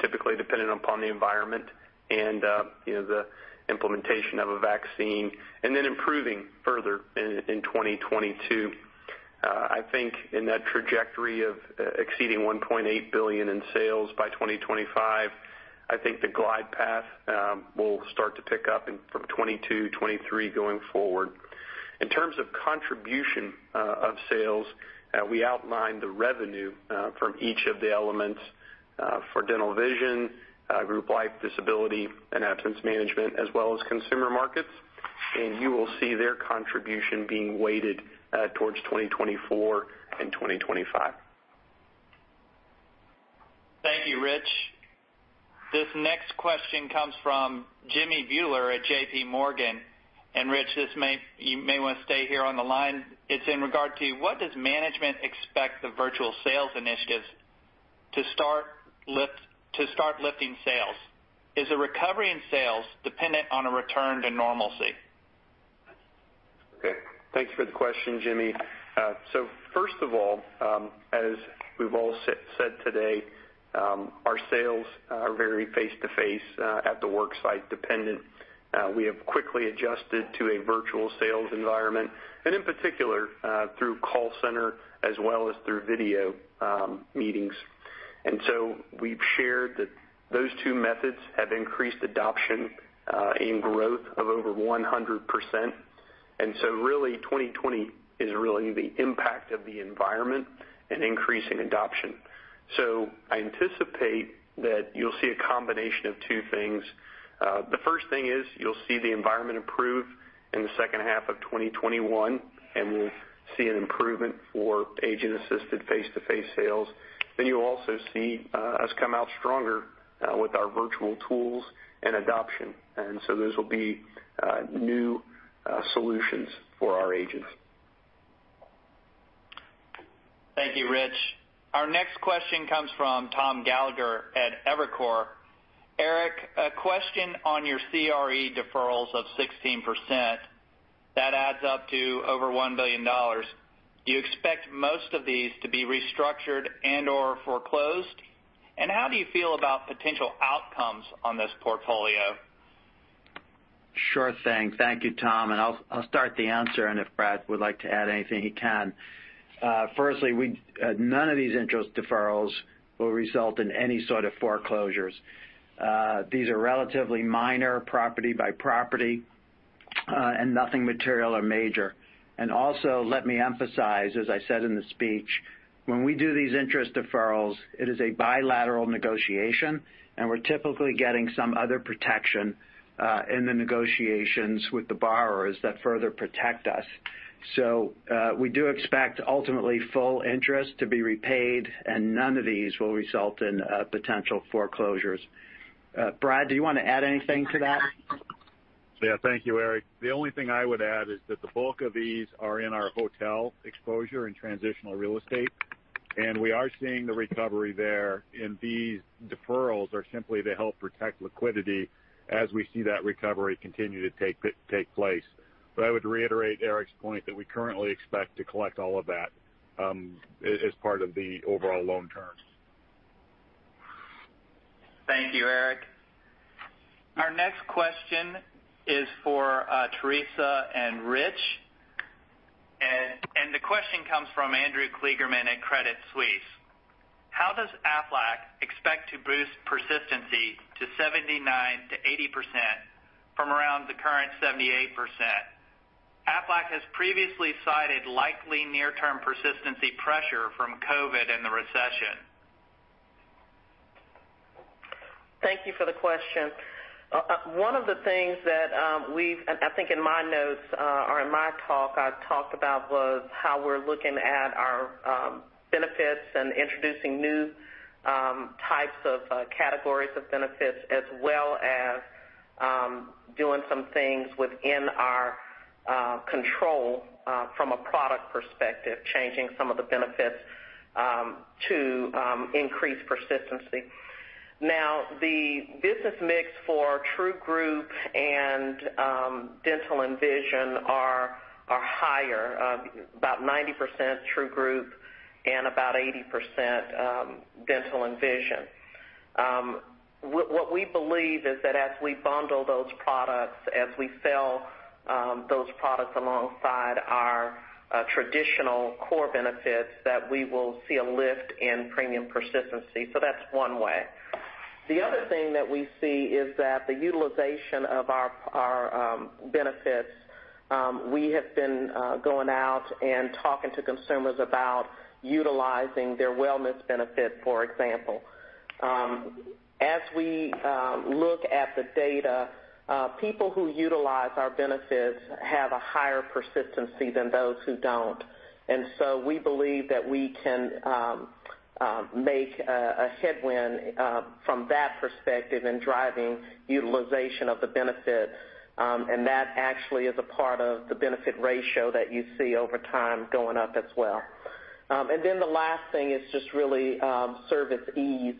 typically dependent upon the environment and the implementation of a vaccine, and then improving further in 2022. I think in that trajectory of exceeding $1.8 billion in sales by 2025, I think the glide path will start to pick up from 2022 to 2023 going forward. In terms of contribution of sales, we outlined the revenue from each of the elements for dental vision, group life, disability, and absence management, as well as consumer markets, and you will see their contribution being weighted towards 2024 and 2025. Thank you, Rich. This next question comes from Jimmy Bhullar at J.P. Morgan, and Rich, you may want to stay here on the line. It's in regard to what does management expect the virtual sales initiatives to start lifting sales? Is a recovery in sales dependent on a return to normalcy? Okay. Thank you for the question, Jimmy. So first of all, as we've all said today, our sales are very face-to-face at the worksite dependent. We have quickly adjusted to a virtual sales environment, and in particular through call center as well as through video meetings. And so we've shared that those two methods have increased adoption and growth of over 100%. And so really, 2020 is really the impact of the environment and increasing adoption. So I anticipate that you'll see a combination of two things. The first thing is you'll see the environment improve in the second half of 2021, and we'll see an improvement for agent-assisted face-to-face sales. Then you'll also see us come out stronger with our virtual tools and adoption. And so those will be new solutions for our agents. Thank you, Rich. Our next question comes from Tom Gallagher at Evercore. Eric, a question on your CRE deferrals of 16% that adds up to over $1 billion. Do you expect most of these to be restructured and/or foreclosed? And how do you feel about potential outcomes on this portfolio? Sure thing. Thank you, Tom. I'll start the answer, and if Brad would like to add anything, he can. Firstly, none of these interest deferrals will result in any sort of foreclosures. These are relatively minor property-by-property and nothing material or major. And also, let me emphasize, as I said in the speech, when we do these interest deferrals, it is a bilateral negotiation, and we're typically getting some other protection in the negotiations with the borrowers that further protect us. We do expect ultimately full interest to be repaid, and none of these will result in potential foreclosures. Brad, do you want to add anything to that? Yeah, thank you, Eric. The only thing I would add is that the bulk of these are in our hotel exposure and transitional real estate, and we are seeing the recovery there, and these deferrals are simply to help protect liquidity as we see that recovery continue to take place. But I would reiterate Eric's point that we currently expect to collect all of that as part of the overall loan term. Thank you, Eric. Our next question is for Teresa and Rich. And the question comes from Andrew Kligerman at Credit Suisse. How does Aflac expect to boost persistency to 79%-80% from around the current 78%? Aflac has previously cited likely near-term persistency pressure from COVID and the recession. Thank you for the question. One of the things that we've, and I think in my notes or in my talk I talked about was how we're looking at our benefits and introducing new types of categories of benefits, as well as doing some things within our control from a product perspective, changing some of the benefits to increase persistency. Now, the business mix for true group and Dental and Vision are higher, about 90% true group and about 80% Dental and Vision. What we believe is that as we bundle those products, as we sell those products alongside our traditional core benefits, that we will see a lift in premium persistency. So that's one way. The other thing that we see is that the utilization of our benefits, we have been going out and talking to consumers about utilizing their wellness benefit, for example. As we look at the data, people who utilize our benefits have a higher persistency than those who don't. And so we believe that we can make headway from that perspective in driving utilization of the benefit, and that actually is a part of the benefit ratio that you see over time going up as well. And then the last thing is just really service ease.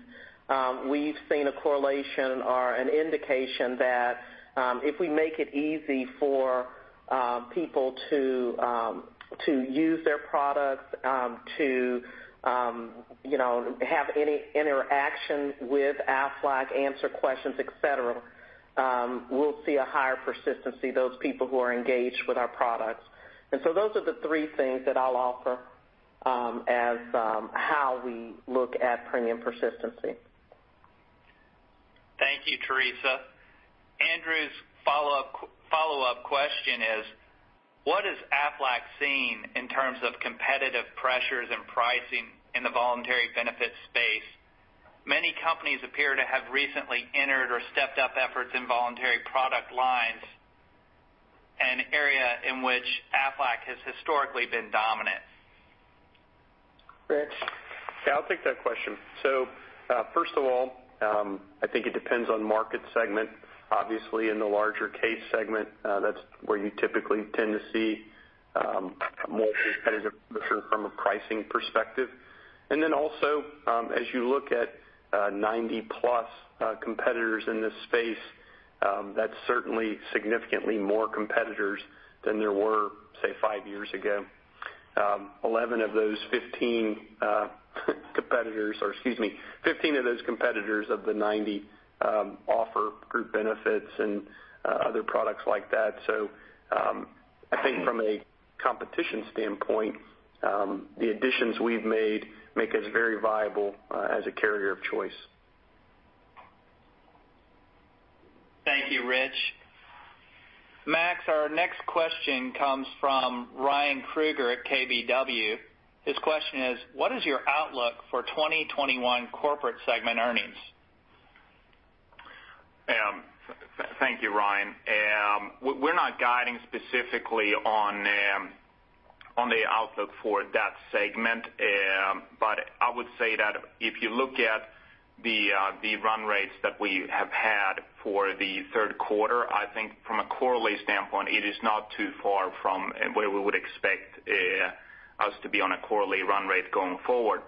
We've seen a correlation or an indication that if we make it easy for people to use their products, to have any interaction with Aflac, answer questions, et cetera, we'll see a higher persistency, those people who are engaged with our products. And so those are the three things that I'll offer as how we look at premium persistency. Thank you, Teresa. Andrew's follow-up question is, what is Aflac seeing in terms of competitive pressures and pricing in the voluntary benefit space? Many companies appear to have recently entered or stepped up efforts in voluntary product lines, an area in which Aflac has historically been dominant. Rich? Yeah, I'll take that question. So first of all, I think it depends on market segment. Obviously, in the larger case segment, that's where you typically tend to see more competitive pressure from a pricing perspective. And then also, as you look at 90-plus competitors in this space, that's certainly significantly more competitors than there were, say, five years ago. 11 of those 15 competitors, or excuse me, 15 of those competitors of the 90 offer group benefits and other products like that. So I think from a competition standpoint, the additions we've made make us very viable as a carrier of choice. Thank you, Rich. Max, our next question comes from Ryan Krueger at KBW.His question is, what is your outlook for 2021 corporate segment earnings? Thank you, Ryan. We're not guiding specifically on the outlook for that segment, but I would say that if you look at the run rates that we have had for the third quarter, I think from a quarterly standpoint, it is not too far from where we would expect us to be on a quarterly run rate going forward.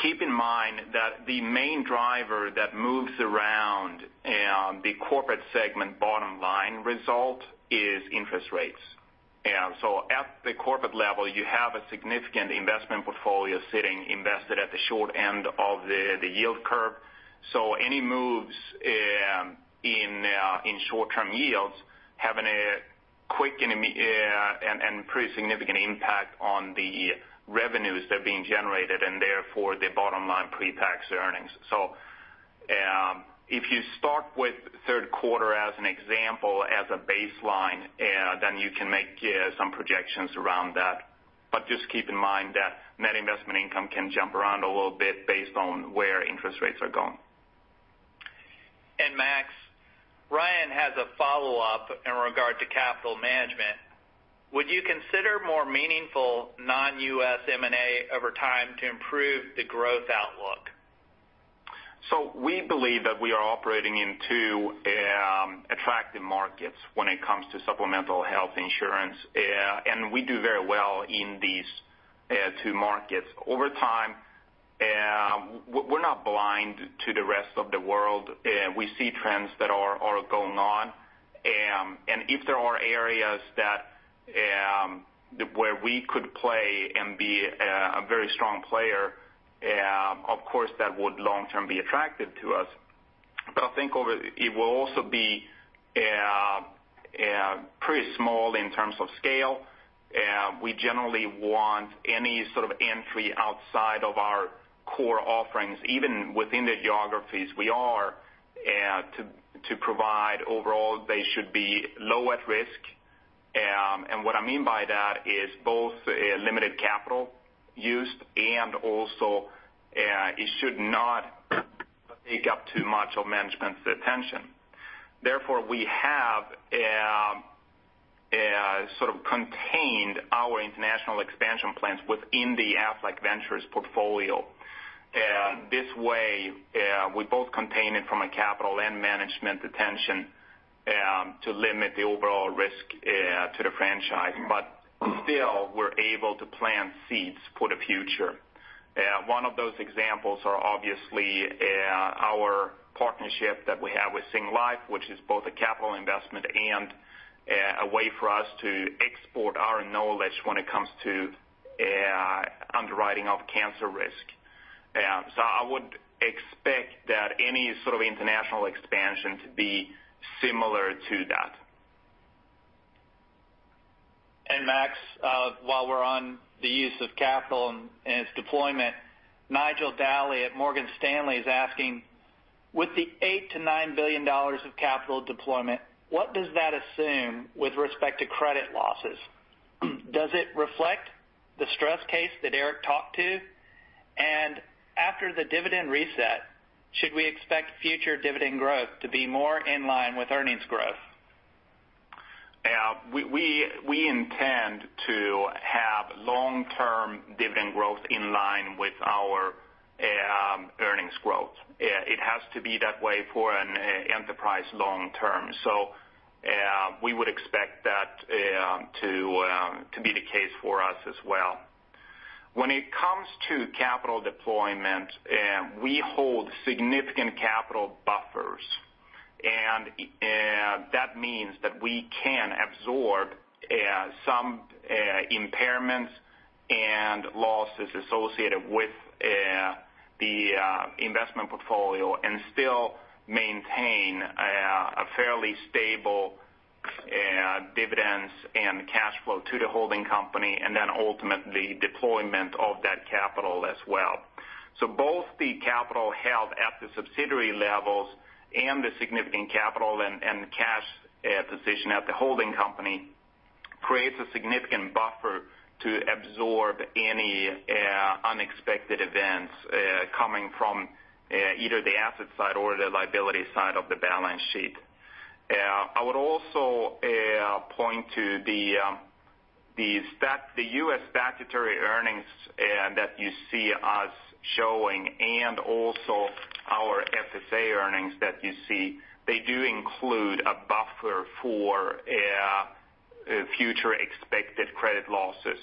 Keep in mind that the main driver that moves around the corporate segment bottom line result is interest rates. So at the corporate level, you have a significant investment portfolio sitting invested at the short end of the yield curve. So any moves in short-term yields have a quick and pretty significant impact on the revenues that are being generated and therefore the bottom line pre-tax earnings. So if you start with third quarter as an example, as a baseline, then you can make some projections around that. But just keep in mind that net investment income can jump around a little bit based on where interest rates are going. And Max, Ryan has a follow-up in regard to capital management. Would you consider more meaningful non-US M&A over time to improve the growth outlook? So we believe that we are operating in two attractive markets when it comes to supplemental health insurance, and we do very well in these two markets. Over time, we're not blind to the rest of the world. We see trends that are going on, and if there are areas where we could play and be a very strong player, of course, that would long-term be attractive to us. But I think it will also be pretty small in terms of scale. We generally want any sort of entry outside of our core offerings, even within the geographies we are, to provide overall. They should be low-risk. And what I mean by that is both limited capital used and also it should not take up too much of management's attention. Therefore, we have sort of contained our international expansion plans within the Aflac Ventures portfolio. This way, we both contain it from a capital and management attention to limit the overall risk to the franchise. But still, we're able to plant seeds for the future. One of those examples are obviously our partnership that we have with Singlife, which is both a capital investment and a way for us to export our knowledge when it comes to underwriting of cancer risk. So I would expect that any sort of international expansion to be similar to that. And Max, while we're on the use of capital and its deployment, Nigel Dally at Morgan Stanley is asking, with the $8 billion-$9 billion of capital deployment, what does that assume with respect to credit losses? Does it reflect the stress case that Eric talked to? And after the dividend reset, should we expect future dividend growth to be more in line with earnings growth? We intend to have long-term dividend growth in line with our earnings growth. It has to be that way for an enterprise long-term. So we would expect that to be the case for us as well. When it comes to capital deployment, we hold significant capital buffers, and that means that we can absorb some impairments and losses associated with the investment portfolio and still maintain a fairly stable dividends and cash flow to the holding company and then ultimately deployment of that capital as well. So both the capital held at the subsidiary levels and the significant capital and cash position at the holding company creates a significant buffer to absorb any unexpected events coming from either the asset side or the liability side of the balance sheet. I would also point to the U.S. statutory earnings that you see us showing and also our FSA earnings that you see. They do include a buffer for future expected credit losses.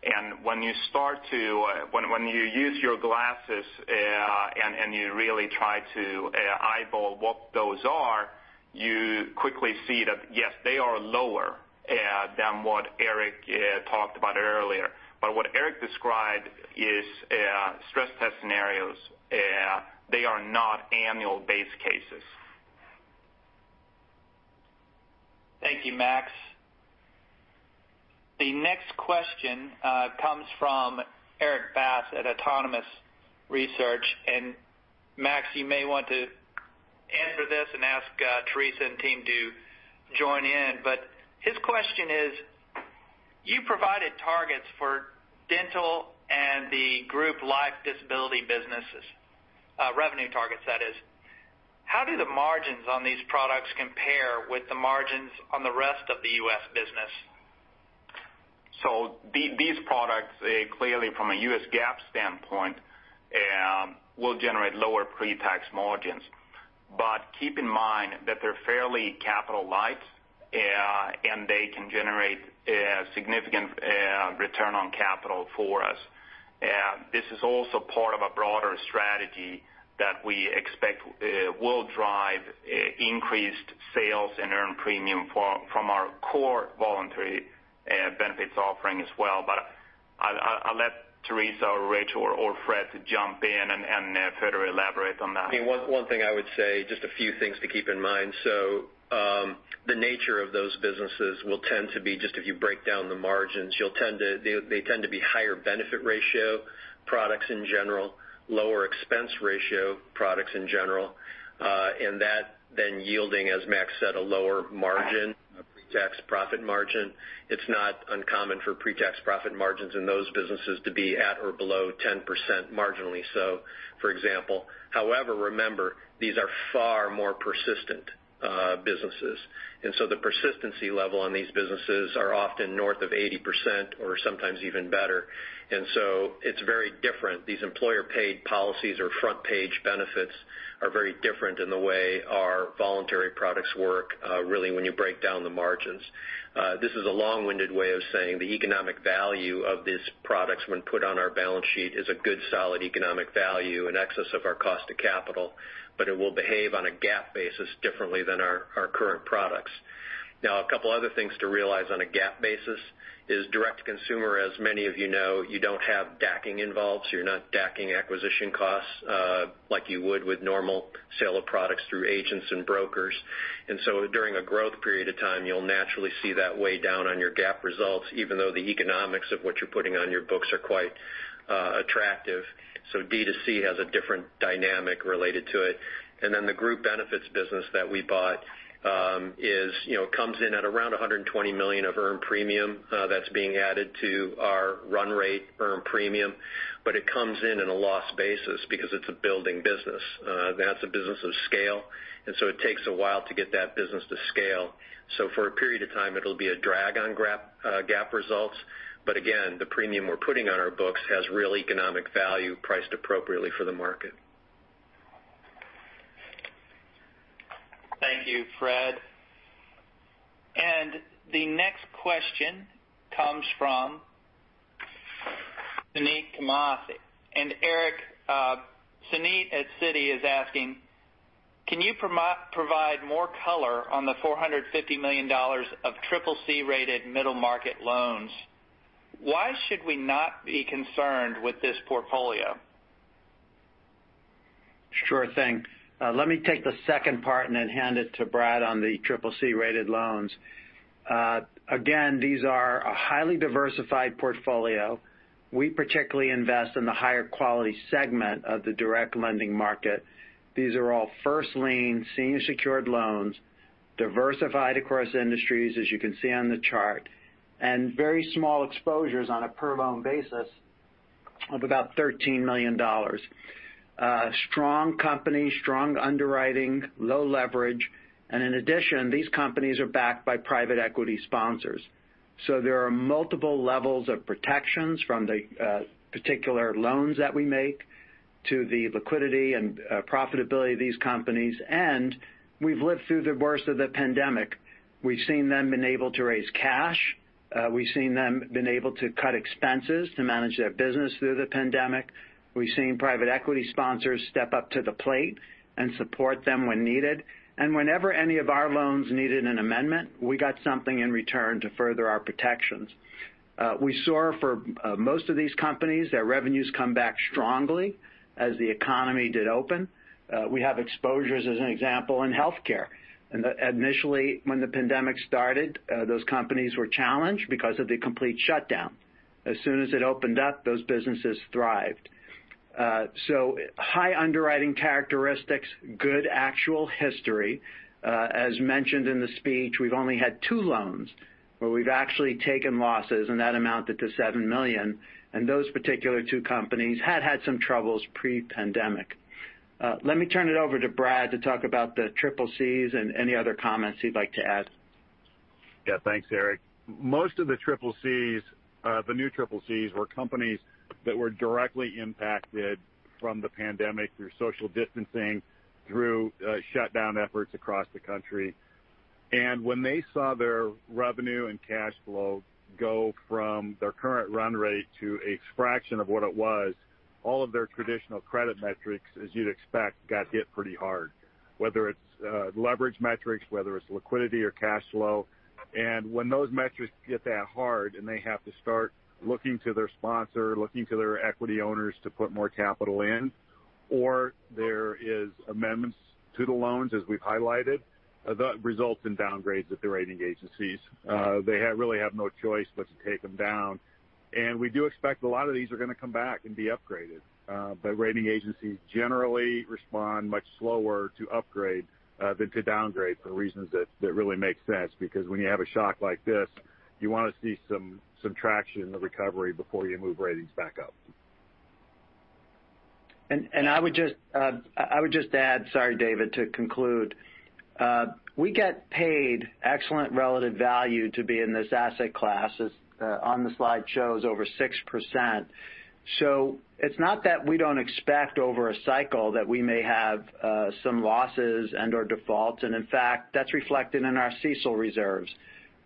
And when you start to, when you use your glasses and you really try to eyeball what those are, you quickly see that, yes, they are lower than what Eric talked about earlier. But what Eric described is stress test scenarios. They are not annual base cases. Thank you, Max. The next question comes from Erik Bass at Autonomous Research. And Max, you may want to answer this and ask Teresa and team to join in. But his question is, you provided targets for dental and the group life disability businesses, revenue targets, that is. How do the margins on these products compare with the margins on the rest of the U.S. business? So these products, clearly from a U.S. GAAP standpoint, will generate lower pre-tax margins. But keep in mind that they're fairly capital-light, and they can generate significant return on capital for us. This is also part of a broader strategy that we expect will drive increased sales and earn premium from our core voluntary benefits offering as well but I'll let Teresa or Rich or Fred to jump in and further elaborate on that. One thing I would say, just a few things to keep in mind so the nature of those businesses will tend to be, just if you break down the margins, they tend to be higher benefit ratio products in general, lower expense ratio products in general, and that then yielding, as Max said, a lower margin, a pre-tax profit margin. It's not uncommon for pre-tax profit margins in those businesses to be at or below 10% marginally, so for example. However, remember, these are far more persistent businesses and so the persistency level on these businesses are often north of 80% or sometimes even better. It's very different. These employer-paid policies or front-page benefits are very different in the way our voluntary products work really when you break down the margins. This is a long-winded way of saying the economic value of these products when put on our balance sheet is a good solid economic value, an excess of our cost of capital, but it will behave on a GAAP basis differently than our current products. Now, a couple of other things to realize on a GAAP basis is direct-to-consumer, as many of you know, you don't have DACing involved, so you're not DACing acquisition costs like you would with normal sale of products through agents and brokers. During a growth period of time, you'll naturally see that weigh down on your GAAP results, even though the economics of what you're putting on your books are quite attractive. DTC has a different dynamic related to it. And then the group benefits business that we bought comes in at around $120 million of earned premium that's being added to our run rate earned premium, but it comes in on a loss basis because it's a building business. That's a business of scale, and so it takes a while to get that business to scale. So for a period of time, it'll be a drag on GAAP results. But again, the premium we're putting on our books has real economic value priced appropriately for the market. Thank you, Fred. And the next question comes from Suneet Kamath. And Eric, Suneet at Citi is asking, can you provide more color on the $450 million of CCC-rated middle-market loans? Why should we not be concerned with this portfolio? Sure thing. Let me take the second part and then hand it to Brad on the CCC-rated loans. Again, these are a highly diversified portfolio. We particularly invest in the higher quality segment of the direct lending market. These are all first-lien, senior-secured loans, diversified across industries, as you can see on the chart, and very small exposures on a per-loan basis of about $13 million. Strong companies, strong underwriting, low leverage. And in addition, these companies are backed by private equity sponsors. So there are multiple levels of protections from the particular loans that we make to the liquidity and profitability of these companies. And we've lived through the worst of the pandemic. We've seen them been able to raise cash. We've seen them been able to cut expenses to manage their business through the pandemic. We've seen private equity sponsors step up to the plate and support them when needed. Whenever any of our loans needed an amendment, we got something in return to further our protections. We saw for most of these companies, their revenues come back strongly as the economy did open. We have exposures, as an example, in healthcare. Initially, when the pandemic started, those companies were challenged because of the complete shutdown. As soon as it opened up, those businesses thrived, so high underwriting characteristics, good actual history. As mentioned in the speech, we've only had two loans where we've actually taken losses, and that amounted to $7 million. And those particular two companies had had some troubles pre-pandemic. Let me turn it over to Brad to talk about the CCCs and any other comments he'd like to add. Yeah, thanks, Eric. Most of the CCCs, the new CCCs, were companies that were directly impacted from the pandemic through social distancing, through shutdown efforts across the country. And when they saw their revenue and cash flow go from their current run rate to a fraction of what it was, all of their traditional credit metrics, as you'd expect, got hit pretty hard, whether it's leverage metrics, whether it's liquidity or cash flow. And when those metrics get that hard and they have to start looking to their sponsor, looking to their equity owners to put more capital in, or there are amendments to the loans, as we've highlighted, that results in downgrades at the rating agencies. They really have no choice but to take them down. And we do expect a lot of these are going to come back and be upgraded. But rating agencies generally respond much slower to upgrade than to downgrade for reasons that really make sense, because when you have a shock like this, you want to see some traction in the recovery before you move ratings back up. And I would just add, sorry, David, to conclude, we get paid excellent relative value to be in this asset class, as on the slide shows over 6%. So it's not that we don't expect over a cycle that we may have some losses and/or defaults. And in fact, that's reflected in our CCC reserves,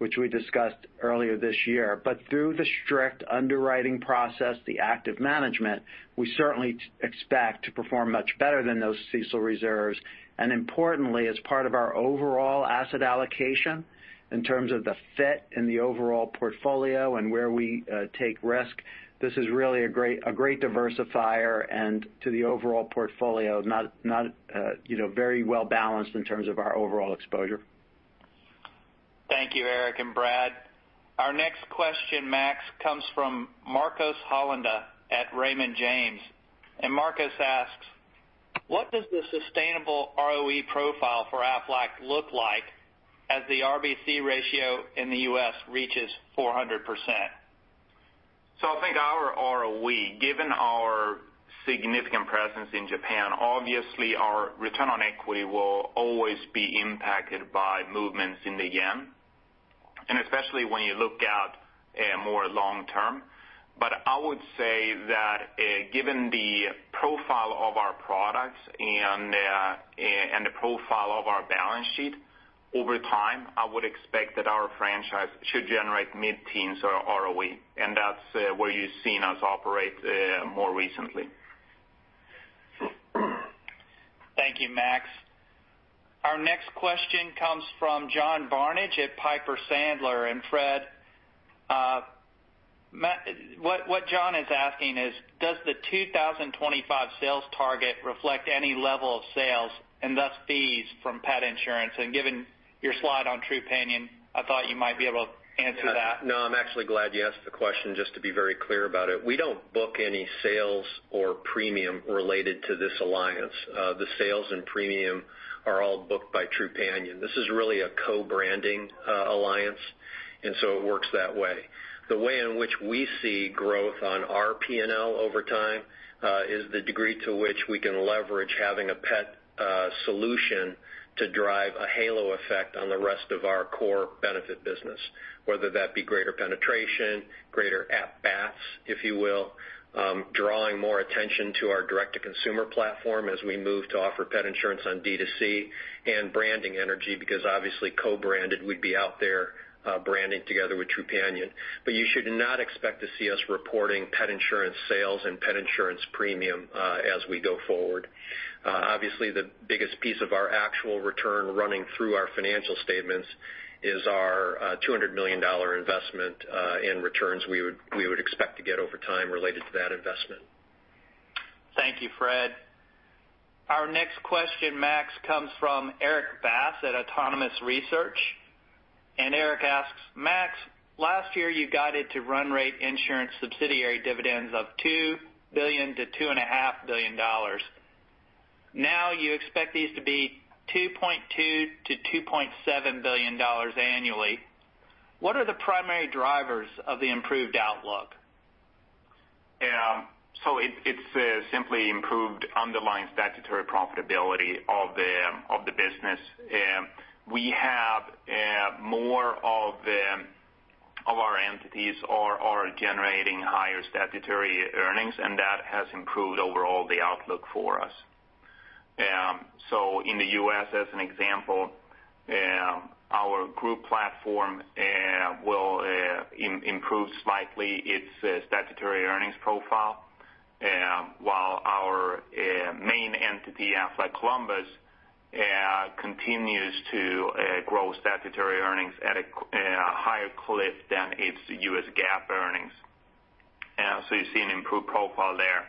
which we discussed earlier this year. But through the strict underwriting process, the active management, we certainly expect to perform much better than those CCC reserves. Importantly, as part of our overall asset allocation in terms of the fit and the overall portfolio and where we take risk, this is really a great diversifier to the overall portfolio, not very well balanced in terms of our overall exposure. Thank you, Eric and Brad. Our next question, Max, comes from Marcos Holanda at Raymond James. Marcos asks, what does the sustainable ROE profile for Aflac look like as the RBC ratio in the U.S. reaches 400%? I think our ROE, given our significant presence in Japan, obviously our return on equity will always be impacted by movements in the yen, and especially when you look at more long-term. But I would say that given the profile of our products and the profile of our balance sheet over time, I would expect that our franchise should generate mid-teens ROE, and that's where you've seen us operate more recently. Thank you, Max. Our next question comes from John Barnidge at Piper Sandler. And Fred, what John is asking is, does the 2025 sales target reflect any level of sales and thus fees from pet insurance? And given your slide on Trupanion, I thought you might be able to answer that. No, I'm actually glad you asked the question just to be very clear about it. We don't book any sales or premium related to this alliance. The sales and premium are all booked by Trupanion. This is really a co-branding alliance, and so it works that way. The way in which we see growth on our P&L over time is the degree to which we can leverage having a pet solution to drive a halo effect on the rest of our core benefit business, whether that be greater penetration, greater attach rates, if you will, drawing more attention to our direct-to-consumer platform as we move to offer pet insurance on DTC and branding energy, because obviously co-branded would be out there branding together with Trupanion. But you should not expect to see us reporting pet insurance sales and pet insurance premium as we go forward. Obviously, the biggest piece of our actual return running through our financial statements is our $200 million investment in returns we would expect to get over time related to that investment. Thank you, Fred. Our next question, Max, comes from Eric Bass at Autonomous Research. Eric asks, "Max, last year you guided to run rate insurance subsidiary dividends of $2 billion-$2.5 billion. Now you expect these to be $2.2-$2.7 billion annually. What are the primary drivers of the improved outlook?" It's simply improved underlying statutory profitability of the business. We have more of our entities are generating higher statutory earnings, and that has improved overall the outlook for us. In the U.S., as an example, our group platform will improve slightly its statutory earnings profile, while our main entity, Aflac Columbus, continues to grow statutory earnings at a higher clip than its U.S. GAAP earnings. You see an improved profile there.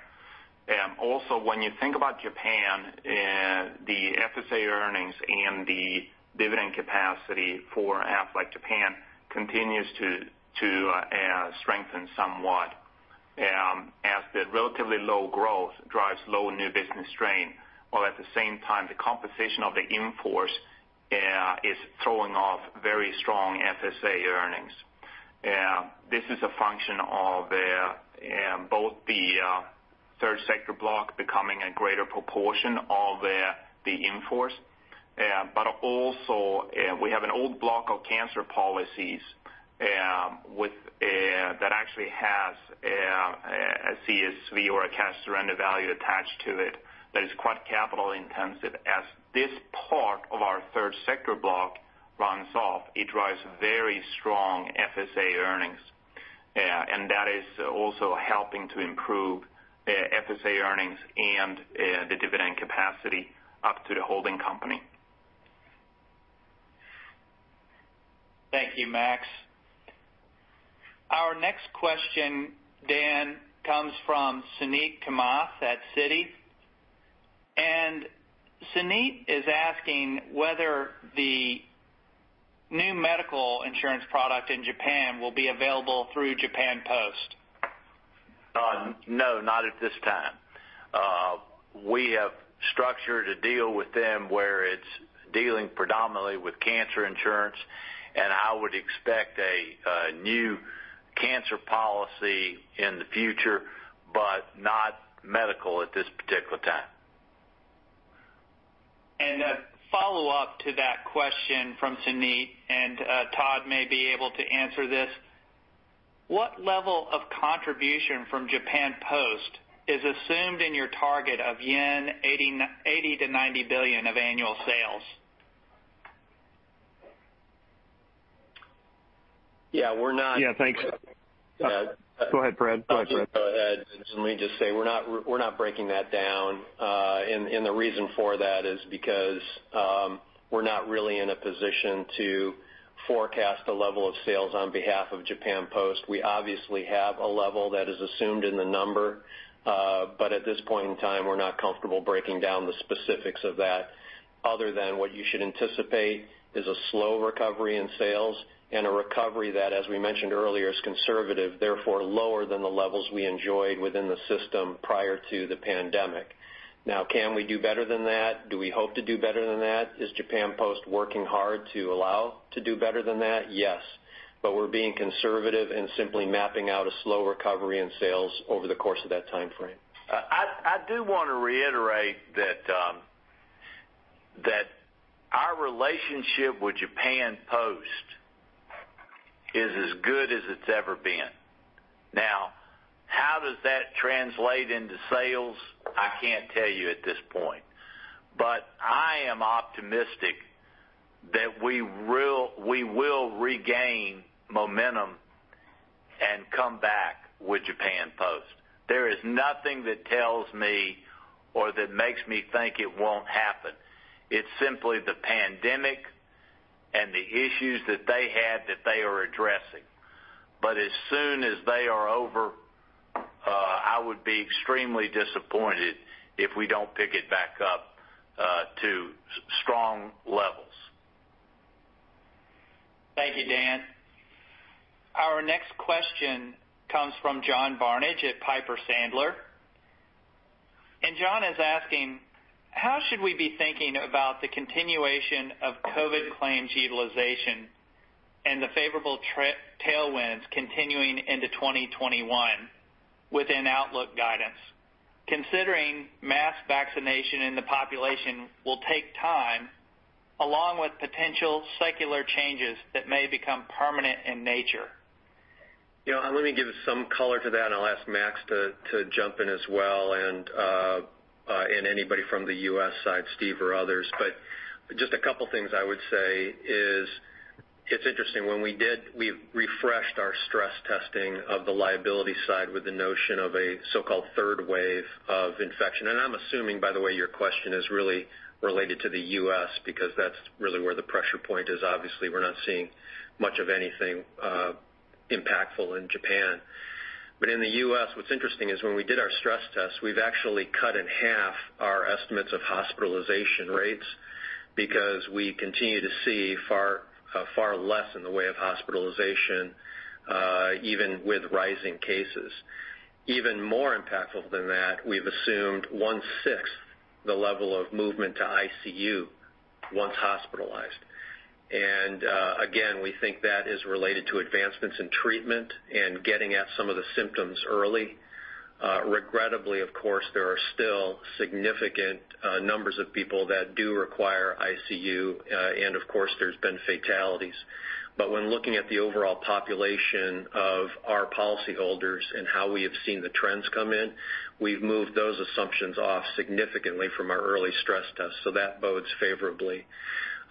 Also, when you think about Japan, the FSA earnings and the dividend capacity for Aflac Japan continues to strengthen somewhat, as the relatively low growth drives low new business strain, while at the same time the composition of the in force is throwing off very strong FSA earnings. This is a function of both the Third Sector block becoming a greater proportion of the in force, but also we have an old block of cancer policies that actually has a CSV or a cash surrender value attached to it that is quite capital intensive. As this part of our Third Sector block runs off, it drives very strong FSA earnings, and that is also helping to improve FSA earnings and the dividend capacity up to the holding company. Thank you, Max. Our next question, Dan, comes from Suneet Kamath at Citi. Suneet is asking whether the new medical insurance product in Japan will be available through Japan Post. No, not at this time. We have structured a deal with them where it's dealing predominantly with cancer insurance, and I would expect a new cancer policy in the future, but not medical at this particular time. And a follow-up to that question from Suneet, and Todd may be able to answer this. What level of contribution from Japan Post is assumed in your target of 80-90 billion yen of annual sales? Yeah, we're not. Yeah, thanks. Go ahead, Fred. Suneet just said we're not breaking that down. And the reason for that is because we're not really in a position to forecast the level of sales n behalf of Japan Post. We obviously have a level that is assumed in the number, but at this point in time, we're not comfortable breaking down the specifics of that. Other than what you should anticipate is a slow recovery in sales and a recovery that, as we mentioned earlier, is conservative, therefore lower than the levels we enjoyed within the system prior to the pandemic. Now, can we do better than that? Do we hope to do better than that? Is Japan Post working hard to allow to do better than that? Yes. But we're being conservative and simply mapping out a slow recovery in sales over the course of that timeframe. I do want to reiterate that our relationship with Japan Post is as good as it's ever been. Now, how does that translate into sales? I can't tell you at this point. But I am optimistic that we will regain momentum and come back with Japan Post. There is nothing that tells me or that makes me think it won't happen. It's simply the pandemic and the issues that they had that they are addressing. But as soon as they are over, I would be extremely disappointed if we don't pick it back up to strong levels. Thank you, Dan. Our next question comes from John Barnidge at Piper Sandler. And John is asking, how should we be thinking about the continuation of COVID claims utilization and the favorable tailwinds continuing into 2021 within outlook guidance? Considering mass vaccination in the population will take time, along with potential secular changes that may become permanent in nature. Let me give some color to that, and I'll ask Max to jump in as well, and anybody from the U.S. side, Steve or others. But just a couple of things I would say is it's interesting. When we did, we refreshed our stress testing of the liability side with the notion of a so-called third wave of infection. And I'm assuming, by the way, your question is really related to the U.S. because that's really where the pressure point is. Obviously, we're not seeing much of anything impactful in Japan. But in the U.S., what's interesting is when we did our stress test, we've actually cut in half our estimates of hospitalization rates because we continue to see far less in the way of hospitalization, even with rising cases. Even more impactful than that, we've assumed one-sixth the level of movement to ICU once hospitalized. And again, we think that is related to advancements in treatment and getting at some of the symptoms early. Regrettably, of course, there are still significant numbers of people that do require ICU, and of course, there's been fatalities. But when looking at the overall population of our policyholders and how we have seen the trends come in, we've moved those assumptions off significantly from our early stress test. So that bodes favorably.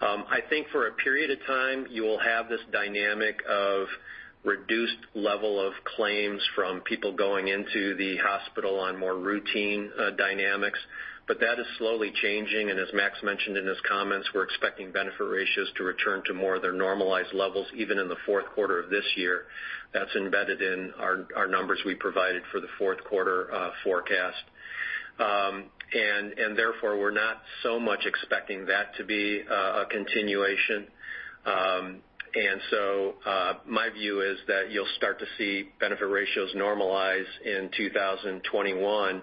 I think for a period of time, you will have this dynamic of reduced level of claims from people going into the hospital on more routine dynamics, but that is slowly changing. And as Max mentioned in his comments, we're expecting benefit ratios to return to more of their normalized levels even in the fourth quarter of this year. That's embedded in our numbers we provided for the fourth quarter forecast. And therefore, we're not so much expecting that to be a continuation. And so my view is that you'll start to see benefit ratios normalize in 2021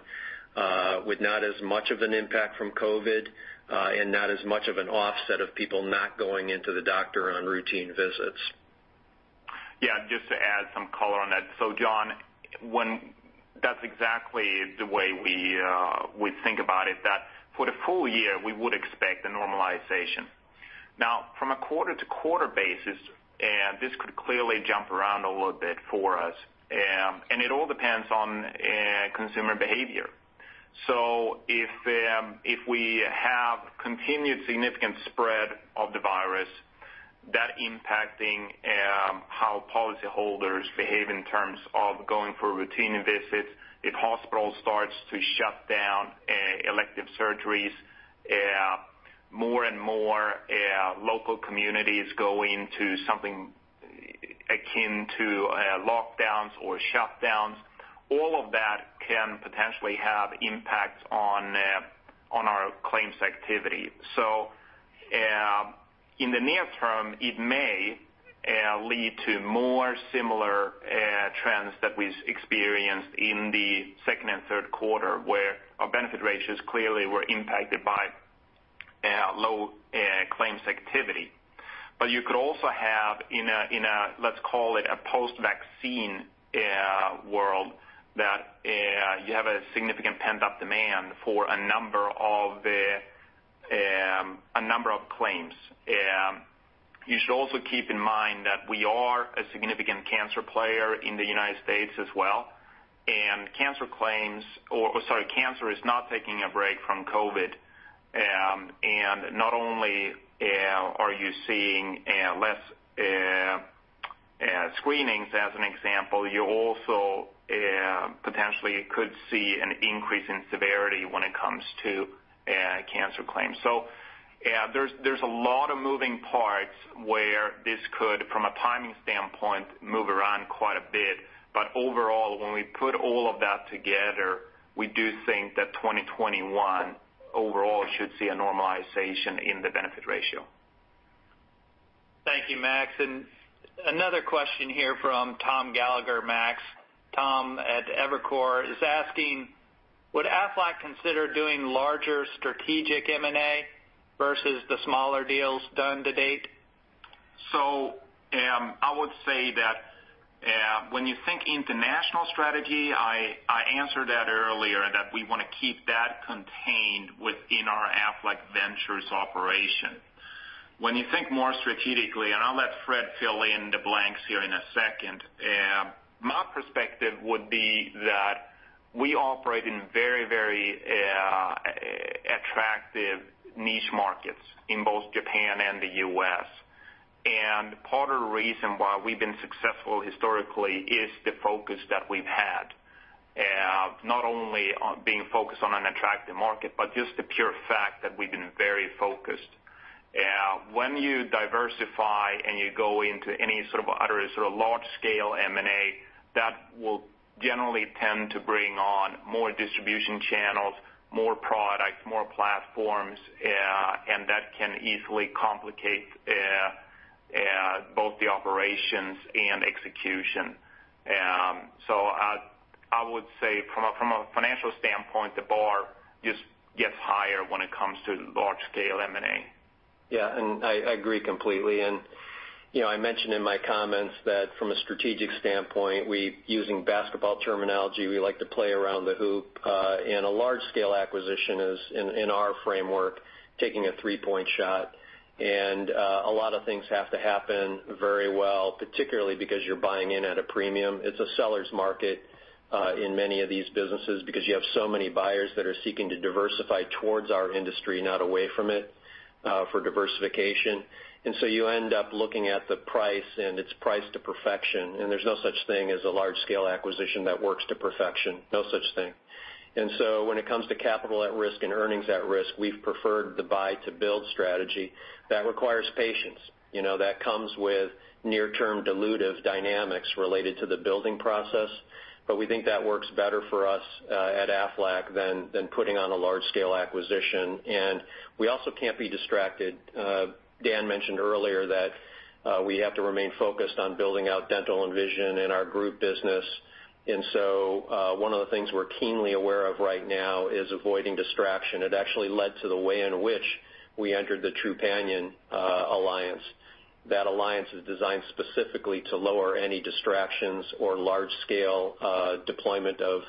with not as much of an impact from COVID and not as much of an offset of people not going to the doctor on routine visits. Yeah, just to add some color on that. So John, that's exactly the way we think about it, that for the full year, we would expect a normalization. Now, from a quarter-to-quarter basis, this could clearly jump around a little bit for us. And it all depends on consumer behavior. So if we have continued significant spread of the virus that's impacting how policyholders behave in terms of going for routine visits, if hospitals start to shut down elective surgeries, more and more local communities go into something akin to lockdowns or shutdowns, all of that can potentially have impacts on our claims activity. So in the near term, it may lead to more similar trends that we've experienced in the second and third quarter where our benefit ratios clearly were impacted by low claims activity. But you could also have, let's call it a post-vaccine world, that you have a significant pent-up demand for a number of claims. You should also keep in mind that we are a significant cancer player in the United States as well. And cancer claims or sorry, cancer is not taking a break from COVID. And not only are you seeing less screenings, as an example, you also potentially could see an increase in severity when it comes to cancer claims. So there's a lot of moving parts where this could, from a timing standpoint, move around quite a bit. But overall, when we put all of that together, we do think that 2021 overall should see a normalization in the benefit ratio. Thank you, Max. And another question here from Tom Gallagher, Max. Tom at Evercore is asking, would Aflac consider doing larger strategic M&A versus the smaller deals done to date? So I would say that when you think international strategy, I answered that earlier, that we want to keep that contained within our Aflac Ventures operation. When you think more strategically, and I'll let Fred fill in the blanks here in a second, my perspective would be that we operate in very, very attractive niche markets in both Japan and the U.S. And part of the reason why we've been successful historically is the focus that we've had, not only being focused on an attractive market, but just the pure fact that we've been very focused. When you diversify and you go into any sort of other sort of large-scale M&A, that will generally tend to bring on more distribution channels, more products, more platforms, and that can easily complicate both the operations and execution. So I would say from a financial standpoint, the bar just gets higher when it comes to large-scale M&A. Yeah, and I agree completely, and I mentioned in my comments that from a strategic standpoint, using basketball terminology, we like to play around the hoop, and a large-scale acquisition is, in our framework, taking a three-point shot, and a lot of things have to happen very well, particularly because you're buying in at a premium. It's a seller's market in many of these businesses because you have so many buyers that are seeking to diversify towards our industry, not away from it for diversification. And so you end up looking at the price, and it's priced to perfection. And there's no such thing as a large-scale acquisition that works to perfection. No such thing. And so when it comes to capital at risk and earnings at risk, we've preferred the buy-to-build strategy. That requires patience. That comes with near-term dilutive dynamics related to the building process. But we think that works better for us at Aflac than putting on a large-scale acquisition. And we also can't be distracted. Dan mentioned earlier that we have to remain focused on building out dental and vision in our group business. And so one of the things we're keenly aware of right now is avoiding distraction. It actually led to the way in which we entered the Trupanion Alliance. That alliance is designed specifically to lower any distractions or large-scale deployment of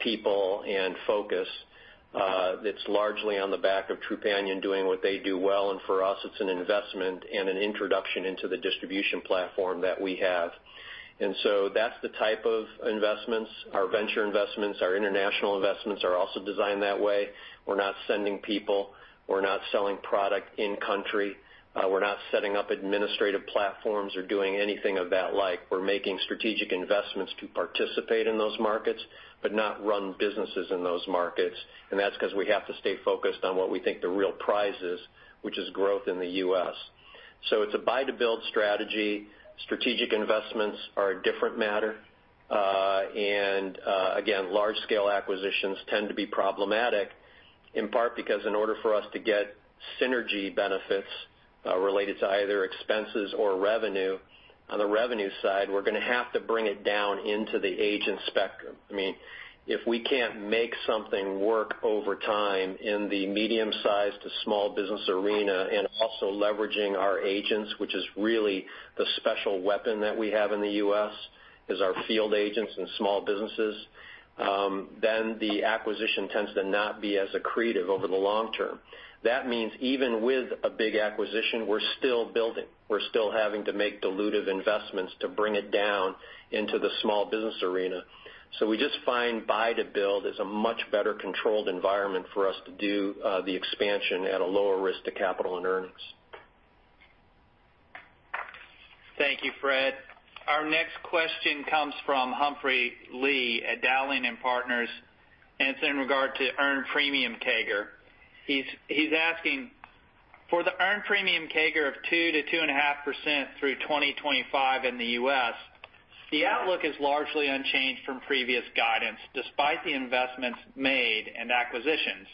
people and focus. It's largely on the back of Trupanion doing what they do well. And for us, it's an investment and an introduction into the distribution platform that we have. And so that's the type of investments. Our venture investments, our international investments are also designed that way. We're not sending people. We're not selling product in-country. We're not setting up administrative platforms or doing anything of that like. We're making strategic investments to participate in those markets but not run businesses in those markets. And that's because we have to stay focused on what we think the real prize is, which is growth in the U.S. So it's a buy-to-build strategy. Strategic investments are a different matter. And again, large-scale acquisitions tend to be problematic in part because in order for us to get synergy benefits related to either expenses or revenue, on the revenue side, we're going to have to bring it down into the agent spectrum. I mean, if we can't make something work over time in the medium-sized to small business arena and also leveraging our agents, which is really the special weapon that we have in the U.S., is our field agents and small businesses, then the acquisition tends to not be as accretive over the long term. That means even with a big acquisition, we're still building. We're still having to make dilutive investments to bring it down into the small business arena. So we just find buy-to-build is a much better controlled environment for us to do the expansion at a lower risk to capital and earnings. Thank you, Fred. Our next question comes from Humphrey Lee at Dowling & Partners. And it's in regard to earned premium CAGR. He's asking, for the earned premium CAGR of 2%-2.5% through 2025 in the U.S., the outlook is largely unchanged from previous guidance despite the investments made and acquisitions.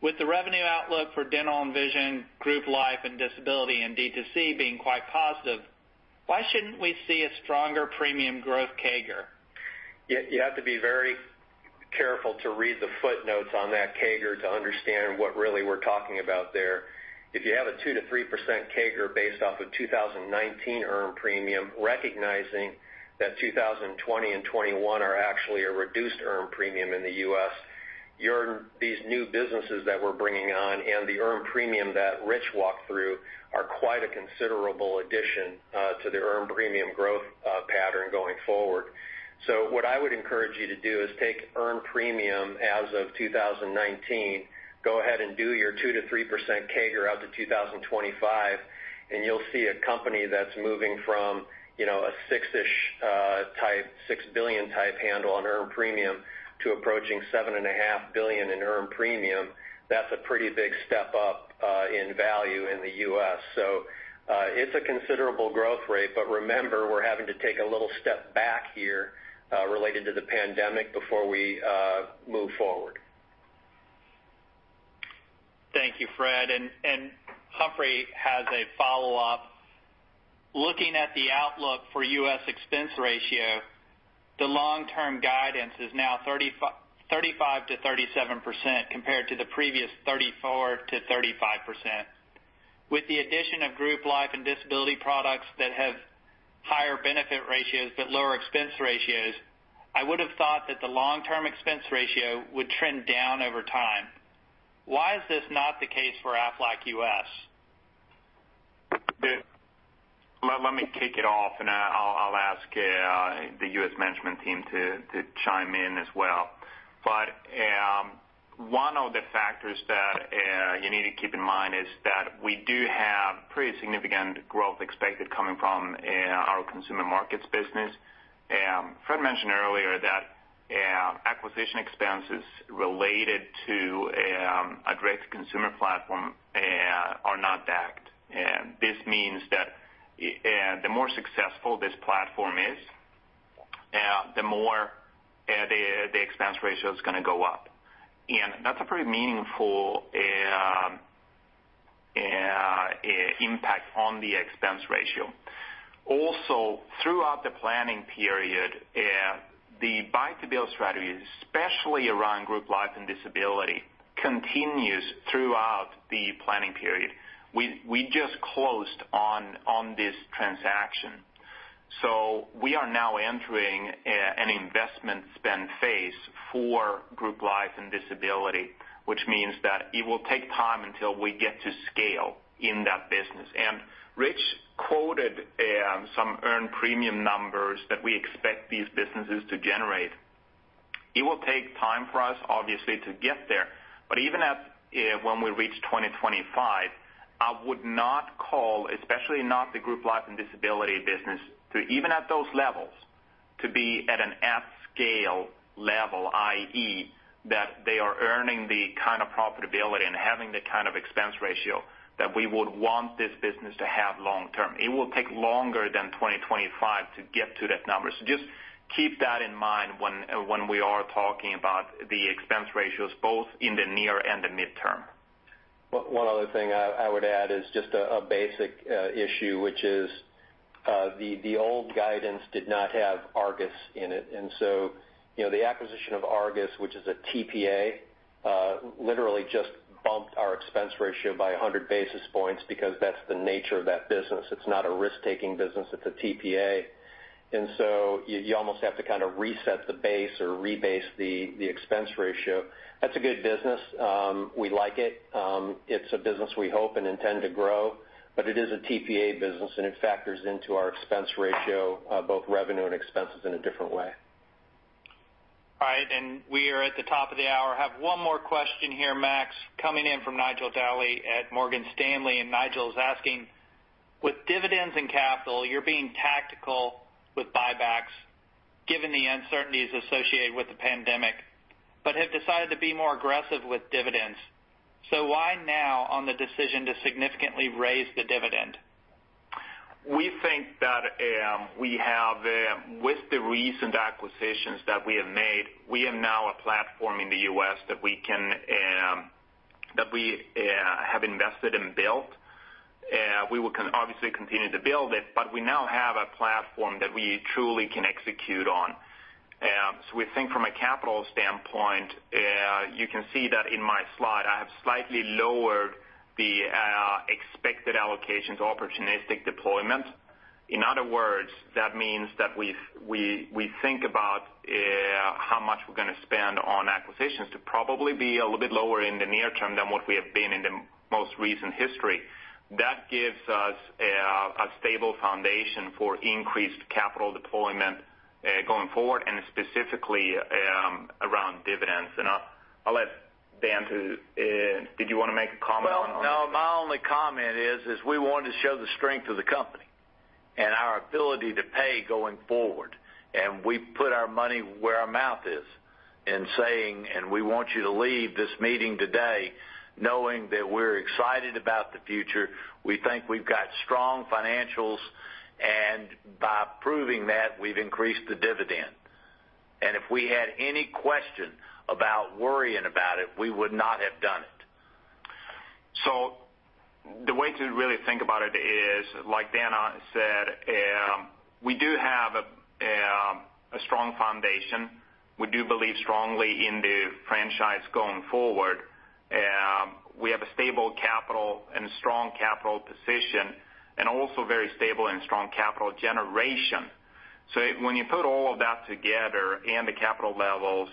With the revenue outlook for dental and vision, group life and disability in DTC being quite positive, why shouldn't we see a stronger premium growth CAGR? You have to be very careful to read the footnotes on that CAGR to understand what really we're talking about there. If you have a 2-3% CAGR based off of 2019 earned premium, recognizing that 2020 and 2021 are actually a reduced earned premium in the U.S., these new businesses that we're bringing on and the earned premium that Rich walked through are quite a considerable addition to the earned premium growth pattern going forward. So what I would encourage you to do is take earned premium as of 2019, go ahead and do your 2-3% CAGR out to 2025, and you'll see a company that's moving from a 6-ish type, $6 billion type handle on earned premium to approaching $7.5 billion in earned premium. That's a pretty big step up in value in the U.S. So it's a considerable growth rate. But remember, we're having to take a little step back here related to the pandemic before we move forward. Thank you, Fred. Humphrey has a follow-up. Looking at the outlook for U.S. expense ratio, the long-term guidance is now 35%-37% compared to the previous 34%-35%. With the addition of group life and disability products that have higher benefit ratios but lower expense ratios, I would have thought that the long-term expense ratio would trend down over time. Why is this not the case for Aflac U.S.? Let me kick it off, and I'll ask the U.S. management team to chime in as well. But one of the factors that you need to keep in mind is that we do have pretty significant growth expected coming from our consumer markets business. Fred mentioned earlier that acquisition expenses related to a direct consumer platform are not backloaded. This means that the more successful this platform is, the more the expense ratio is going to go up. That's a pretty meaningful impact on the expense ratio. Also, throughout the planning period, the buy-to-build strategy, especially around group life and disability, continues throughout the planning period. We just closed on this transaction, so we are now entering an investment spend phase for group life and disability, which means that it will take time until we get to scale in that business, and Rich quoted some earned premium numbers that we expect these businesses to generate. It will take time for us, obviously, to get there. Even when we reach 2025, I would not call, especially not the group life and disability business, even at those levels, to be at an at-scale level, i.e., that they are earning the kind of profitability and having the kind of expense ratio that we would want this business to have long term. It will take longer than 2025 to get to that number. So just keep that in mind when we are talking about the expense ratios, both in the near and the midterm. One other thing I would add is just a basic issue, which is the old guidance did not have Argus in it. And so the acquisition of Argus, which is a TPA, literally just bumped our expense ratio by 100 basis points because that's the nature of that business. It's not a risk-taking business. It's a TPA. And so you almost have to kind of reset the base or rebase the expense ratio. That's a good business. We like it. It's a business we hope and intend to grow. But it is a TPA business, and it factors into our expense ratio, both revenue and expenses, in a different way. All right. We are at the top of the hour. I have one more question here, Max, coming in from Nigel Dally at Morgan Stanley. Nigel is asking, with dividends and capital, you're being tactical with buybacks given the uncertainties associated with the pandemic, but have decided to be more aggressive with dividends. Why now on the decision to significantly raise the dividend? We think that with the recent acquisitions that we have made, we have now a platform in the U.S. that we have invested and built. We will obviously continue to build it, but we now have a platform that we truly can execute on. We think from a capital standpoint, you can see that in my slide. I have slightly lowered the expected allocations opportunistic deployment. In other words, that means that we think about how much we're going to spend on acquisitions to probably be a little bit lower in the near term than what we have been in the most recent history. That gives us a stable foundation for increased capital deployment going forward and specifically around dividends. And I'll let Dan to—did you want to make a comment on that? Well, my only comment is we wanted to show the strength of the company and our ability to pay going forward. And we put our money where our mouth is in saying, "And we want you to leave this meeting today knowing that we're excited about the future. We think we've got strong financials." And by proving that, we've increased the dividend. And if we had any question about worrying about it, we would not have done it. So the way to really think about it is, like Dan said, we do have a strong foundation. We do believe strongly in the franchise going forward. We have a stable capital and strong capital position and also very stable and strong capital generation. So when you put all of that together and the capital levels,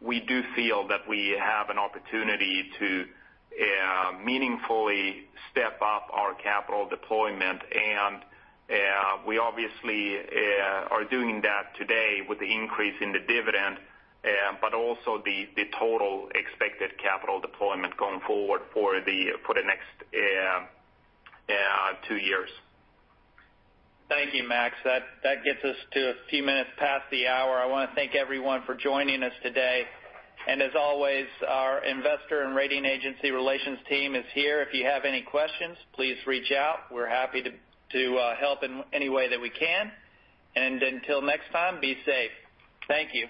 we do feel that we have an opportunity to meaningfully step up our capital deployment. And we obviously are doing that today with the increase in the dividend, but also the total expected capital deployment going forward for the next two years. Thank you, Max. That gets us to a few minutes past the hour. I want to thank everyone for joining us today. And as always, our investor and rating agency relations team is here. If you have any questions, please reach out. We're happy to help in any way that we can. Until next time, be safe. Thank you.